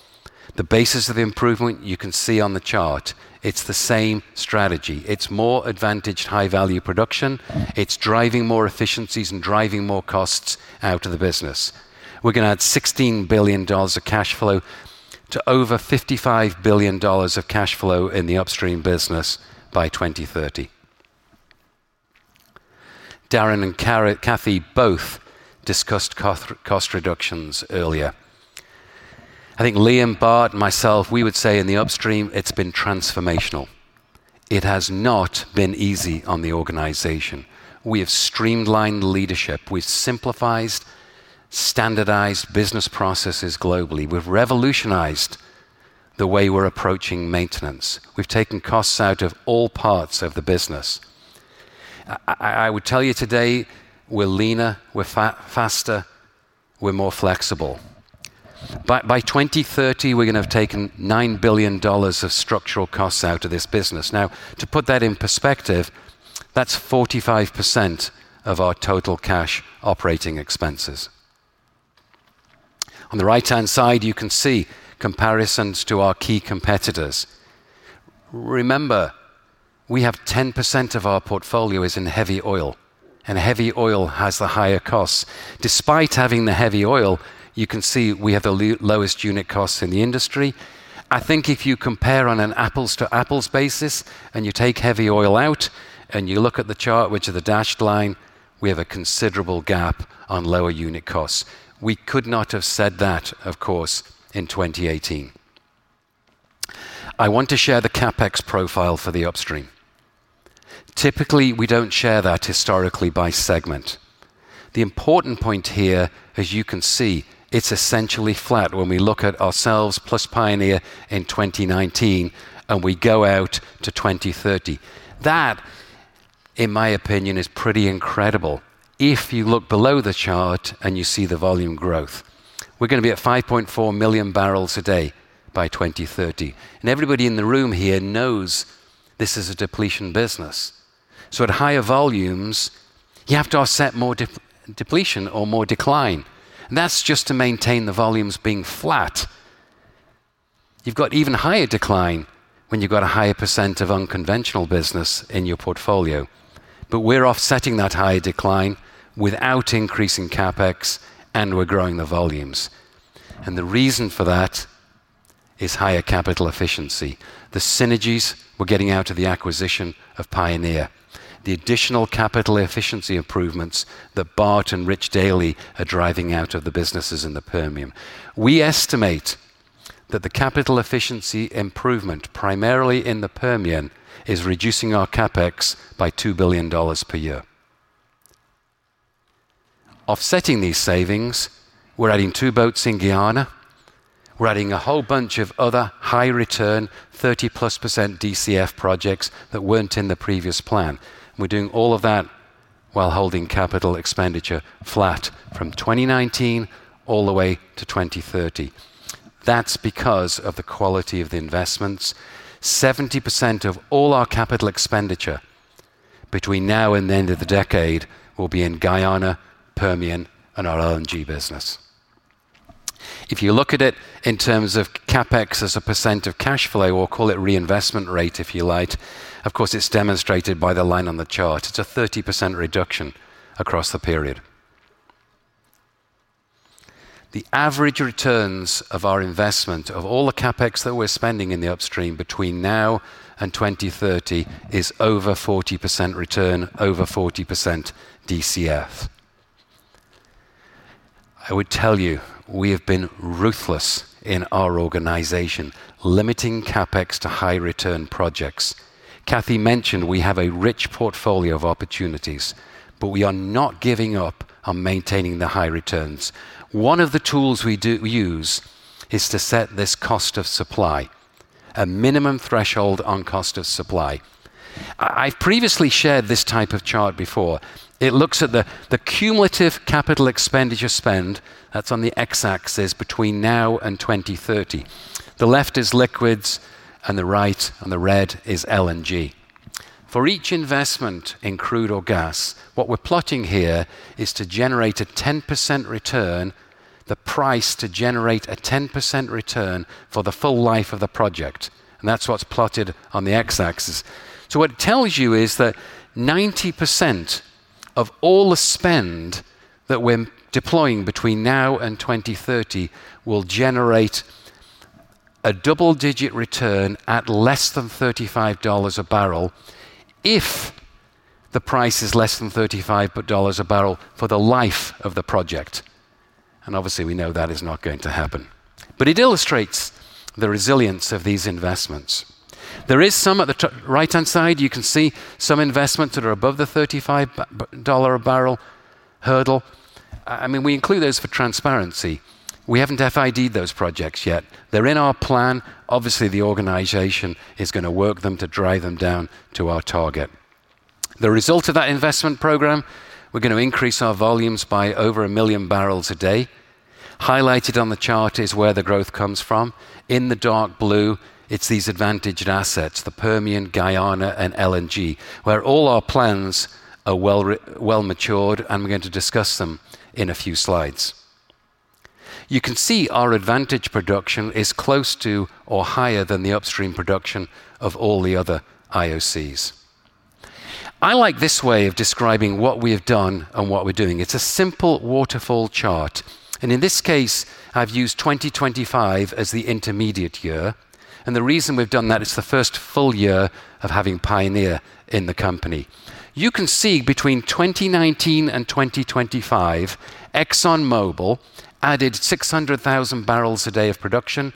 The basis of the improvement you can see on the chart. It's the same strategy. It's more advantaged high-value production. It's driving more efficiencies and driving more costs out of the business. We're going to add $16 billion of cash flow to over $55 billion of cash flow in the upstream business by 2030. Darren and Kathy both discussed cost reductions earlier. I think Liam Mallon and myself, we would say in the upstream, it's been transformational. It has not been easy on the organization. We have streamlined leadership. We've simplified, standardized business processes globally. We've revolutionized the way we're approaching maintenance. We've taken costs out of all parts of the business. I would tell you today we're leaner, we're faster, we're more flexible. By 2030, we're going to have taken $9 billion of structural costs out of this business. Now, to put that in perspective, that's 45% of our total cash operating expenses. On the right-hand side, you can see comparisons to our key competitors. Remember, we have 10% of our portfolio is in heavy oil, and heavy oil has the higher costs. Despite having the heavy oil, you can see we have the lowest unit costs in the industry. I think if you compare on an apples-to-apples basis and you take heavy oil out and you look at the chart, which is the dashed line, we have a considerable gap on lower unit costs. We could not have said that, of course, in 2018. I want to share the CapEx profile for the upstream. Typically, we don't share that historically by segment. The important point here, as you can see, it's essentially flat when we look at ourselves plus Pioneer in 2019 and we go out to 2030. That, in my opinion, is pretty incredible. If you look below the chart and you see the volume growth, we're going to be at 5.4 million barrels a day by 2030, and everybody in the room here knows this is a depletion business, so at higher volumes, you have to offset more depletion or more decline. That's just to maintain the volumes being flat. You've got even higher decline when you've got a higher % of unconventional business in your portfolio. But we're offsetting that higher decline without increasing CapEx, and we're growing the volumes. And the reason for that is higher capital efficiency. The synergies we're getting out of the acquisition of Pioneer, the additional capital efficiency improvements that Bart and Rich Daley are driving out of the businesses in the Permian. We estimate that the capital efficiency improvement primarily in the Permian is reducing our CapEx by $2 billion per year. Offsetting these savings, we're adding two boats in Guyana. We're adding a whole bunch of other high-return, 30-plus % DCF projects that weren't in the previous plan. We're doing all of that while holding capital expenditure flat from 2019 all the way to 2030. That's because of the quality of the investments. 70% of all our capital expenditure between now and the end of the decade will be in Guyana, Permian, and our LNG business. If you look at it in terms of CapEx as a percent of cash flow, or call it reinvestment rate if you like, of course, it's demonstrated by the line on the chart. It's a 30% reduction across the period. The average returns of our investment of all the CapEx that we're spending in the upstream between now and 2030 is over 40% return, over 40% DCF. I would tell you we have been ruthless in our organization, limiting CapEx to high-return projects. Kathy mentioned we have a rich portfolio of opportunities, but we are not giving up on maintaining the high returns. One of the tools we use is to set this cost of supply, a minimum threshold on cost of supply. I've previously shared this type of chart before. It looks at the cumulative capital expenditure spend. That's on the X-axis between now and 2030. The left is liquids, and the right and the red is LNG. For each investment in crude or gas, what we're plotting here is to generate a 10% return, the price to generate a 10% return for the full life of the project. And that's what's plotted on the X-axis. So what it tells you is that 90% of all the spend that we're deploying between now and 2030 will generate a double-digit return at less than $35 a barrel if the price is less than $35 a barrel for the life of the project. And obviously, we know that is not going to happen. But it illustrates the resilience of these investments. There is some at the right-hand side. You can see some investments that are above the $35 a barrel hurdle. I mean, we include those for transparency. We haven't FID'd those projects yet. They're in our plan. Obviously, the organization is going to work them to drive them down to our target. The result of that investment program, we're going to increase our volumes by over a million barrels a day. Highlighted on the chart is where the growth comes from. In the dark blue, it's these advantaged assets, the Permian, Guyana, and LNG, where all our plans are well matured, and we're going to discuss them in a few slides. You can see our advantaged production is close to or higher than the upstream production of all the other IOCs. I like this way of describing what we have done and what we're doing. It's a simple waterfall chart. In this case, I've used 2025 as the intermediate year. The reason we've done that is the first full year of having Pioneer in the company. You can see between 2019 and 2025, ExxonMobil added 600,000 barrels a day of production,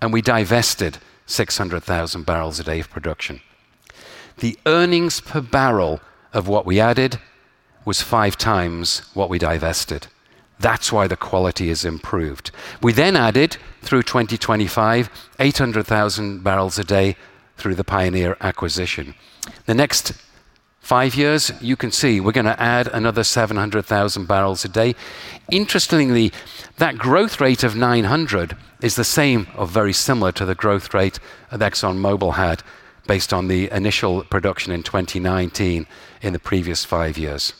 and we divested 600,000 barrels a day of production. The earnings per barrel of what we added was five times what we divested. That's why the quality is improved. We then added, through 2025, 800,000 barrels a day through the Pioneer acquisition. The next five years, you can see we're going to add another 700,000 barrels a day. Interestingly, that growth rate of 900 is the same or very similar to the growth rate that ExxonMobil had based on the initial production in 2019 in the previous five years.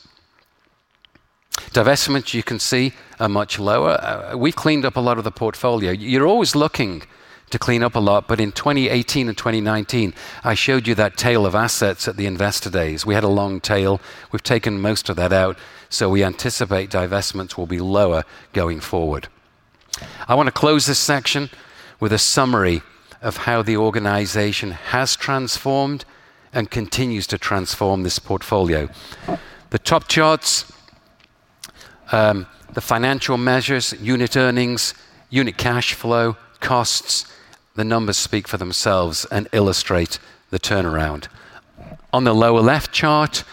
Divestments, you can see, are much lower. We've cleaned up a lot of the portfolio. You're always looking to clean up a lot, but in 2018 and 2019, I showed you that tail of assets at the investor days. We had a long tail. We've taken most of that out. So we anticipate divestments will be lower going forward. I want to close this section with a summary of how the organization has transformed and continues to transform this portfolio. The top charts, the financial measures, unit earnings, unit cash flow, costs, the numbers speak for themselves and illustrate the turnaround. On the lower left chart,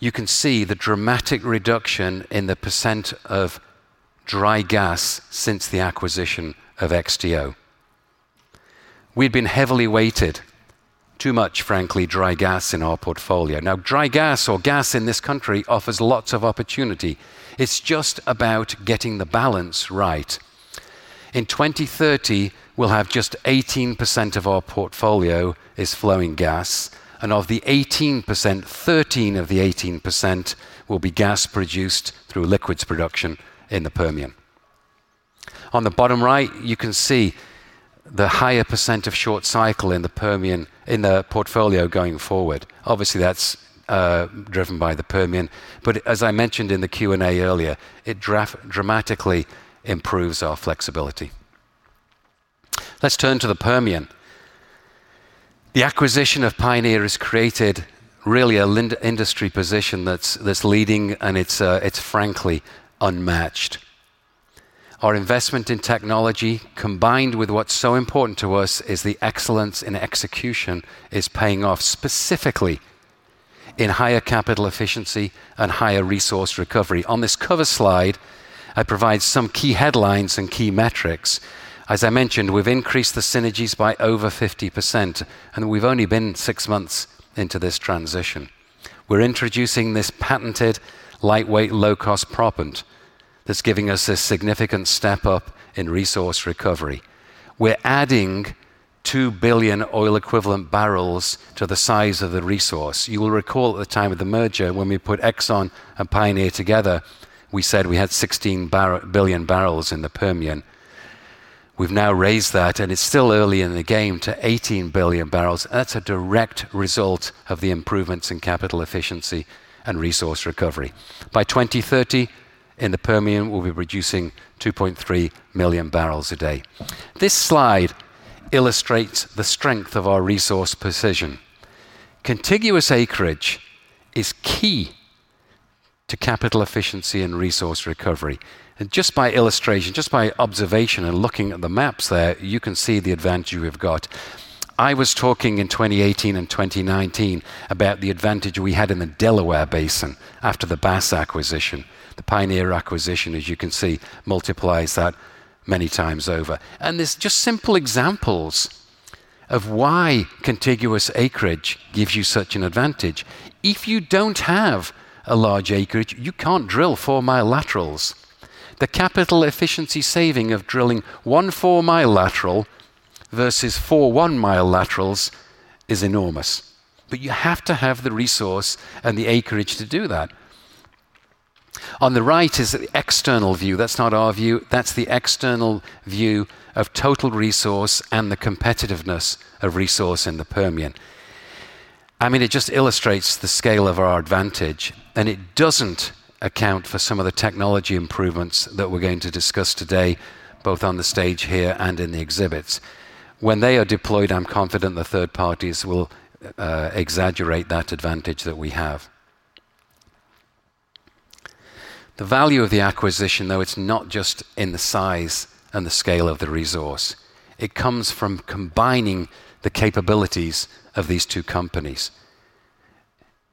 you can see the dramatic reduction in the percent of dry gas since the acquisition of XTO. We've been heavily weighted, too much, frankly, dry gas in our portfolio. Now, dry gas or gas in this country offers lots of opportunity. It's just about getting the balance right. In 2030, we'll have just 18% of our portfolio is flowing gas, and of the 18%, 13% of the 18% will be gas produced through liquids production in the Permian. On the bottom right, you can see the higher percent of short cycle in the Permian in the portfolio going forward. Obviously, that's driven by the Permian. But as I mentioned in the Q&A earlier, it dramatically improves our flexibility. Let's turn to the Permian. The acquisition of Pioneer has created really an industry position that's leading, and it's frankly unmatched. Our investment in technology, combined with what's so important to us, is the excellence in execution, is paying off specifically in higher capital efficiency and higher resource recovery. On this cover slide, I provide some key headlines and key metrics. As I mentioned, we've increased the synergies by over 50%, and we've only been six months into this transition. We're introducing this patented lightweight, low-cost proppant that's giving us a significant step up in resource recovery. We're adding 2 billion oil-equivalent barrels to the size of the resource. You will recall at the time of the merger, when we put Exxon and Pioneer together, we said we had 16 billion barrels in the Permian. We've now raised that, and it's still early in the game to 18 billion barrels. That's a direct result of the improvements in capital efficiency and resource recovery. By 2030, in the Permian, we'll be producing 2.3 million barrels a day. This slide illustrates the strength of our resource precision. Contiguous acreage is key to capital efficiency and resource recovery. And just by illustration, just by observation and looking at the maps there, you can see the advantage we've got. I was talking in 2018 and 2019 about the advantage we had in the Delaware Basin after the Bass acquisition. The Pioneer acquisition, as you can see, multiplies that many times over, and there's just simple examples of why contiguous acreage gives you such an advantage. If you don't have a large acreage, you can't drill four-mile laterals. The capital efficiency saving of drilling one four-mile lateral versus four one-mile laterals is enormous. But you have to have the resource and the acreage to do that. On the right is the external view. That's not our view. That's the external view of total resource and the competitiveness of resource in the Permian. I mean, it just illustrates the scale of our advantage, and it doesn't account for some of the technology improvements that we're going to discuss today, both on the stage here and in the exhibits. When they are deployed, I'm confident the third parties will exaggerate that advantage that we have. The value of the acquisition, though, it's not just in the size and the scale of the resource. It comes from combining the capabilities of these two companies.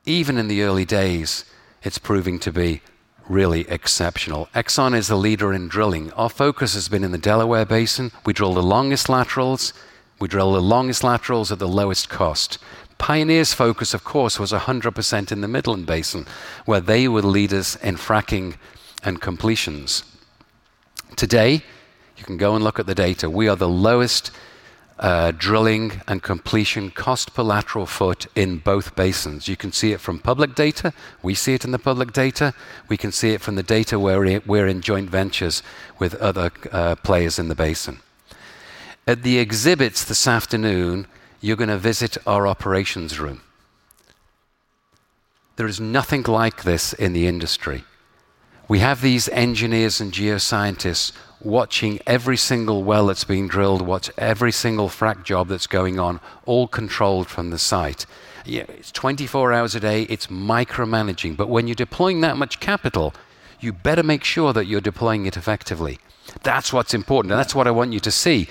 Even in the early days, it's proving to be really exceptional. Exxon is a leader in drilling. Our focus has been in the Delaware Basin. We drill the longest laterals. We drill the longest laterals at the lowest cost. Pioneer's focus, of course, was 100% in the Midland Basin, where they were leaders in fracking and completions. Today, you can go and look at the data. We are the lowest drilling and completion cost per lateral foot in both basins. You can see it from public data. We see it in the public data. We can see it from the data where we're in joint ventures with other players in the basin. At the exhibits this afternoon, you're going to visit our operations room. There is nothing like this in the industry. We have these engineers and geoscientists watching every single well that's being drilled, watch every single frack job that's going on, all controlled from the site. It's 24 hours a day. It's micromanaging. But when you're deploying that much capital, you better make sure that you're deploying it effectively. That's what's important. And that's what I want you to see.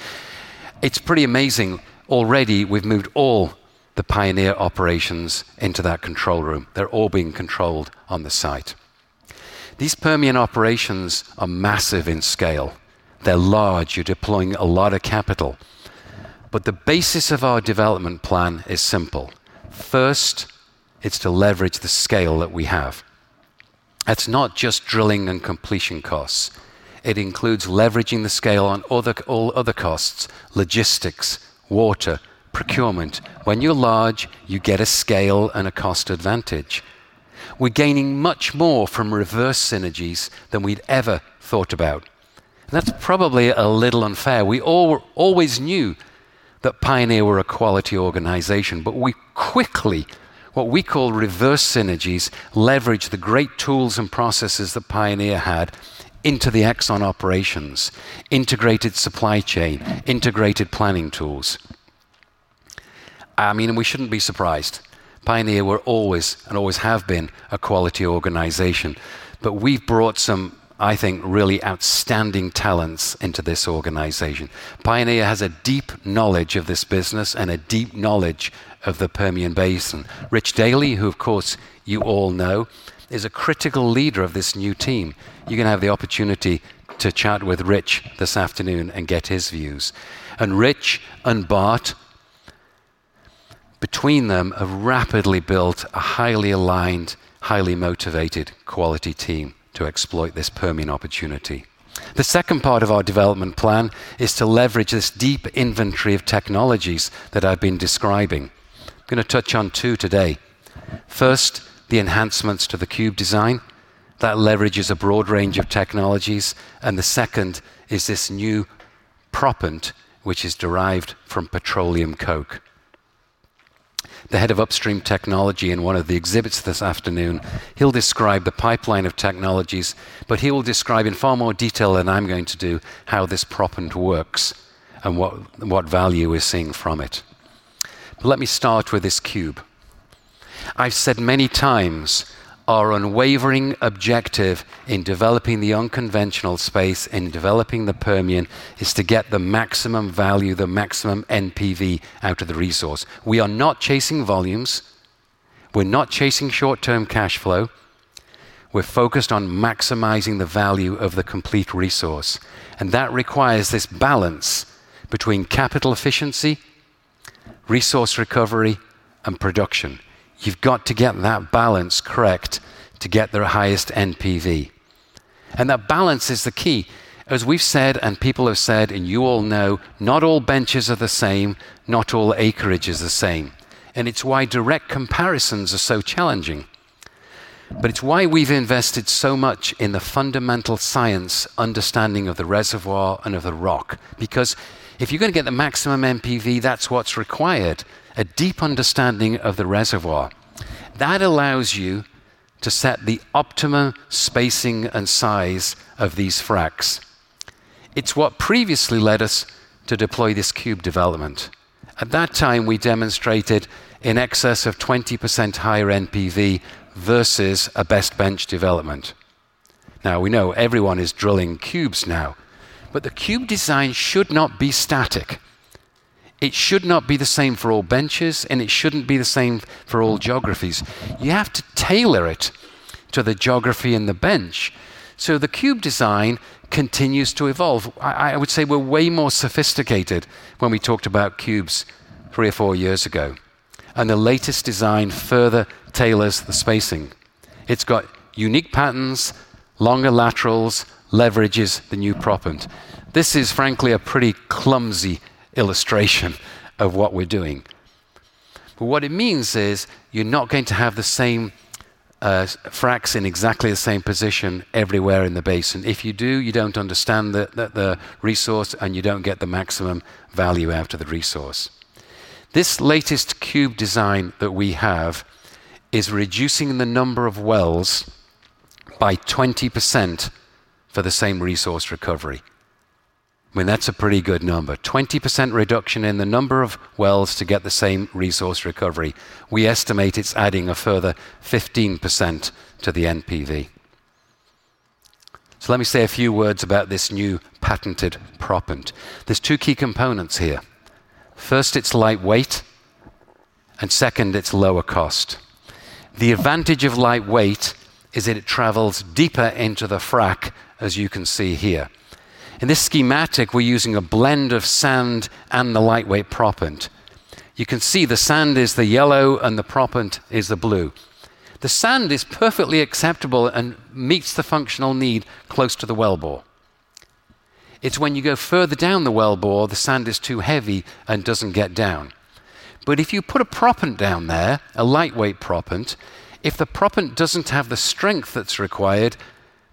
It's pretty amazing. Already, we've moved all the Pioneer operations into that control room. They're all being controlled on the site. These Permian operations are massive in scale. They're large. You're deploying a lot of capital. But the basis of our development plan is simple. First, it's to leverage the scale that we have. It's not just drilling and completions costs. It includes leveraging the scale on all other costs, logistics, water, procurement. When you're large, you get a scale and a cost advantage. We're gaining much more from reverse synergies than we'd ever thought about, and that's probably a little unfair. We always knew that Pioneer were a quality organization, but we quickly, what we call reverse synergies, leveraged the great tools and processes that Pioneer had into the ExxonMobil operations, integrated supply chain, integrated planning tools. I mean, we shouldn't be surprised. Pioneer were always and always have been a quality organization, but we've brought some, I think, really outstanding talents into this organization. Pioneer has a deep knowledge of this business and a deep knowledge of the Permian Basin. Rich Daley, who, of course, you all know, is a critical leader of this new team. You're going to have the opportunity to chat with Rich this afternoon and get his views, and Rich and Bart, between them, have rapidly built a highly aligned, highly motivated quality team to exploit this Permian opportunity. The second part of our development plan is to leverage this deep inventory of technologies that I've been describing. I'm going to touch on two today. First, the enhancements to the cube design that leverages a broad range of technologies, and the second is this new proppant, which is derived from petroleum coke. The head of upstream technology in one of the exhibits this afternoon, he'll describe the pipeline of technologies, but he will describe in far more detail than I'm going to do how this proppant works and what value we're seeing from it. Let me start with this cube. I've said many times our unwavering objective in developing the unconventional space and developing the Permian is to get the maximum value, the maximum NPV out of the resource. We are not chasing volumes. We're not chasing short-term cash flow. We're focused on maximizing the value of the complete resource, and that requires this balance between capital efficiency, resource recovery, and production. You've got to get that balance correct to get the highest NPV, and that balance is the key. As we've said, and people have said, and you all know, not all benches are the same, not all acreage is the same, and it's why direct comparisons are so challenging, but it's why we've invested so much in the fundamental science understanding of the reservoir and of the rock. Because if you're going to get the maximum NPV, that's what's required, a deep understanding of the reservoir. That allows you to set the optimum spacing and size of these fracs. It's what previously led us to deploy this cube development. At that time, we demonstrated in excess of 20% higher NPV versus a best bench development. Now, we know everyone is drilling cubes now. But the cube design should not be static. It should not be the same for all benches, and it shouldn't be the same for all geographies. You have to tailor it to the geography and the bench. So the cube design continues to evolve. I would say we're way more sophisticated when we talked about cubes three or four years ago, and the latest design further tailors the spacing. It's got unique patterns, longer laterals, leverages the new proppant. This is, frankly, a pretty clumsy illustration of what we're doing. But what it means is you're not going to have the same fracs in exactly the same position everywhere in the basin. If you do, you don't understand the resource, and you don't get the maximum value out of the resource. This latest cube design that we have is reducing the number of wells by 20% for the same resource recovery. I mean, that's a pretty good number. 20% reduction in the number of wells to get the same resource recovery. We estimate it's adding a further 15% to the NPV. So let me say a few words about this new patented proppant. There's two key components here. First, it's lightweight, and second, it's lower cost. The advantage of lightweight is that it travels deeper into the frac, as you can see here. In this schematic, we're using a blend of sand and the lightweight proppant. You can see the sand is the yellow, and the proppant is the blue. The sand is perfectly acceptable and meets the functional need close to the well bore. It's when you go further down the well bore the sand is too heavy and doesn't get down. But if you put a proppant down there, a lightweight proppant, if the proppant doesn't have the strength that's required,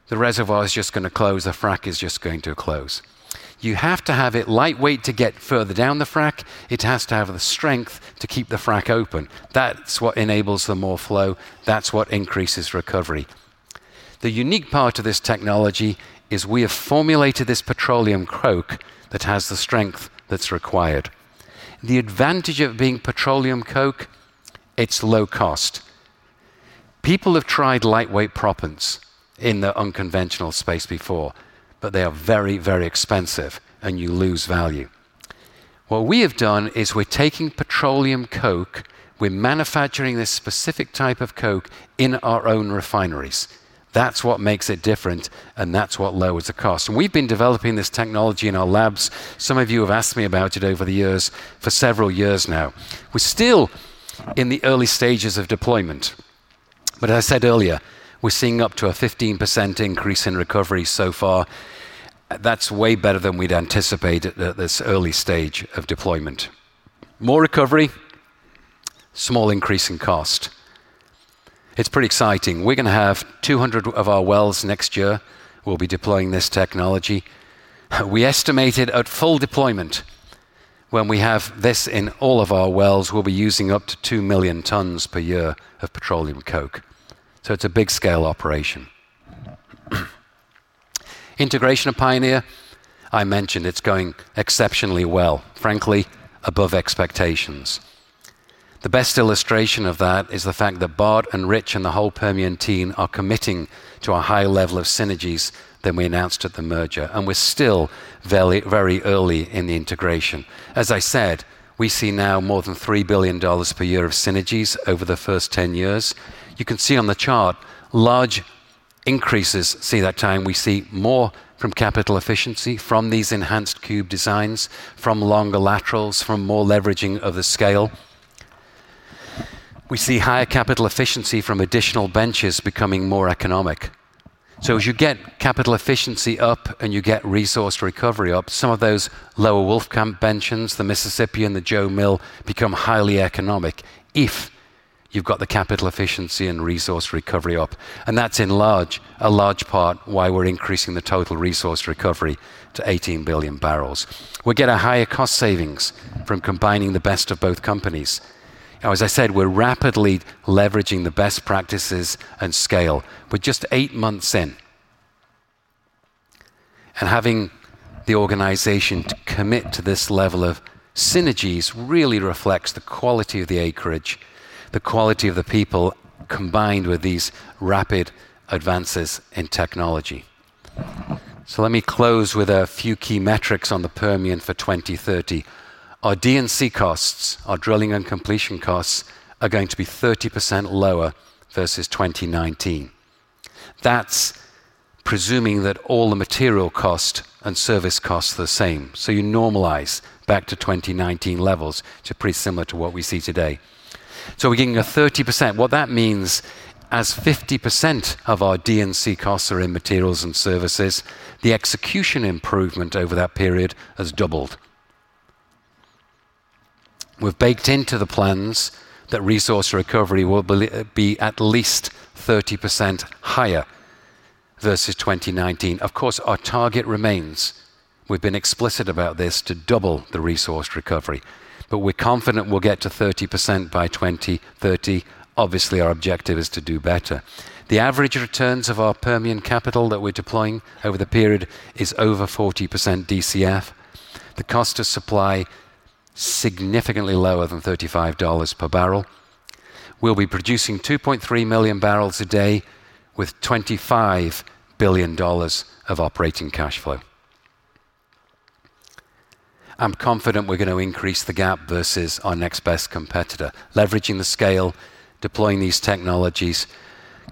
the reservoir is just going to close. The frack is just going to close. You have to have it lightweight to get further down the frack. It has to have the strength to keep the frack open. That's what enables the more flow. That's what increases recovery. The unique part of this technology is we have formulated this petroleum coke that has the strength that's required. The advantage of being petroleum coke? It's low cost. People have tried lightweight proppants in the unconventional space before, but they are very, very expensive, and you lose value. What we have done is we're taking petroleum coke. We're manufacturing this specific type of coke in our own refineries. That's what makes it different, and that's what lowers the cost, and we've been developing this technology in our labs. Some of you have asked me about it over the years for several years now. We're still in the early stages of deployment, but as I said earlier, we're seeing up to a 15% increase in recovery so far. That's way better than we'd anticipated at this early stage of deployment. More recovery, small increase in cost. It's pretty exciting. We're going to have 200 of our wells next year. We'll be deploying this technology. We estimated at full deployment, when we have this in all of our wells, we'll be using up to two million tons per year of petroleum coke. So it's a big-scale operation. Integration of Pioneer, I mentioned it's going exceptionally well, frankly, above expectations. The best illustration of that is the fact that Bart and Rich and the whole Permian team are committing to a high level of synergies than we announced at the merger. And we're still very, very early in the integration. As I said, we see now more than $3 billion per year of synergies over the first 10 years. You can see on the chart large increases. See that time? We see more from capital efficiency, from these enhanced cube designs, from longer laterals, from more leveraging of the scale. We see higher capital efficiency from additional benches becoming more economic. So as you get capital efficiency up and you get resource recovery up, some of those lower Wolfcamp benches, the Mississippian and the Jo Mill, become highly economic if you've got the capital efficiency and resource recovery up. And that's in large part why we're increasing the total resource recovery to 18 billion barrels. We get a higher cost savings from combining the best of both companies. Now, as I said, we're rapidly leveraging the best practices and scale. We're just eight months in. And having the organization to commit to this level of synergies really reflects the quality of the acreage, the quality of the people combined with these rapid advances in technology. Let me close with a few key metrics on the Permian for 2030. Our D&C costs, our drilling and completion costs, are going to be 30% lower versus 2019. That's presuming that all the material costs and service costs are the same. So you normalize back to 2019 levels to be pretty similar to what we see today. So we're getting a 30%. What that means is, as 50% of our D&C costs are in materials and services, the execution improvement over that period has doubled. We've baked into the plans that resource recovery will be at least 30% higher versus 2019. Of course, our target remains. We've been explicit about this to double the resource recovery. But we're confident we'll get to 30% by 2030. Obviously, our objective is to do better. The average returns of our Permian capital that we're deploying over the period is over 40% DCF. The cost of supply is significantly lower than $35 per barrel. We'll be producing 2.3 million barrels a day with $25 billion of operating cash flow. I'm confident we're going to increase the gap versus our next best competitor, leveraging the scale, deploying these technologies,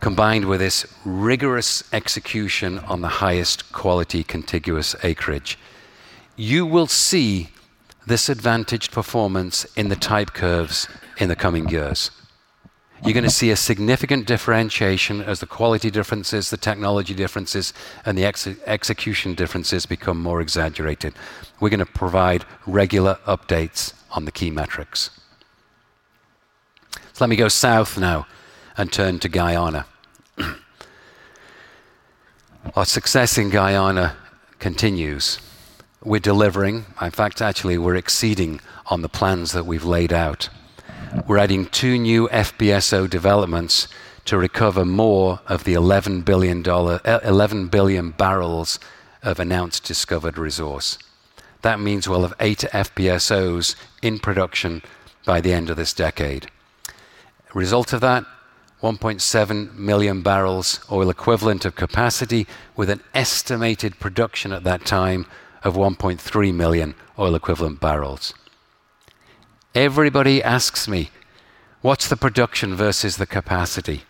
combined with this rigorous execution on the highest quality contiguous acreage. You will see this advantaged performance in the type curves in the coming years. You're going to see a significant differentiation as the quality differences, the technology differences, and the execution differences become more exaggerated. We're going to provide regular updates on the key metrics. So let me go south now and turn to Guyana. Our success in Guyana continues. We're delivering. In fact, actually, we're exceeding on the plans that we've laid out. We're adding two new FPSO developments to recover more of the 11 billion barrels of announced discovered resource. That means we'll have eight FPSOs in production by the end of this decade. Result of that? 1.7 million barrels of oil equivalent of capacity, with an estimated production at that time of 1.3 million barrels of oil equivalent. Everybody asks me, "What's the production versus the capacity?"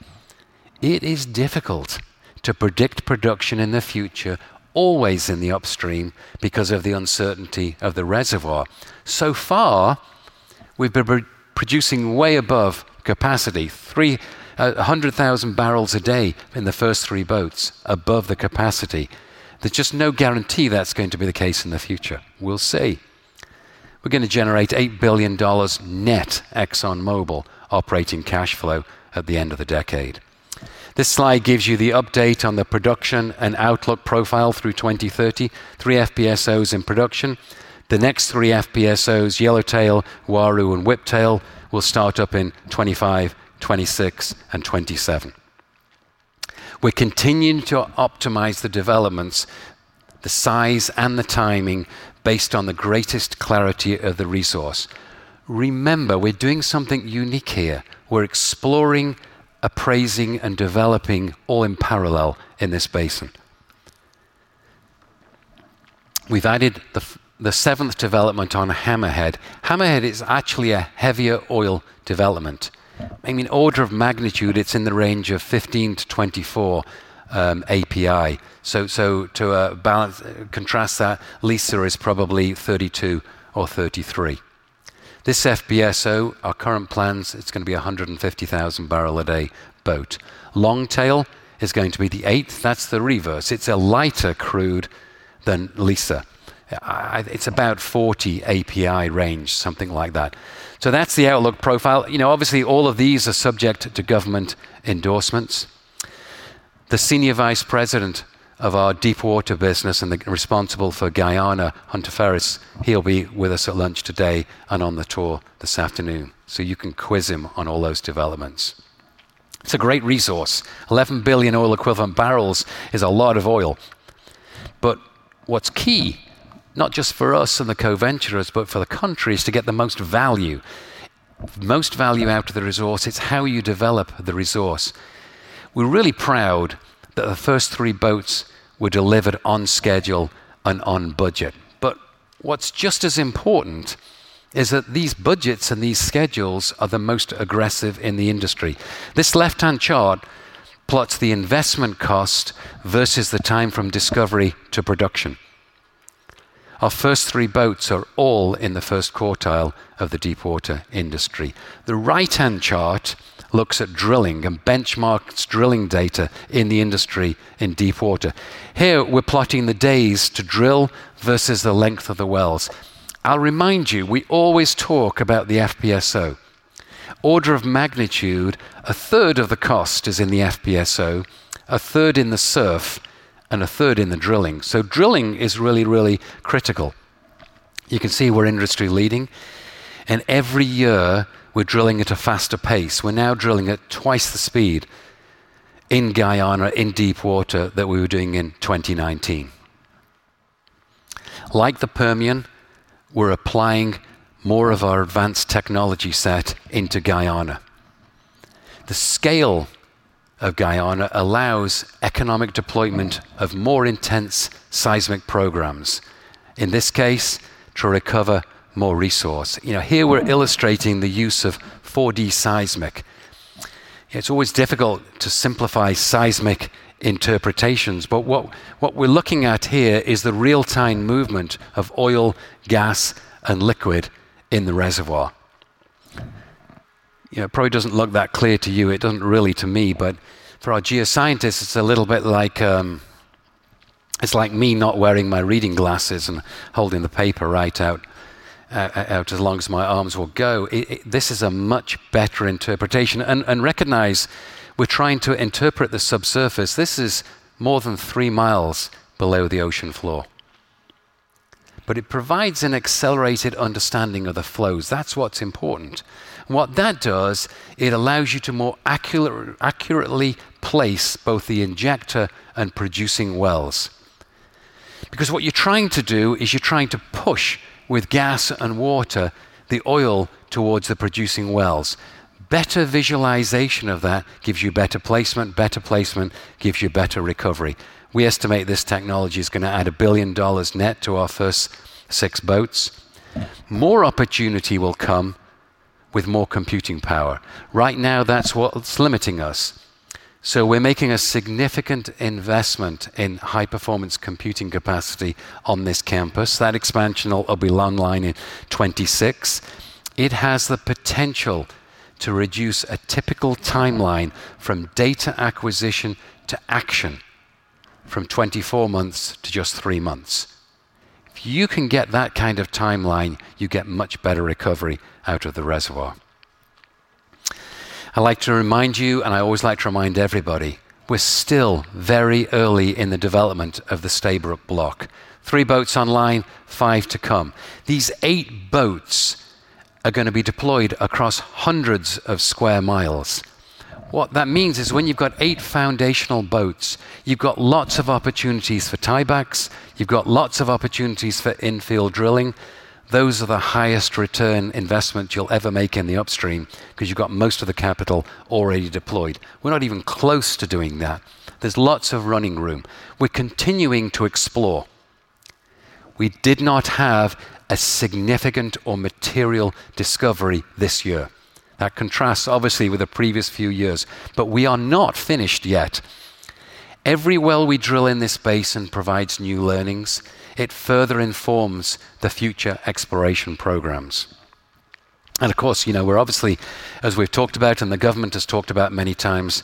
It is difficult to predict production in the future, always in the upstream, because of the uncertainty of the reservoir. So far, we've been producing way above capacity, 100,000 barrels a day in the first three boats, above the capacity. There's just no guarantee that's going to be the case in the future. We'll see. We're going to generate $8 billion net ExxonMobil operating cash flow at the end of the decade. This slide gives you the update on the production and outlook profile through 2030, three FPSOs in production. The next three FPSOs, Yellowtail, Uaru, and Whiptail, will start up in 2025, 2026, and 2027. We're continuing to optimize the developments, the size, and the timing based on the greatest clarity of the resource. Remember, we're doing something unique here. We're exploring, appraising, and developing all in parallel in this basin. We've added the seventh development on Hammerhead. Hammerhead is actually a heavier oil development. I mean, order of magnitude, it's in the range of 15-24 API. So to contrast that, Liza is probably 32 or 33. This FPSO, our current plans, it's going to be a 150,000 barrel a day boat. Longtail is going to be the eighth. That's the reverse. It's a lighter crude than Liza. It's about 40 API range, something like that. So that's the outlook profile. Obviously, all of these are subject to government endorsements. The Senior Vice President of our deepwater business and responsible for Guyana, Hunter Farris, he'll be with us at lunch today and on the tour this afternoon. So you can quiz him on all those developments. It's a great resource. 11 billion oil equivalent barrels is a lot of oil. But what's key, not just for us and the co-venturers, but for the country, is to get the most value, most value out of the resource. It's how you develop the resource. We're really proud that the first three boats were delivered on schedule and on budget. But what's just as important is that these budgets and these schedules are the most aggressive in the industry. This left-hand chart plots the investment cost versus the time from discovery to production. Our first three boats are all in the first quartile of the deepwater industry. The right-hand chart looks at drilling and benchmarks drilling data in the industry in deepwater. Here, we're plotting the days to drill versus the length of the wells. I'll remind you, we always talk about the FPSO. Order of magnitude, a third of the cost is in the FPSO, a third in the SURF, and a third in the drilling. So drilling is really, really critical. You can see we're industry-leading and every year, we're drilling at a faster pace. We're now drilling at twice the speed in Guyana in deepwater that we were doing in 2019. Like the Permian, we're applying more of our advanced technology set into Guyana. The scale of Guyana allows economic deployment of more intense seismic programs, in this case, to recover more resource. Here, we're illustrating the use of 4D seismic. It's always difficult to simplify seismic interpretations. But what we're looking at here is the real-time movement of oil, gas, and liquid in the reservoir. It probably doesn't look that clear to you. It doesn't really to me. But for our geoscientists, it's a little bit like me not wearing my reading glasses and holding the paper right out as long as my arms will go. This is a much better interpretation. And recognize we're trying to interpret the subsurface. This is more than three miles below the ocean floor. But it provides an accelerated understanding of the flows. That's what's important. And what that does, it allows you to more accurately place both the injector and producing wells. Because what you're trying to do is you're trying to push with gas and water the oil towards the producing wells. Better visualization of that gives you better placement. Better placement gives you better recovery. We estimate this technology is going to add $1 billion net to our first six boats. More opportunity will come with more computing power. Right now, that's what's limiting us. So we're making a significant investment in high-performance computing capacity on this campus. That expansion will be online in 2026. It has the potential to reduce a typical timeline from data acquisition to action from 24 months to just three months. If you can get that kind of timeline, you get much better recovery out of the reservoir. I'd like to remind you, and I always like to remind everybody, we're still very early in the development of the Stabroek Block. Three boats online, five to come. These eight boats are going to be deployed across hundreds of sq mi. What that means is when you've got eight foundational boats, you've got lots of opportunities for tiebacks. You've got lots of opportunities for infill drilling. Those are the highest return investment you'll ever make in the upstream because you've got most of the capital already deployed. We're not even close to doing that. There's lots of running room. We're continuing to explore. We did not have a significant or material discovery this year. That contrasts, obviously, with the previous few years. But we are not finished yet. Every well we drill in this basin provides new learnings. It further informs the future exploration programs. And of course, we're obviously, as we've talked about and the government has talked about many times,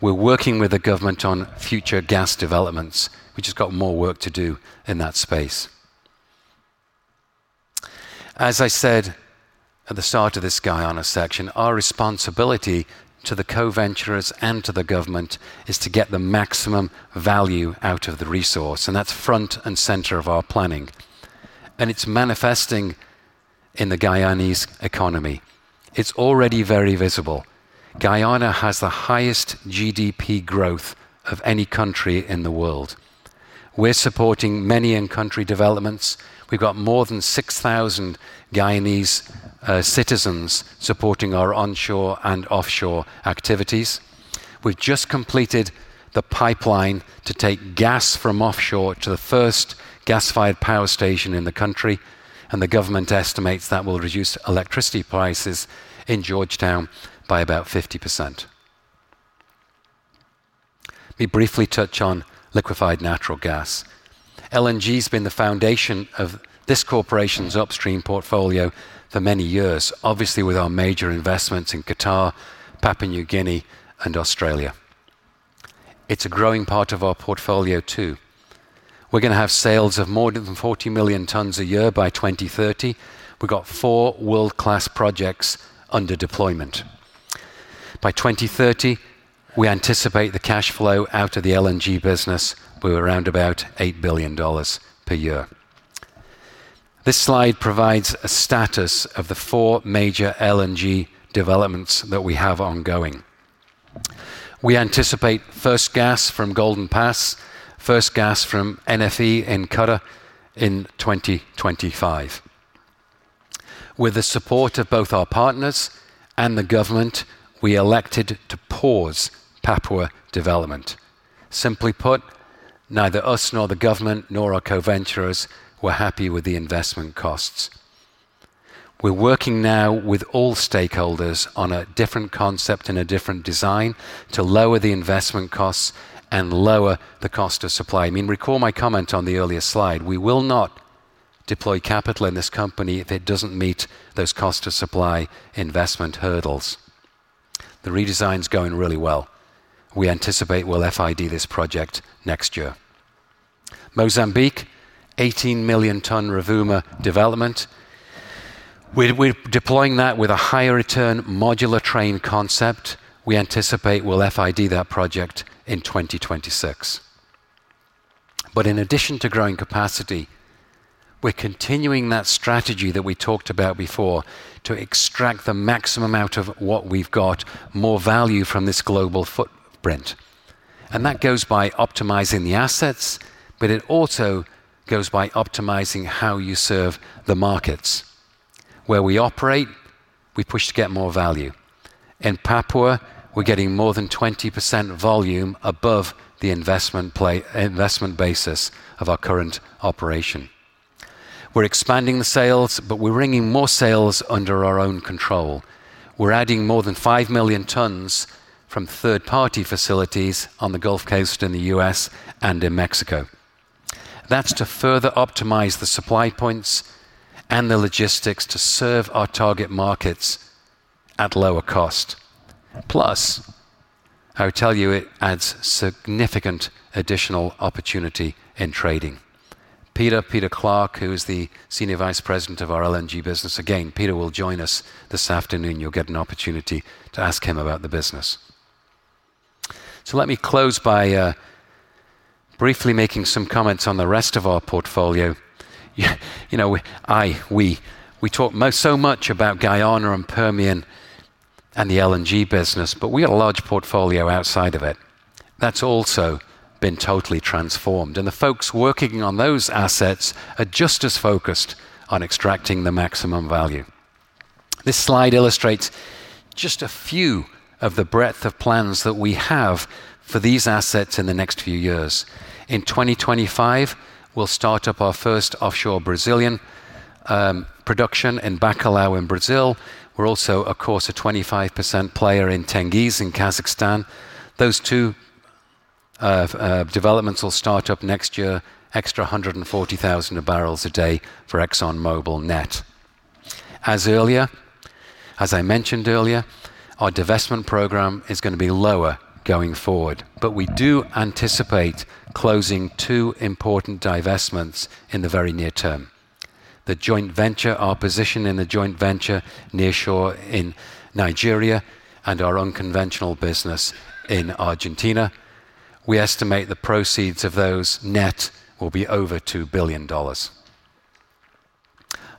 we're working with the government on future gas developments. We've just got more work to do in that space. As I said at the start of this Guyana section, our responsibility to the co-venturers and to the government is to get the maximum value out of the resource. And that's front and center of our planning. And it's manifesting in the Guyanese economy. It's already very visible. Guyana has the highest GDP growth of any country in the world. We're supporting many in-country developments. We've got more than 6,000 Guyanese citizens supporting our onshore and offshore activities. We've just completed the pipeline to take gas from offshore to the first gas-fired power station in the country. And the government estimates that will reduce electricity prices in Georgetown by about 50%. Let me briefly touch on liquefied natural gas. LNG has been the foundation of this corporation's upstream portfolio for many years, obviously with our major investments in Qatar, Papua New Guinea, and Australia. It's a growing part of our portfolio too. We're going to have sales of more than 40 million tons a year by 2030. We've got four world-class projects under deployment. By 2030, we anticipate the cash flow out of the LNG business will be around about $8 billion per year. This slide provides a status of the four major LNG developments that we have ongoing. We anticipate first gas from Golden Pass, first gas from NFE in Qatar in 2025. With the support of both our partners and the government, we elected to pause Papua development. Simply put, neither us nor the government nor our co-venturers were happy with the investment costs. We're working now with all stakeholders on a different concept and a different design to lower the investment costs and lower the cost of supply. I mean, recall my comment on the earlier slide. We will not deploy capital in this company if it doesn't meet those cost of supply investment hurdles. The redesign is going really well. We anticipate we'll FID this project next year. Mozambique, 18 million ton Rovuma development. We're deploying that with a higher return modular train concept. We anticipate we'll FID that project in 2026. But in addition to growing capacity, we're continuing that strategy that we talked about before to extract the maximum out of what we've got, more value from this global footprint. And that goes by optimizing the assets, but it also goes by optimizing how you serve the markets. Where we operate, we push to get more value. In Papua, we're getting more than 20% volume above the investment basis of our current operation. We're expanding the sales, but we're bringing more sales under our own control. We're adding more than five million tons from third-party facilities on the Gulf Coast in the U.S. and in Mexico. That's to further optimize the supply points and the logistics to serve our target markets at lower cost. Plus, I will tell you, it adds significant additional opportunity in trading. Peter, Peter Clarke, who is the Senior Vice President of our LNG business, again, Peter will join us this afternoon. You'll get an opportunity to ask him about the business. So let me close by briefly making some comments on the rest of our portfolio. We talk so much about Guyana and Permian and the LNG business, but we have a large portfolio outside of it. That's also been totally transformed. And the folks working on those assets are just as focused on extracting the maximum value. This slide illustrates just a few of the breadth of plans that we have for these assets in the next few years. In 2025, we'll start up our first offshore Brazilian production in Bacalhau in Brazil. We're also, of course, a 25% player in Tengiz in Kazakhstan. Those two developments will start up next year, extra 140,000 barrels a day for ExxonMobil Net. As earlier, as I mentioned earlier, our divestment program is going to be lower going forward. But we do anticipate closing two important divestments in the very near term: the joint venture, our position in the joint venture near shore in Nigeria, and our unconventional business in Argentina. We estimate the proceeds of those net will be over $2 billion.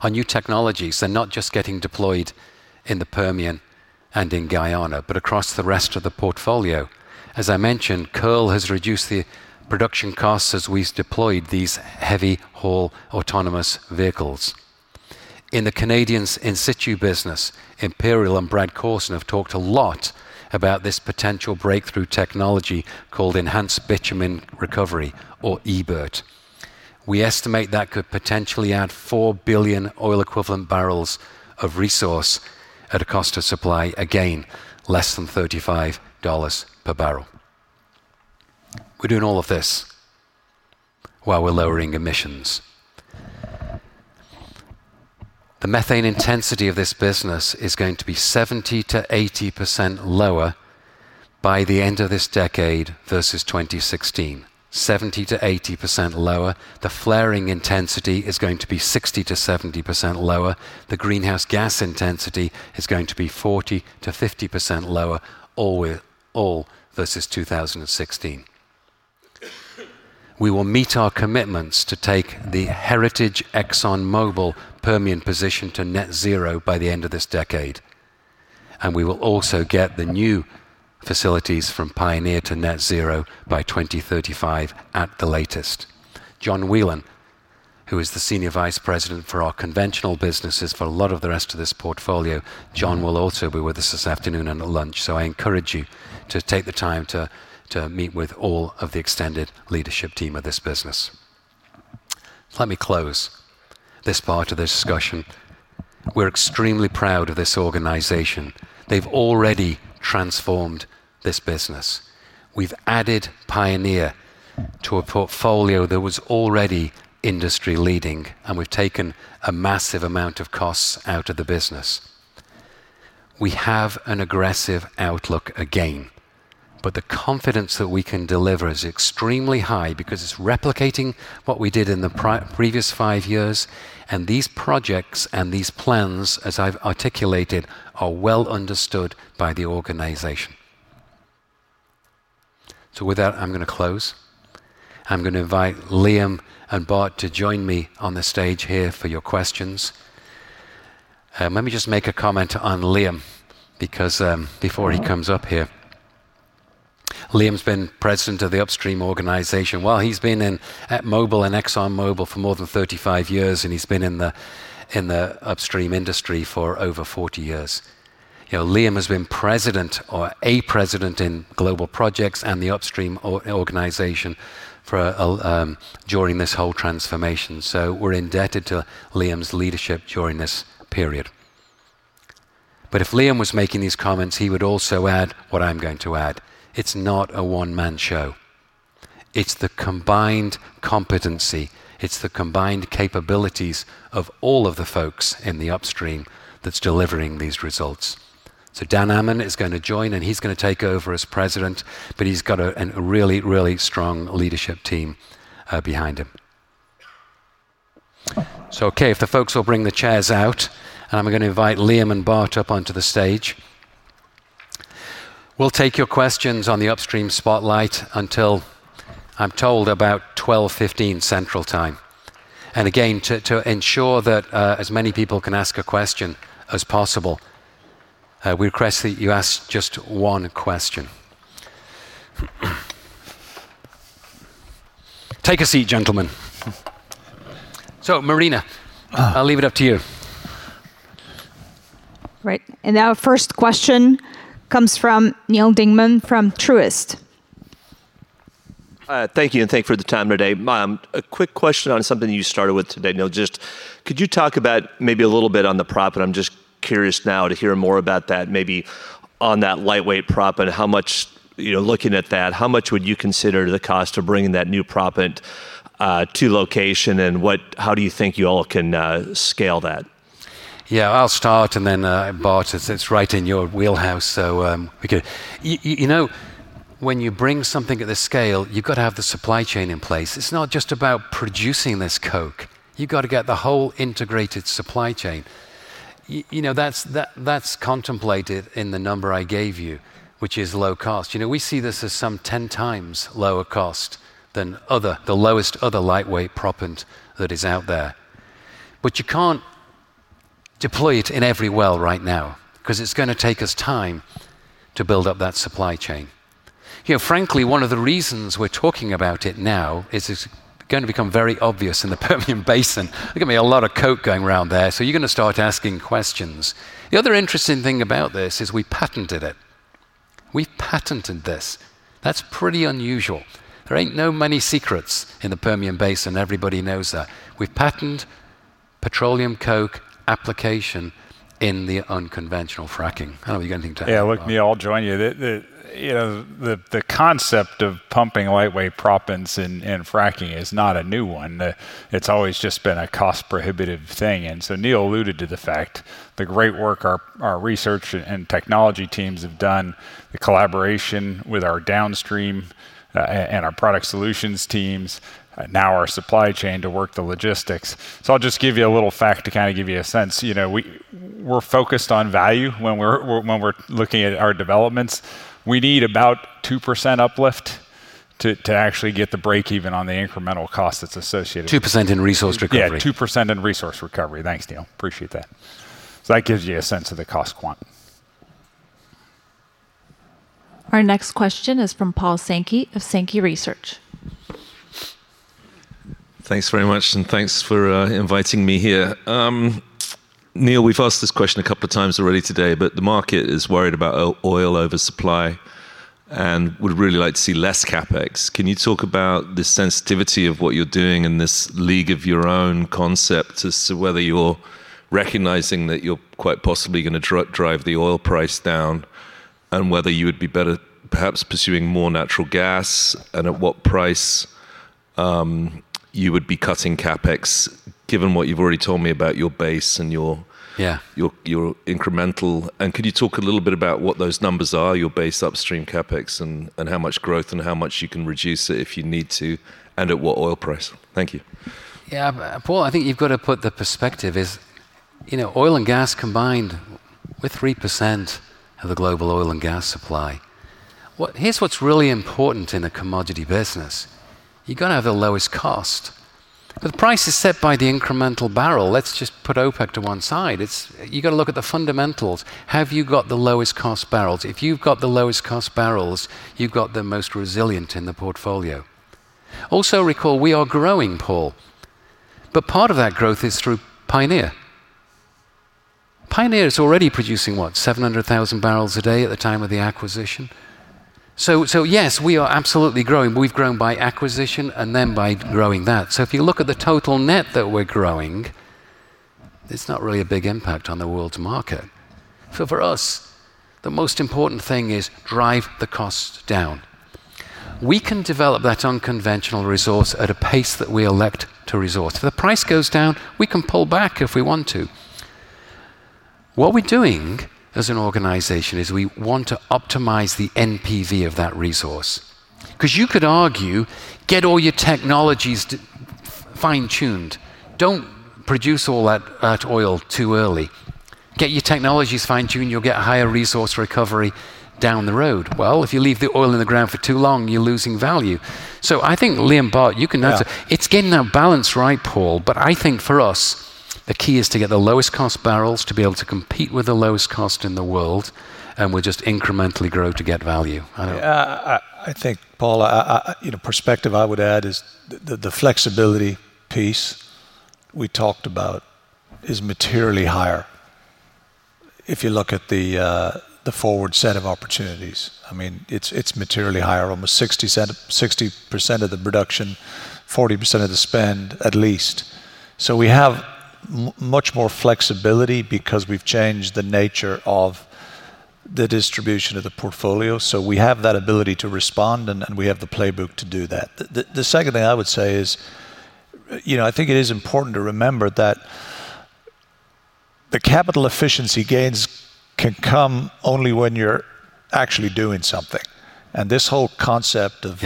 Our new technologies, they're not just getting deployed in the Permian and in Guyana, but across the rest of the portfolio. As I mentioned, Kearl has reduced the production costs as we've deployed these heavy haul autonomous vehicles. In the Canadian in situ business, Imperial and Brad Corson have talked a lot about this potential breakthrough technology called enhanced bitumen recovery, or EBR. We estimate that could potentially add four billion oil-equivalent barrels of resource at a cost of supply again, less than $35 per barrel. We're doing all of this while we're lowering emissions. The methane intensity of this business is going to be 70%-80% lower by the end of this decade versus 2016, 70%-80% lower. The flaring intensity is going to be 60%-70% lower. The greenhouse gas intensity is going to be 40%-50% lower, all versus 2016. We will meet our commitments to take the heritage ExxonMobil Permian position to net zero by the end of this decade. We will also get the new facilities from Pioneer to net zero by 2035 at the latest. John Whelan, who is the Senior Vice President for our conventional businesses for a lot of the rest of this portfolio, John will also be with us this afternoon and at lunch. I encourage you to take the time to meet with all of the extended leadership team of this business. Let me close this part of the discussion. We're extremely proud of this organization. They've already transformed this business. We've added Pioneer to a portfolio that was already industry-leading, and we've taken a massive amount of costs out of the business. We have an aggressive outlook again. The confidence that we can deliver is extremely high because it's replicating what we did in the previous five years. These projects and these plans, as I've articulated, are well understood by the organization. With that, I'm going to close. I'm going to invite Liam and Bart to join me on the stage here for your questions. Let me just make a comment on Liam because before he comes up here, Liam's been president of the upstream organization. He's been at Mobil and ExxonMobil for more than 35 years, and he's been in the upstream industry for over 40 years. Liam has been president or a president in global projects and the upstream organization during this whole transformation. We're indebted to Liam's leadership during this period. If Liam was making these comments, he would also add what I'm going to add. It's not a one-man show. It's the combined competency. It's the combined capabilities of all of the folks in the upstream that's delivering these results. So Dan Ammann is going to join, and he's going to take over as president, but he's got a really, really strong leadership team behind him. So okay, if the folks will bring the chairs out, and I'm going to invite Liam and Bart up onto the stage. We'll take your questions on the upstream spotlight until, I'm told, about 12:15 P.M. Central Time. And again, to ensure that as many people can ask a question as possible, we request that you ask just one question. Take a seat, gentlemen. So Marina, I'll leave it up to you. Right. And now our first question comes from Neal Dingman from Truist. Thank you, and thank you for the time today. A quick question on something you started with today, Neil. Just could you talk about maybe a little bit on the prop? And I'm just curious now to hear more about that, maybe on that lightweight prop and how much, looking at that, how much would you consider the cost of bringing that new prop to location? And how do you think you all can scale that? Yeah, I'll start, and then Bart, it's right in your wheelhouse. So when you bring something at this scale, you've got to have the supply chain in place. It's not just about producing this coke. You've got to get the whole integrated supply chain. That's contemplated in the number I gave you, which is low cost. We see this as some 10 times lower cost than the lowest other lightweight proppant that is out there. But you can't deploy it in every well right now because it's going to take us time to build up that supply chain. Frankly, one of the reasons we're talking about it now is it's going to become very obvious in the Permian Basin. Look at me, a lot of coke going around there. So you're going to start asking questions. The other interesting thing about this is we patented it. We've patented this. That's pretty unusual. There ain't no many secrets in the Permian Basin. Everybody knows that. We've patented petroleum coke application in the unconventional fracking. I don't know if you got anything to add. Yeah, let me also join you. The concept of pumping lightweight proppant and fracking is not a new one. It's always just been a cost-prohibitive thing. And so Neil alluded to the fact, the great work our research and technology teams have done, the collaboration with our downstream and our Product Solutions teams, now our supply chain to work the logistics. So I'll just give you a little fact to kind of give you a sense. We're focused on value when we're looking at our developments. We need about 2% uplift to actually get the break-even on the incremental cost that's associated. 2% in resource recovery. Yeah, 2% in resource recovery. Thanks, Neil. Appreciate that. So that gives you a sense of the cost quant. Our next question is from Paul Sankey of Sankey Research. Thanks very much, and thanks for inviting me here. Neil, we've asked this question a couple of times already today, but the market is worried about oil oversupply and would really like to see less CapEx. Can you talk about the sensitivity of what you're doing in this league of your own concept as to whether you're recognizing that you're quite possibly going to drive the oil price down and whether you would be better perhaps pursuing more natural gas and at what price you would be cutting CapEx, given what you've already told me about your base and your incremental? And could you talk a little bit about what those numbers are, your base upstream CapEx and how much growth and how much you can reduce it if you need to, and at what oil price? Thank you. Yeah, Paul, I think you've got to put in perspective: oil and gas combined is 3% of the global oil and gas supply. Here's what's really important in a commodity business. You've got to have the lowest cost. But the price is set by the incremental barrel. Let's just put OPEC to one side. You've got to look at the fundamentals. Have you got the lowest cost barrels? If you've got the lowest cost barrels, you've got the most resilient in the portfolio. Also, recall we are growing, Paul. But part of that growth is through Pioneer. Pioneer is already producing what, 700,000 barrels a day at the time of the acquisition? So yes, we are absolutely growing. We've grown by acquisition and then by growing that. So if you look at the total net that we're growing, it's not really a big impact on the world's market. For us, the most important thing is drive the cost down. We can develop that unconventional resource at a pace that we elect to resource. If the price goes down, we can pull back if we want to. What we're doing as an organization is we want to optimize the NPV of that resource. Because you could argue, get all your technologies fine-tuned. Don't produce all that oil too early. Get your technologies fine-tuned, you'll get a higher resource recovery down the road. If you leave the oil in the ground for too long, you're losing value. I think, Liam and Bart, you can answer. It's getting that balance right, Paul. I think for us, the key is to get the lowest cost barrels to be able to compete with the lowest cost in the world, and we'll just incrementally grow to get value. I think, Paul, a perspective I would add is the flexibility piece we talked about is materially higher if you look at the forward set of opportunities. I mean, it's materially higher, almost 60% of the production, 40% of the spend, at least. So we have much more flexibility because we've changed the nature of the distribution of the portfolio. So we have that ability to respond, and we have the playbook to do that. The second thing I would say is I think it is important to remember that the capital efficiency gains can come only when you're actually doing something, and this whole concept of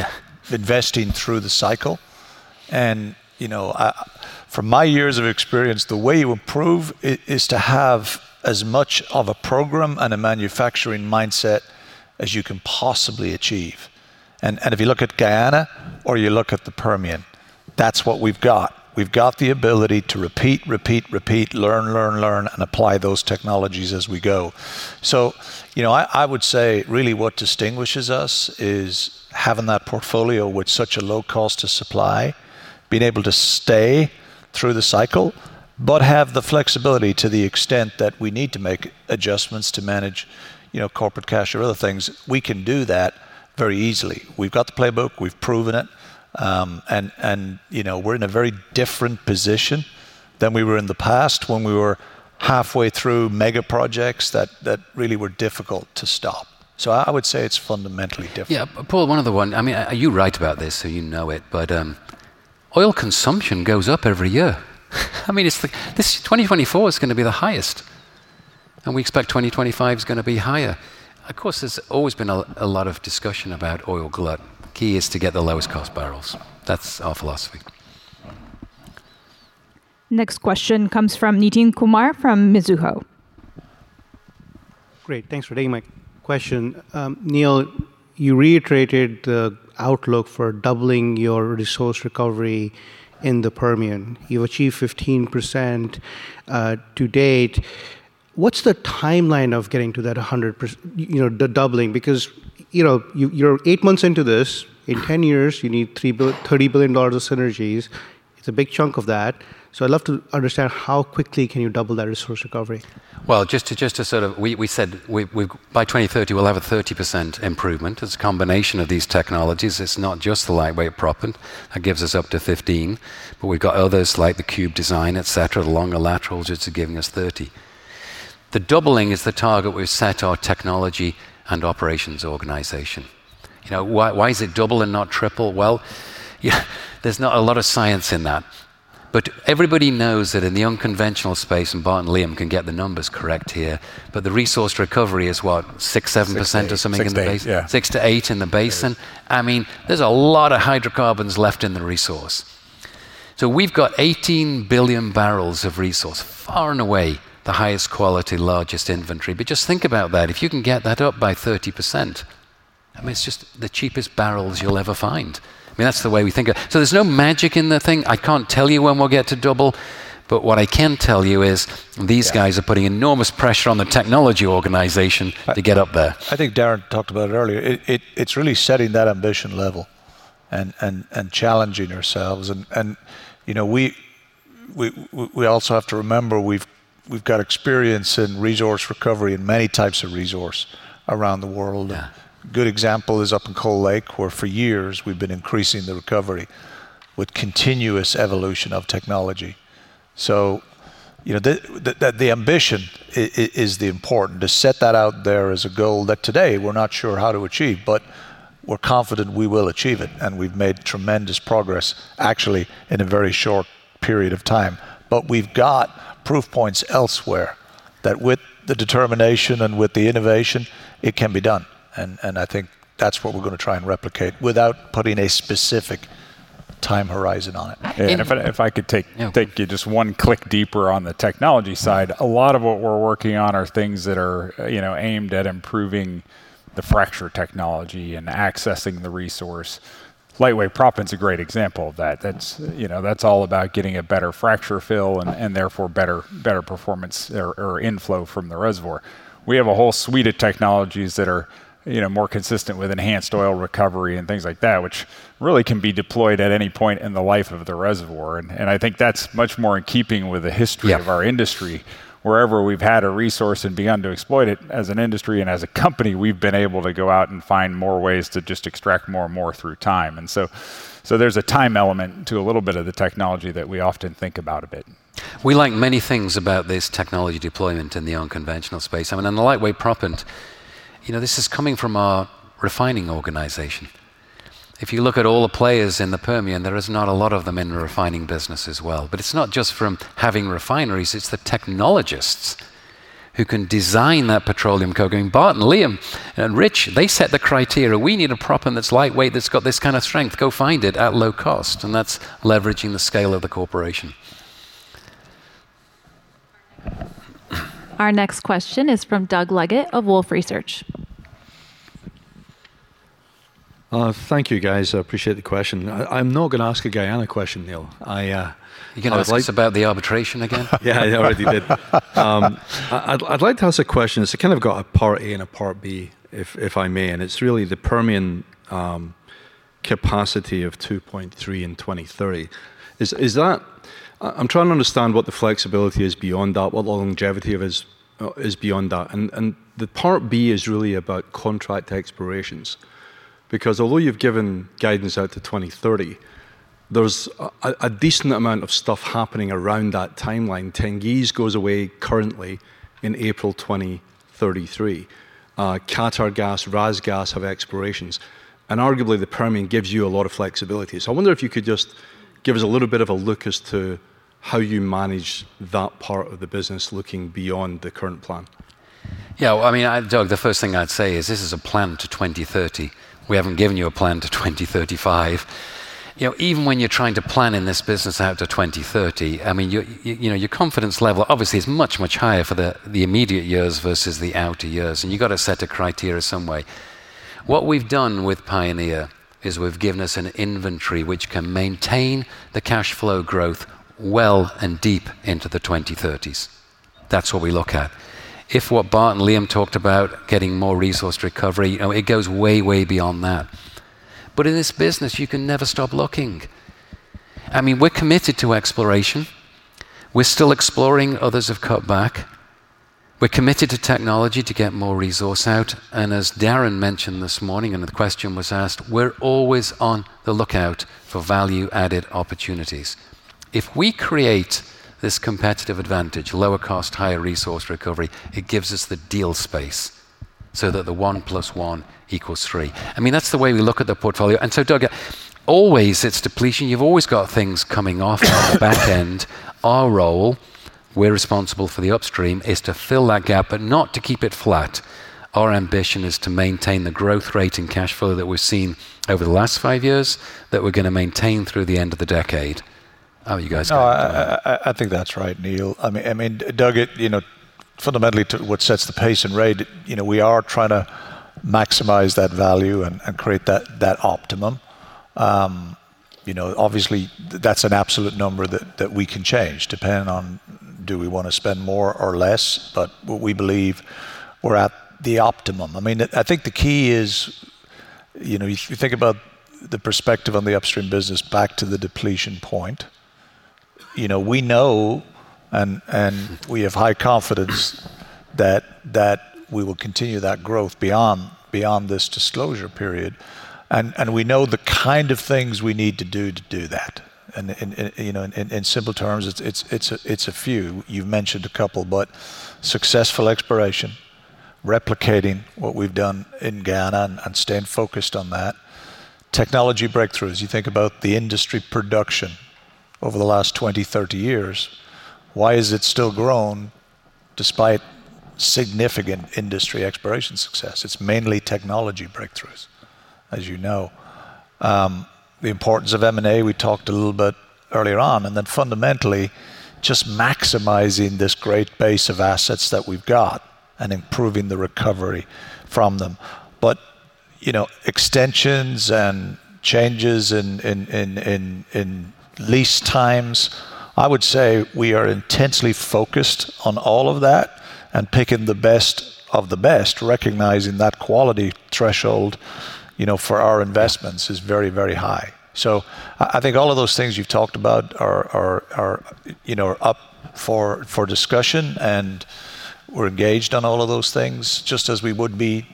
investing through the cycle, and from my years of experience, the way you improve is to have as much of a program and a manufacturing mindset as you can possibly achieve. And if you look at Guyana or you look at the Permian, that's what we've got. We've got the ability to repeat, repeat, repeat, learn, learn, learn, and apply those technologies as we go. So I would say really what distinguishes us is having that portfolio with such a low cost of supply, being able to stay through the cycle, but have the flexibility to the extent that we need to make adjustments to manage corporate cash or other things. We can do that very easily. We've got the playbook. We've proven it. And we're in a very different position than we were in the past when we were halfway through mega projects that really were difficult to stop. So I would say it's fundamentally different. Yeah, Paul, one other one. I mean, you write about this, so you know it, but oil consumption goes up every year. I mean, 2024 is going to be the highest, and we expect 2025 is going to be higher. Of course, there's always been a lot of discussion about oil glut. The key is to get the lowest cost barrels. That's our philosophy. Next question comes from Nitin Kumar from Mizuho. Great. Thanks for taking my question. Neil, you reiterated the outlook for doubling your resource recovery in the Permian. You've achieved 15% to date. What's the timeline of getting to that 100%, the doubling? Because you're eight months into this. In 10 years, you need $30 billion of synergies. It's a big chunk of that. So I'd love to understand how quickly can you double that resource recovery? Just to sort of, we said by 2030, we'll have a 30% improvement. It's a combination of these technologies. It's not just the lightweight proppant that gives us up to 15%, but we've got others like the Cube development, et cetera, the longer laterals just are giving us 30%. The doubling is the target we've set our technology and operations organization. Why is it double and not triple? There's not a lot of science in that. But everybody knows that in the unconventional space, and Bart and Liam can get the numbers correct here, but the resource recovery is what, 6%, 7% or something in the basin? Something in the basin, yeah. 6% to 8% in the basin. I mean, there's a lot of hydrocarbons left in the resource. So we've got 18 billion barrels of resource, far and away the highest quality, largest inventory. But just think about that. If you can get that up by 30%, I mean, it's just the cheapest barrels you'll ever find. I mean, that's the way we think of it. So there's no magic in the thing. I can't tell you when we'll get to double, but what I can tell you is these guys are putting enormous pressure on the technology organization to get up there. I think Darren talked about it earlier. It's really setting that ambition level and challenging ourselves, and we also have to remember we've got experience in resource recovery and many types of resource around the world. A good example is up in Cold Lake, where for years we've been increasing the recovery with continuous evolution of technology, so the ambition is the important to set that out there as a goal that today we're not sure how to achieve, but we're confident we will achieve it, and we've made tremendous progress, actually, in a very short period of time, but we've got proof points elsewhere that with the determination and with the innovation, it can be done, and I think that's what we're going to try and replicate without putting a specific time horizon on it. And if I could take you just one click deeper on the technology side, a lot of what we're working on are things that are aimed at improving the fracture technology and accessing the resource. Lightweight proppant is a great example of that. That's all about getting a better fracture fill and therefore better performance or inflow from the reservoir. We have a whole suite of technologies that are more consistent with enhanced oil recovery and things like that, which really can be deployed at any point in the life of the reservoir. And I think that's much more in keeping with the history of our industry. Wherever we've had a resource and begun to exploit it as an industry and as a company, we've been able to go out and find more ways to just extract more and more through time. And so there's a time element to a little bit of the technology that we often think about a bit. We like many things about this technology deployment in the unconventional space. I mean, on the lightweight proppant, this is coming from our refining organization. If you look at all the players in the Permian, there are not a lot of them in the refining business as well. But it's not just from having refineries. It's the technologists who can design that petroleum coke. I mean, Bart and Liam and Rich, they set the criteria. We need a proppant that's lightweight, that's got this kind of strength. Go find it at low cost. And that's leveraging the scale of the corporation. Our next question is from Doug Leggett of Wolfe Research. Thank you, guys. I appreciate the question. I'm not going to ask a Guyana question, Neil. You're going to ask about the arbitration again? Yeah, I already did. I'd like to ask a question. It's kind of got a part A and a part B, if I may. And it's really the Permian capacity of 2.3 in 2030. I'm trying to understand what the flexibility is beyond that, what the longevity is beyond that. And the part B is really about contract expirations. Because although you've given guidance out to 2030, there's a decent amount of stuff happening around that timeline. Tengiz goes away currently in April 2033. Qatargas, RasGas have expirations. And arguably, the Permian gives you a lot of flexibility. So I wonder if you could just give us a little bit of a look as to how you manage that part of the business looking beyond the current plan. Yeah, I mean, Doug, the first thing I'd say is this is a plan to 2030. We haven't given you a plan to 2035. Even when you're trying to plan in this business out to 2030, I mean, your confidence level obviously is much, much higher for the immediate years versus the outer years. And you've got to set a criteria some way. What we've done with Pioneer is we've given us an inventory which can maintain the cash flow growth well and deep into the 2030s. That's what we look at. If what Bart and Liam talked about, getting more resource recovery, it goes way, way beyond that. But in this business, you can never stop looking. I mean, we're committed to exploration. We're still exploring. Others have cut back. We're committed to technology to get more resource out. And as Darren mentioned this morning and the question was asked, we're always on the lookout for value-added opportunities. If we create this competitive advantage, lower cost, higher resource recovery, it gives us the deal space so that the one plus one equals three. I mean, that's the way we look at the portfolio. And so, Doug, always it's depletion. You've always got things coming off on the back end. Our role, we're responsible for the upstream, is to fill that gap, but not to keep it flat. Our ambition is to maintain the growth rate and cash flow that we've seen over the last five years that we're going to maintain through the end of the decade. Oh, you guys got it. No, I think that's right, Neil. I mean, Doug, fundamentally, what sets the pace and rate, we are trying to maximize that value and create that optimum. Obviously, that's an absolute number that we can change depending on do we want to spend more or less, but we believe we're at the optimum. I mean, I think the key is if you think about the perspective on the upstream business back to the depletion point, we know and we have high confidence that we will continue that growth beyond this disclosure period. And we know the kind of things we need to do to do that. And in simple terms, it's a few. You've mentioned a couple, but successful exploration, replicating what we've done in Guyana and staying focused on that. Technology breakthroughs. You think about the industry production over the last 20 years-30 years. Why has it still grown despite significant industry exploration success? It's mainly technology breakthroughs, as you know. The importance of M&A we talked a little bit earlier on, and then fundamentally, just maximizing this great base of assets that we've got and improving the recovery from them, but extensions and changes in lease times, I would say we are intensely focused on all of that and picking the best of the best, recognizing that quality threshold for our investments is very, very high, so I think all of those things you've talked about are up for discussion, and we're engaged on all of those things just as we would be,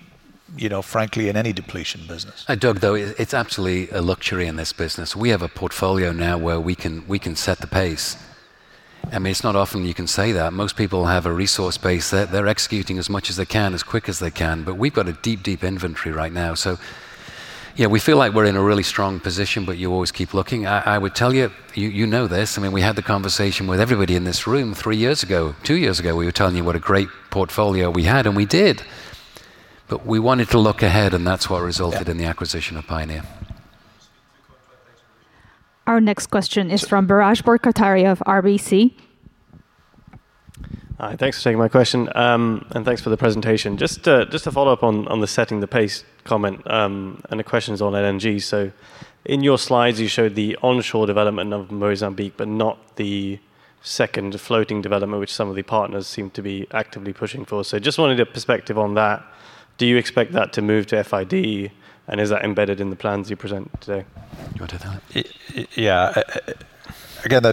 frankly, in any depletion business. And Doug, though, it's absolutely a luxury in this business. We have a portfolio now where we can set the pace. I mean, it's not often you can say that. Most people have a resource base. They're executing as much as they can, as quick as they can. But we've got a deep, deep inventory right now. So yeah, we feel like we're in a really strong position, but you always keep looking. I would tell you, you know this. I mean, we had the conversation with everybody in this room three years ago, two years ago. We were telling you what a great portfolio we had, and we did. But we wanted to look ahead, and that's what resulted in the acquisition of Pioneer. Our next question is from Biraj Borkhataria of RBC. Hi, thanks for taking my question, and thanks for the presentation. Just to follow up on the setting the pace comment and the questions on LNG, so in your slides, you showed the onshore development of Mozambique, but not the second floating development, which some of the partners seem to be actively pushing for, so just wanted a perspective on that. Do you expect that to move to FID, and is that embedded in the plans you present today? Yeah. Again, I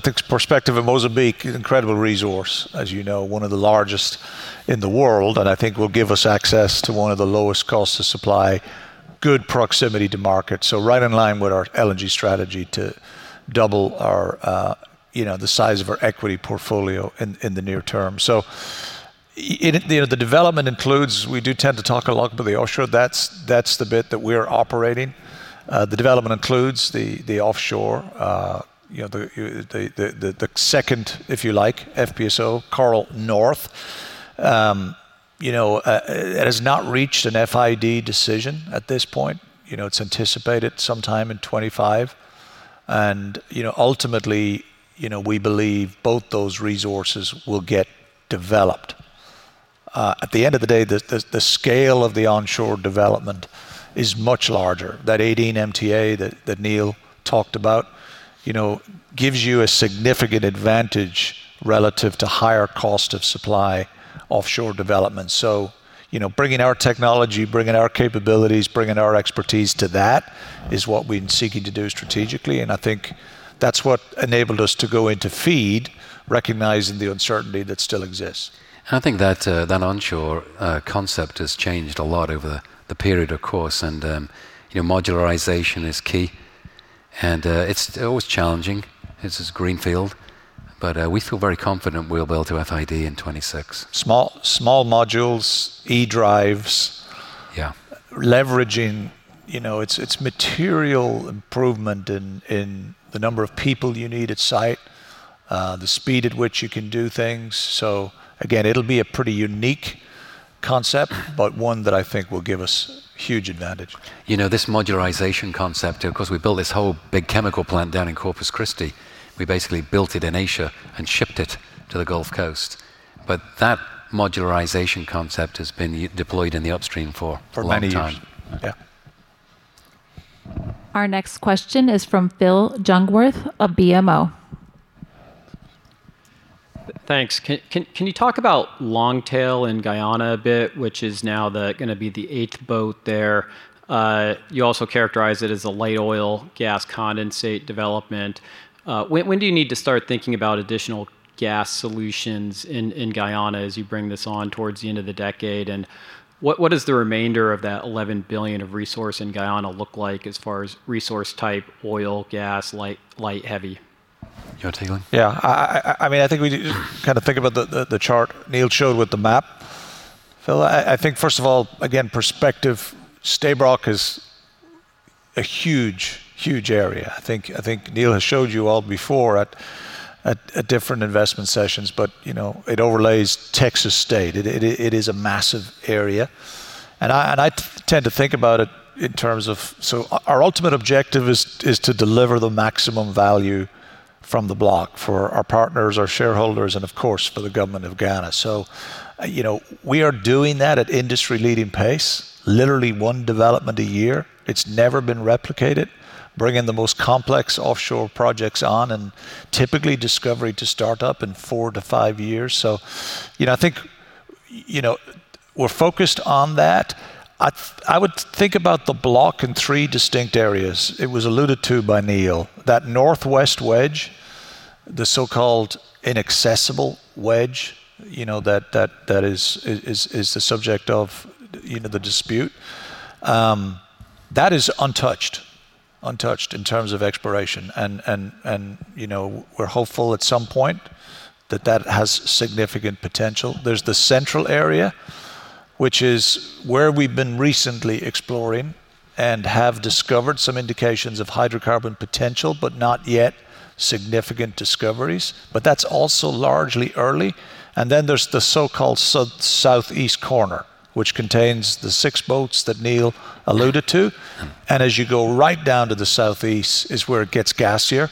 think perspective of Mozambique, incredible resource, as you know, one of the largest in the world, and I think will give us access to one of the lowest costs to supply, good proximity to market. So right in line with our LNG strategy to double the size of our equity portfolio in the near term. So the development includes, we do tend to talk a lot about the offshore. That's the bit that we're operating. The development includes the offshore, the second, if you like, FPSO, Coral North. It has not reached an FID decision at this point. It's anticipated sometime in 2025. And ultimately, we believe both those resources will get developed. At the end of the day, the scale of the onshore development is much larger. That 18 MTA that Neil talked about gives you a significant advantage relative to higher cost of supply offshore development. So bringing our technology, bringing our capabilities, bringing our expertise to that is what we've been seeking to do strategically. And I think that's what enabled us to go into feed, recognizing the uncertainty that still exists. And I think that onshore concept has changed a lot over the period, of course. And modularization is key. And it's always challenging. It's a greenfield. But we feel very confident we'll be able to FID in 2026. Small modules, eDrives, leveraging its material improvement in the number of people you need at site, the speed at which you can do things. So again, it'll be a pretty unique concept, but one that I think will give us huge advantage. You know, this modularization concept, of course, we built this whole big chemical plant down in Corpus Christi. We basically built it in Asia and shipped it to the Gulf Coast. But that modularization concept has been deployed in the upstream for a long time. For many years. Yeah. Our next question is from Phillip Jungwirth of BMO. Thanks. Can you talk about Longtail in Guyana a bit, which is now going to be the eighth boat there? You also characterize it as a light oil gas condensate development. When do you need to start thinking about additional gas solutions in Guyana as you bring this on towards the end of the decade? And what does the remainder of that 11 billion of resource in Guyana look like as far as resource type, oil, gas, light, light heavy? You want to take it? Yeah, I mean, I think we kind of think about the chart Neil showed with the map. Phil, I think, first of all, again, perspective, Stabroek is a huge, huge area. I think Neil has showed you all before at different investment sessions, but it overlays the state of Texas. It is a massive area, and I tend to think about it in terms of, so our ultimate objective is to deliver the maximum value from the block for our partners, our shareholders, and of course, for the government of Guyana. So we are doing that at industry-leading pace, literally one development a year. It's never been replicated, bringing the most complex offshore projects on and typically discovery to startup in four to five years. So I think we're focused on that. I would think about the block in three distinct areas. It was alluded to by Neil, that northwest wedge, the so-called inaccessible wedge that is the subject of the dispute. That is untouched, untouched in terms of exploration, and we're hopeful at some point that that has significant potential. There's the central area, which is where we've been recently exploring and have discovered some indications of hydrocarbon potential, but not yet significant discoveries, but that's also largely early, and then there's the so-called southeast corner, which contains the six boats that Neil alluded to, and as you go right down to the southeast is where it gets gassier,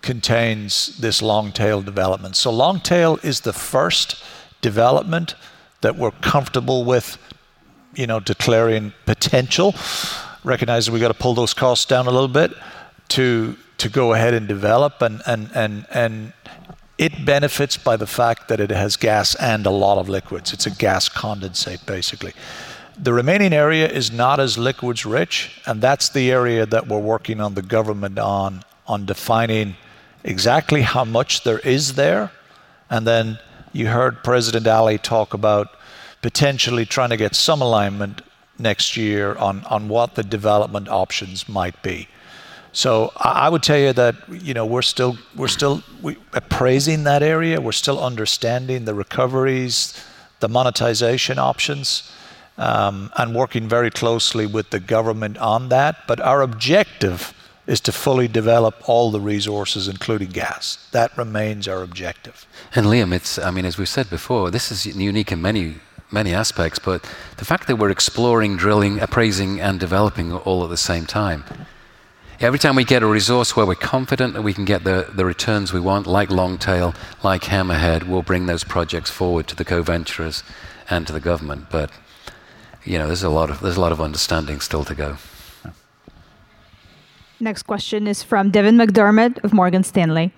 contains this Longtail development, so Longtail is the first development that we're comfortable with declaring potential, recognizing we've got to pull those costs down a little bit to go ahead and develop, and it benefits by the fact that it has gas and a lot of liquids. It's a gas condensate, basically. The remaining area is not as liquids rich. And that's the area that we're working with the government on defining exactly how much there is there. And then you heard President Ali talk about potentially trying to get some alignment next year on what the development options might be. So I would tell you that we're still appraising that area. We're still understanding the recoveries, the monetization options, and working very closely with the government on that. But our objective is to fully develop all the resources, including gas. That remains our objective. And Liam, I mean, as we've said before, this is unique in many, many aspects, but the fact that we're exploring, drilling, appraising, and developing all at the same time. Every time we get a resource where we're confident that we can get the returns we want, like Longtail, like Hammerhead, we'll bring those projects forward to the co-venturers and to the government. But there's a lot of understanding still to go. Next question is from Devin McDermott of Morgan Stanley.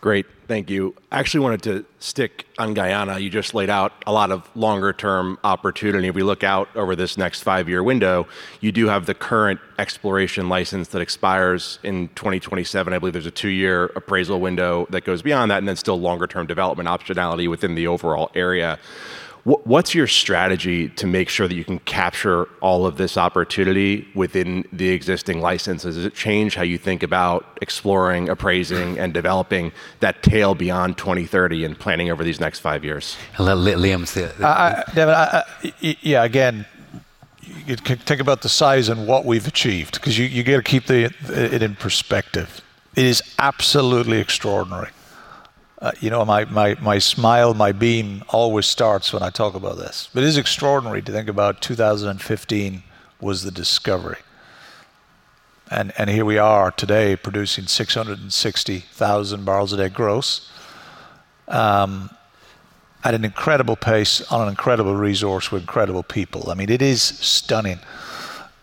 Great. Thank you. I actually wanted to stick on Guyana. You just laid out a lot of longer-term opportunity. We look out over this next five-year window. You do have the current exploration license that expires in 2027. I believe there's a two-year appraisal window that goes beyond that, and then still longer-term development optionality within the overall area. What's your strategy to make sure that you can capture all of this opportunity within the existing licenses? Does it change how you think about exploring, appraising, and developing that tail beyond 2030 and planning over these next five years? Let Liam see it. Yeah, again, think about the size and what we've achieved because you've got to keep it in perspective. It is absolutely extraordinary. My smile, my beam always starts when I talk about this. But it is extraordinary to think about 2015 was the discovery. And here we are today producing 660,000 barrels a day gross at an incredible pace on an incredible resource with incredible people. I mean, it is stunning,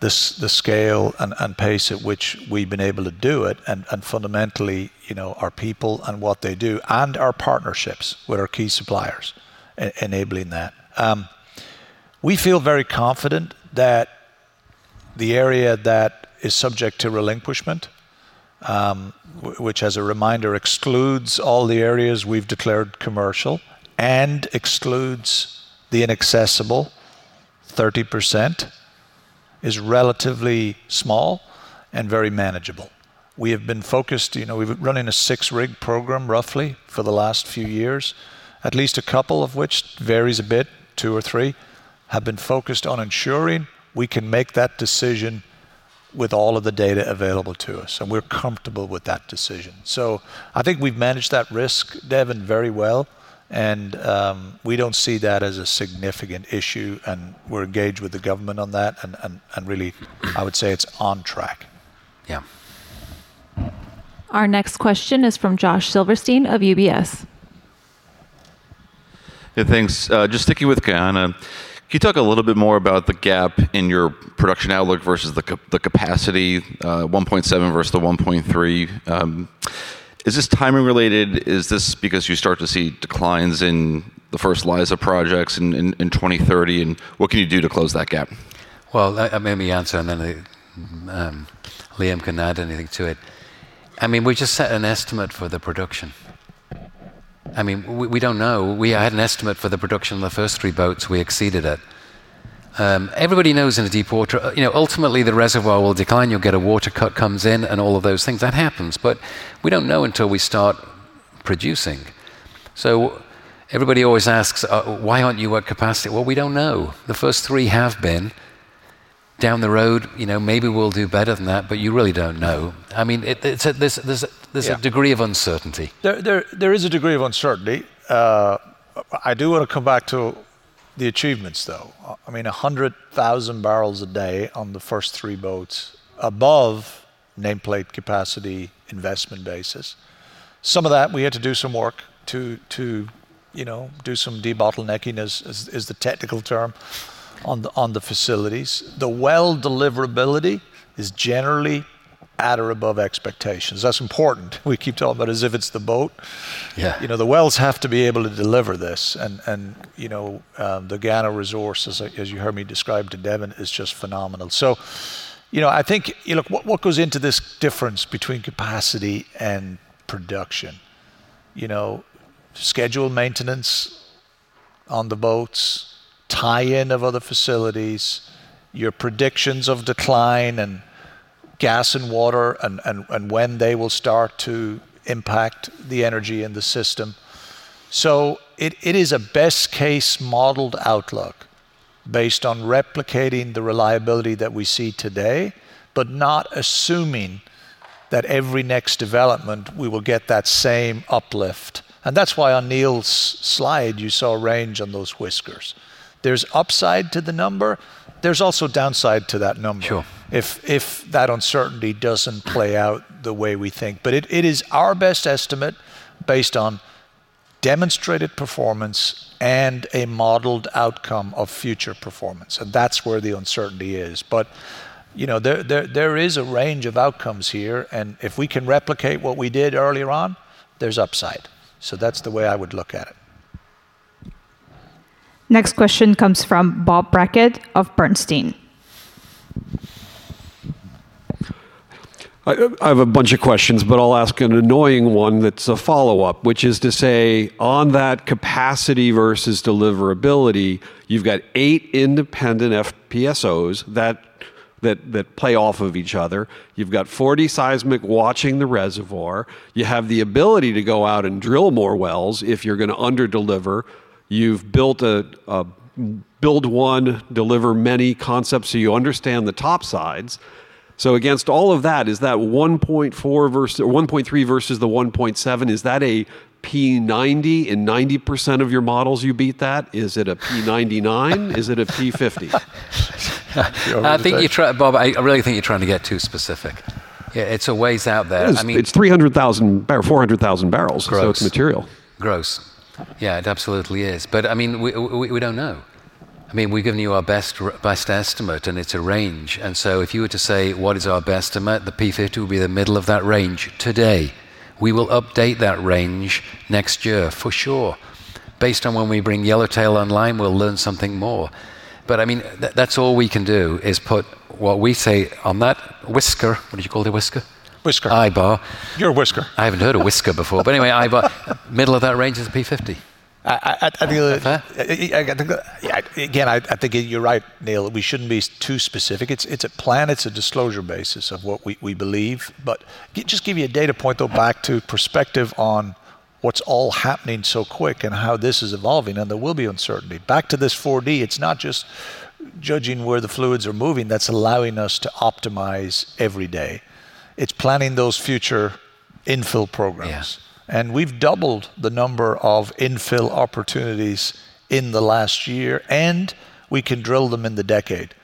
the scale and pace at which we've been able to do it. And fundamentally, our people and what they do and our partnerships with our key suppliers enabling that. We feel very confident that the area that is subject to relinquishment, which as a reminder excludes all the areas we've declared commercial and excludes the inaccessible 30%, is relatively small and very manageable. We have been focused. We've run a six-rig program roughly for the last few years, at least a couple of which varies a bit, two or three, have been focused on ensuring we can make that decision with all of the data available to us, and we're comfortable with that decision, so I think we've managed that risk, Devin, very well, and we don't see that as a significant issue, and we're engaged with the government on that, and really, I would say it's on track. Yeah. Our next question is from Josh Silverstein of UBS. Yeah, thanks. Just sticking with Guyana, can you talk a little bit more about the gap in your production outlook versus the capacity, 1.7 versus the 1.3? Is this timing related? Is this because you start to see declines in the first Liza projects in 2030? And what can you do to close that gap? Well, let me answer, and then Liam can add anything to it. I mean, we just set an estimate for the production. I mean, we don't know. We had an estimate for the production of the first three boats. We exceeded it. Everybody knows in deepwater, ultimately, the reservoir will decline. You'll get a water cut comes in and all of those things. That happens. But we don't know until we start producing. So everybody always asks, why aren't you at capacity? Well, we don't know. The first three have been. Down the road, maybe we'll do better than that, but you really don't know. I mean, there's a degree of uncertainty. There is a degree of uncertainty. I do want to come back to the achievements, though. I mean, 100,000 barrels a day on the first three boats, above nameplate capacity investment basis. Some of that, we had to do some work to do some debottlenecking, is the technical term, on the facilities. The well deliverability is generally at or above expectations. That's important. We keep talking about as if it's the boat. The wells have to be able to deliver this, and the Guyana resources, as you heard me describe to Devin, is just phenomenal. So I think, look, what goes into this difference between capacity and production? Scheduled maintenance on the boats, tie-in of other facilities, your predictions of decline and gas and water and when they will start to impact the energy and the system. So, it is a best-case modeled outlook based on replicating the reliability that we see today, but not assuming that every next development, we will get that same uplift. And that's why on Neil's slide, you saw a range on those whiskers. There's upside to the number. There's also downside to that number if that uncertainty doesn't play out the way we think. But it is our best estimate based on demonstrated performance and a modeled outcome of future performance. And that's where the uncertainty is. But there is a range of outcomes here. And if we can replicate what we did earlier on, there's upside. So that's the way I would look at it. Next question comes from Bob Brackett of Bernstein. I have a bunch of questions, but I'll ask an annoying one that's a follow-up, which is to say, on that capacity versus deliverability, you've got eight independent FPSOs that play off of each other. You've got 4D seismic watching the reservoir. You have the ability to go out and drill more wells if you're going to underdeliver. You've built a build one, deliver many concepts so you understand the topsides. So against all of that, is that 1.3 versus the 1.7, is that a P90? In 90% of your models, you beat that. Is it a P99? Is it a P50? I think you're trying, Bob, I really think you're trying to get too specific. It's a ways out there. I mean. It's 300,000 or 400,000 barrels, so it's material. Gross. Yeah, it absolutely is. But I mean, we don't know. I mean, we've given you our best estimate, and it's a range. And so if you were to say, what is our best estimate? The P50 would be the middle of that range today. We will update that range next year for sure. Based on when we bring Yellowtail online, we'll learn something more. But I mean, that's all we can do is put what we say on that whisker. What did you call the whisker? Whisker. I-bar. You're a whisker. I haven't heard a whisker before, but anyway, middle of that range is a P50. Again, I think you're right, Neil. We shouldn't be too specific. It's a plan. It's a disclosure basis of what we believe. But just give you a data point, though, back to perspective on what's all happening so quick and how this is evolving. And there will be uncertainty. Back to this 4D, it's not just judging where the fluids are moving that's allowing us to optimize every day. It's planning those future infill programs. And we've doubled the number of infill opportunities in the last year, and we can drill them in the decade.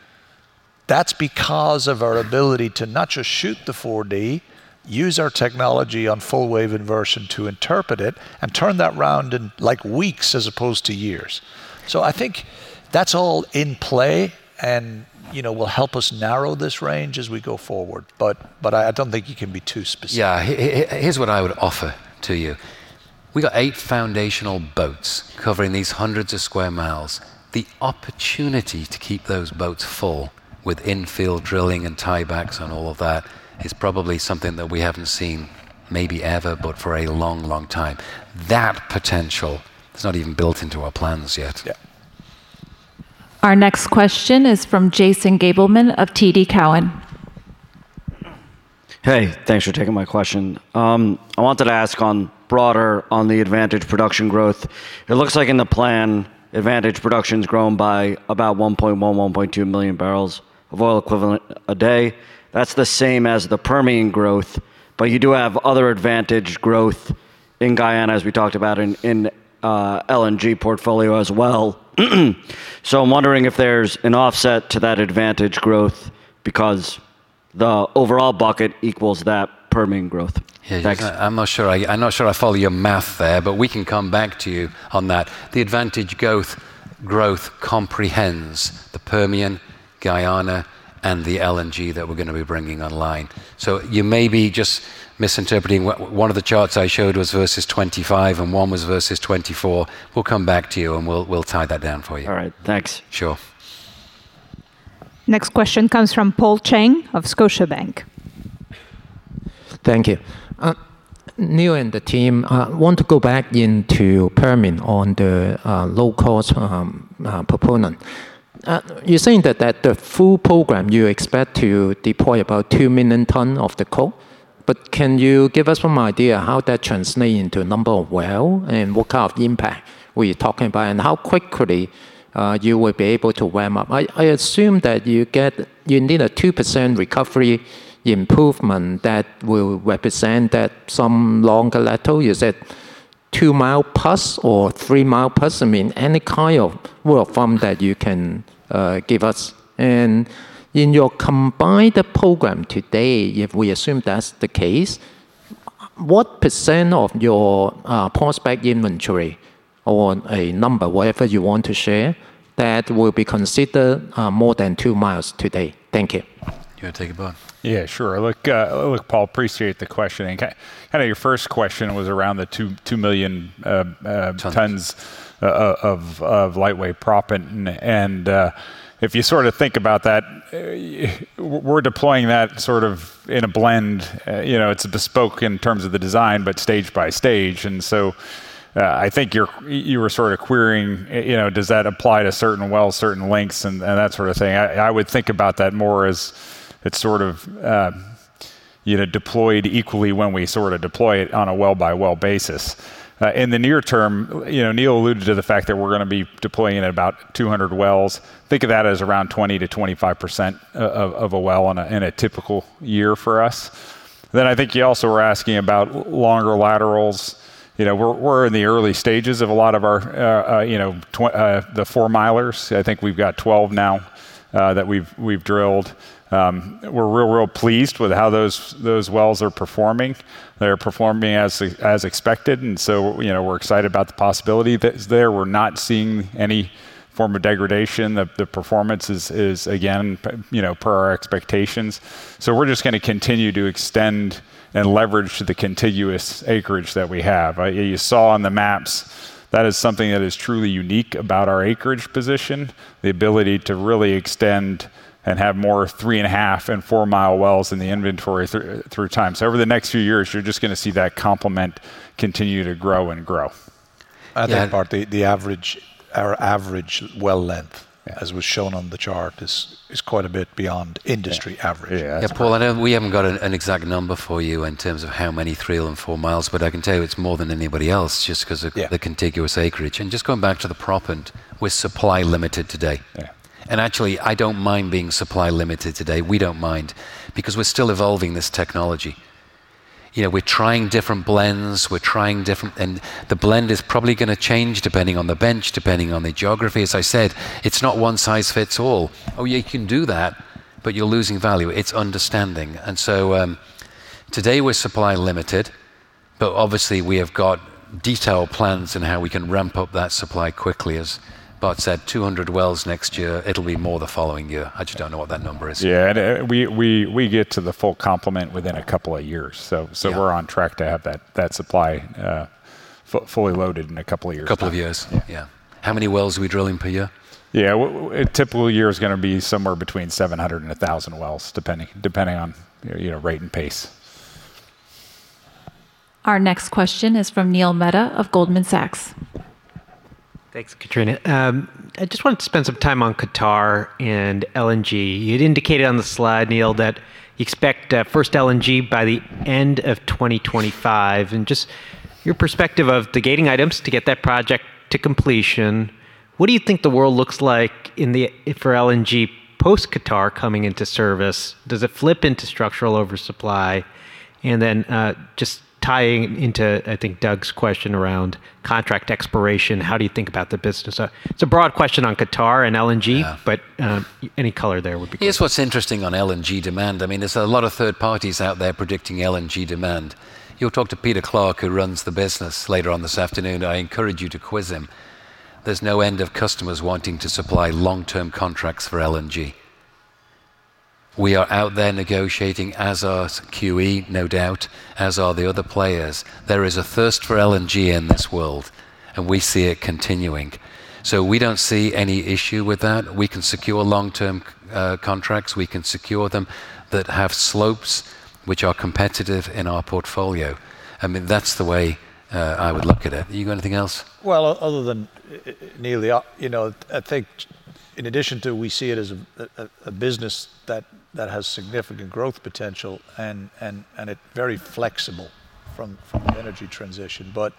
That's because of our ability to not just shoot the 4D, use our technology on full wave inversion to interpret it and turn that around in like weeks as opposed to years. So I think that's all in play and will help us narrow this range as we go forward. But I don't think you can be too specific. Yeah, here's what I would offer to you. We've got eight foundational boats covering these hundreds of sq mi. The opportunity to keep those boats full with infill drilling and tiebacks and all of that is probably something that we haven't seen maybe ever, but for a long, long time. That potential, it's not even built into our plans yet. Our next question is from Jason Gabelman of TD Cowen. Hey, thanks for taking my question. I wanted to ask on the broader advantaged production growth. It looks like in the plan, advantaged production has grown by about 1.1 million-1.2 million barrels of oil equivalent a day. That's the same as the Permian growth, but you do have other advantaged growth in Guyana, as we talked about in LNG portfolio as well. So I'm wondering if there's an offset to that advantaged growth because the overall bucket equals that Permian growth. I'm not sure. I'm not sure I follow your math there, but we can come back to you on that. The advantaged growth encompasses the Permian, Guyana, and the LNG that we're going to be bringing online. So you may be just misinterpreting one of the charts I showed was versus 2025 and one was versus 2024. We'll come back to you and we'll tie that down for you. All right, thanks. Sure. Next question comes from Paul Cheng of Scotiabank. Thank you. Neil and the team want to go back into Permian on the low cost proppant. You're saying that the full program, you expect to deploy about 2 million tons of the coke. But can you give us some idea how that translates into a number of wells and what kind of impact we're talking about and how quickly you will be able to ramp up? I assume that you need a 2% recovery improvement that will represent that some longer laterals, you said two mile plus or three mile plus, I mean, any kind of word from that you can give us. And in your combined program today, if we assume that's the case, what percentage of your prospect inventory or a number, whatever you want to share, that will be considered more than two miles today? Thank you. You want to take it Bart? Yeah, sure. Look, Paul, appreciate the question. Kind of your first question was around the 2 million tons of lightweight proppant. And if you sort of think about that, we're deploying that sort of in a blend. It's a bespoke in terms of the design, but stage by stage. And so I think you were sort of querying, does that apply to certain wells, certain lengths, and that sort of thing? I would think about that more as it's sort of deployed equally when we sort of deploy it on a well-by-well basis. In the near term, Neil alluded to the fact that we're going to be deploying at about 200 wells. Think of that as around 20%-25% of a well in a typical year for us. Then I think you also were asking about longer laterals. We're in the early stages of a lot of our Four-Milers. I think we've got 12 now that we've drilled. We're real, real pleased with how those wells are performing. They're performing as expected, and so we're excited about the possibility that's there. We're not seeing any form of degradation. The performance is, again, per our expectations, so we're just going to continue to extend and leverage the contiguous acreage that we have. You saw on the maps that is something that is truly unique about our acreage position, the ability to really extend and have more three and a half and Four-Mile wells in the inventory through time. Over the next few years, you're just going to see that complement continue to grow and grow. At that part, our average well length, as was shown on the chart, is quite a bit beyond industry average. Yeah, Paul, I know we haven't got an exact number for you in terms of how many three and four miles, but I can tell you it's more than anybody else just because of the contiguous acreage, and just going back to the proppant, we're supply limited today, and actually, I don't mind being supply limited today. We don't mind because we're still evolving this technology. We're trying different blends. We're trying different, and the blend is probably going to change depending on the bench, depending on the geography. As I said, it's not one size fits all. Oh, yeah, you can do that, but you're losing value. It's understanding, and so today we're supply limited, but obviously we have got detailed plans on how we can ramp up that supply quickly. As Bob said, 200 wells next year, it'll be more the following year. I just don't know what that number is. Yeah, and we get to the full complement within a couple of years. So we're on track to have that supply fully loaded in a couple of years. Couple of years, Yeah. How many wells are we drilling per year? Yeah, a typical year is going to be somewhere between 700 wells and 1,000 wells, depending on rate and pace. Our next question is from Neil Mehta of Goldman Sachs. Thanks, Katrina. I just wanted to spend some time on Qatar and LNG. You'd indicated on the slide, Neil, that you expect first LNG by the end of 2025, and just your perspective of the gating items to get that project to completion, what do you think the world looks like for LNG post-Qatar coming into service? Does it flip into structural oversupply, and then just tying into, I think, Doug's question around contract expiration, how do you think about the business? It's a broad question on Qatar and LNG, but any color there would be good. Here's what's interesting on LNG demand. I mean, there's a lot of third parties out there predicting LNG demand. You'll talk to Peter Clarke, who runs the business later on this afternoon. I encourage you to quiz him. There's no end of customers wanting to supply long-term contracts for LNG. We are out there negotiating as are QE, no doubt, as are the other players. There is a thirst for LNG in this world, and we see it continuing. So we don't see any issue with that. We can secure long-term contracts. We can secure them that have slopes which are competitive in our portfolio. I mean, that's the way I would look at it. You got anything else? Other than Neil, I think in addition to we see it as a business that has significant growth potential and it's very flexible from the energy transition. But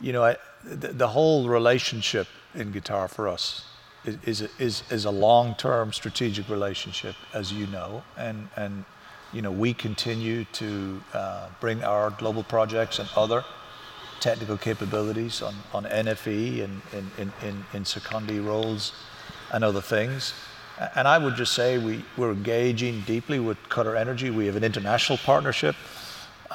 the whole relationship in Qatar for us is a long-term strategic relationship, as you know. And we continue to bring our global projects and other technical capabilities on NFE and secondary roles and other things. And I would just say we're engaging deeply with QatarEnergy. We have an international partnership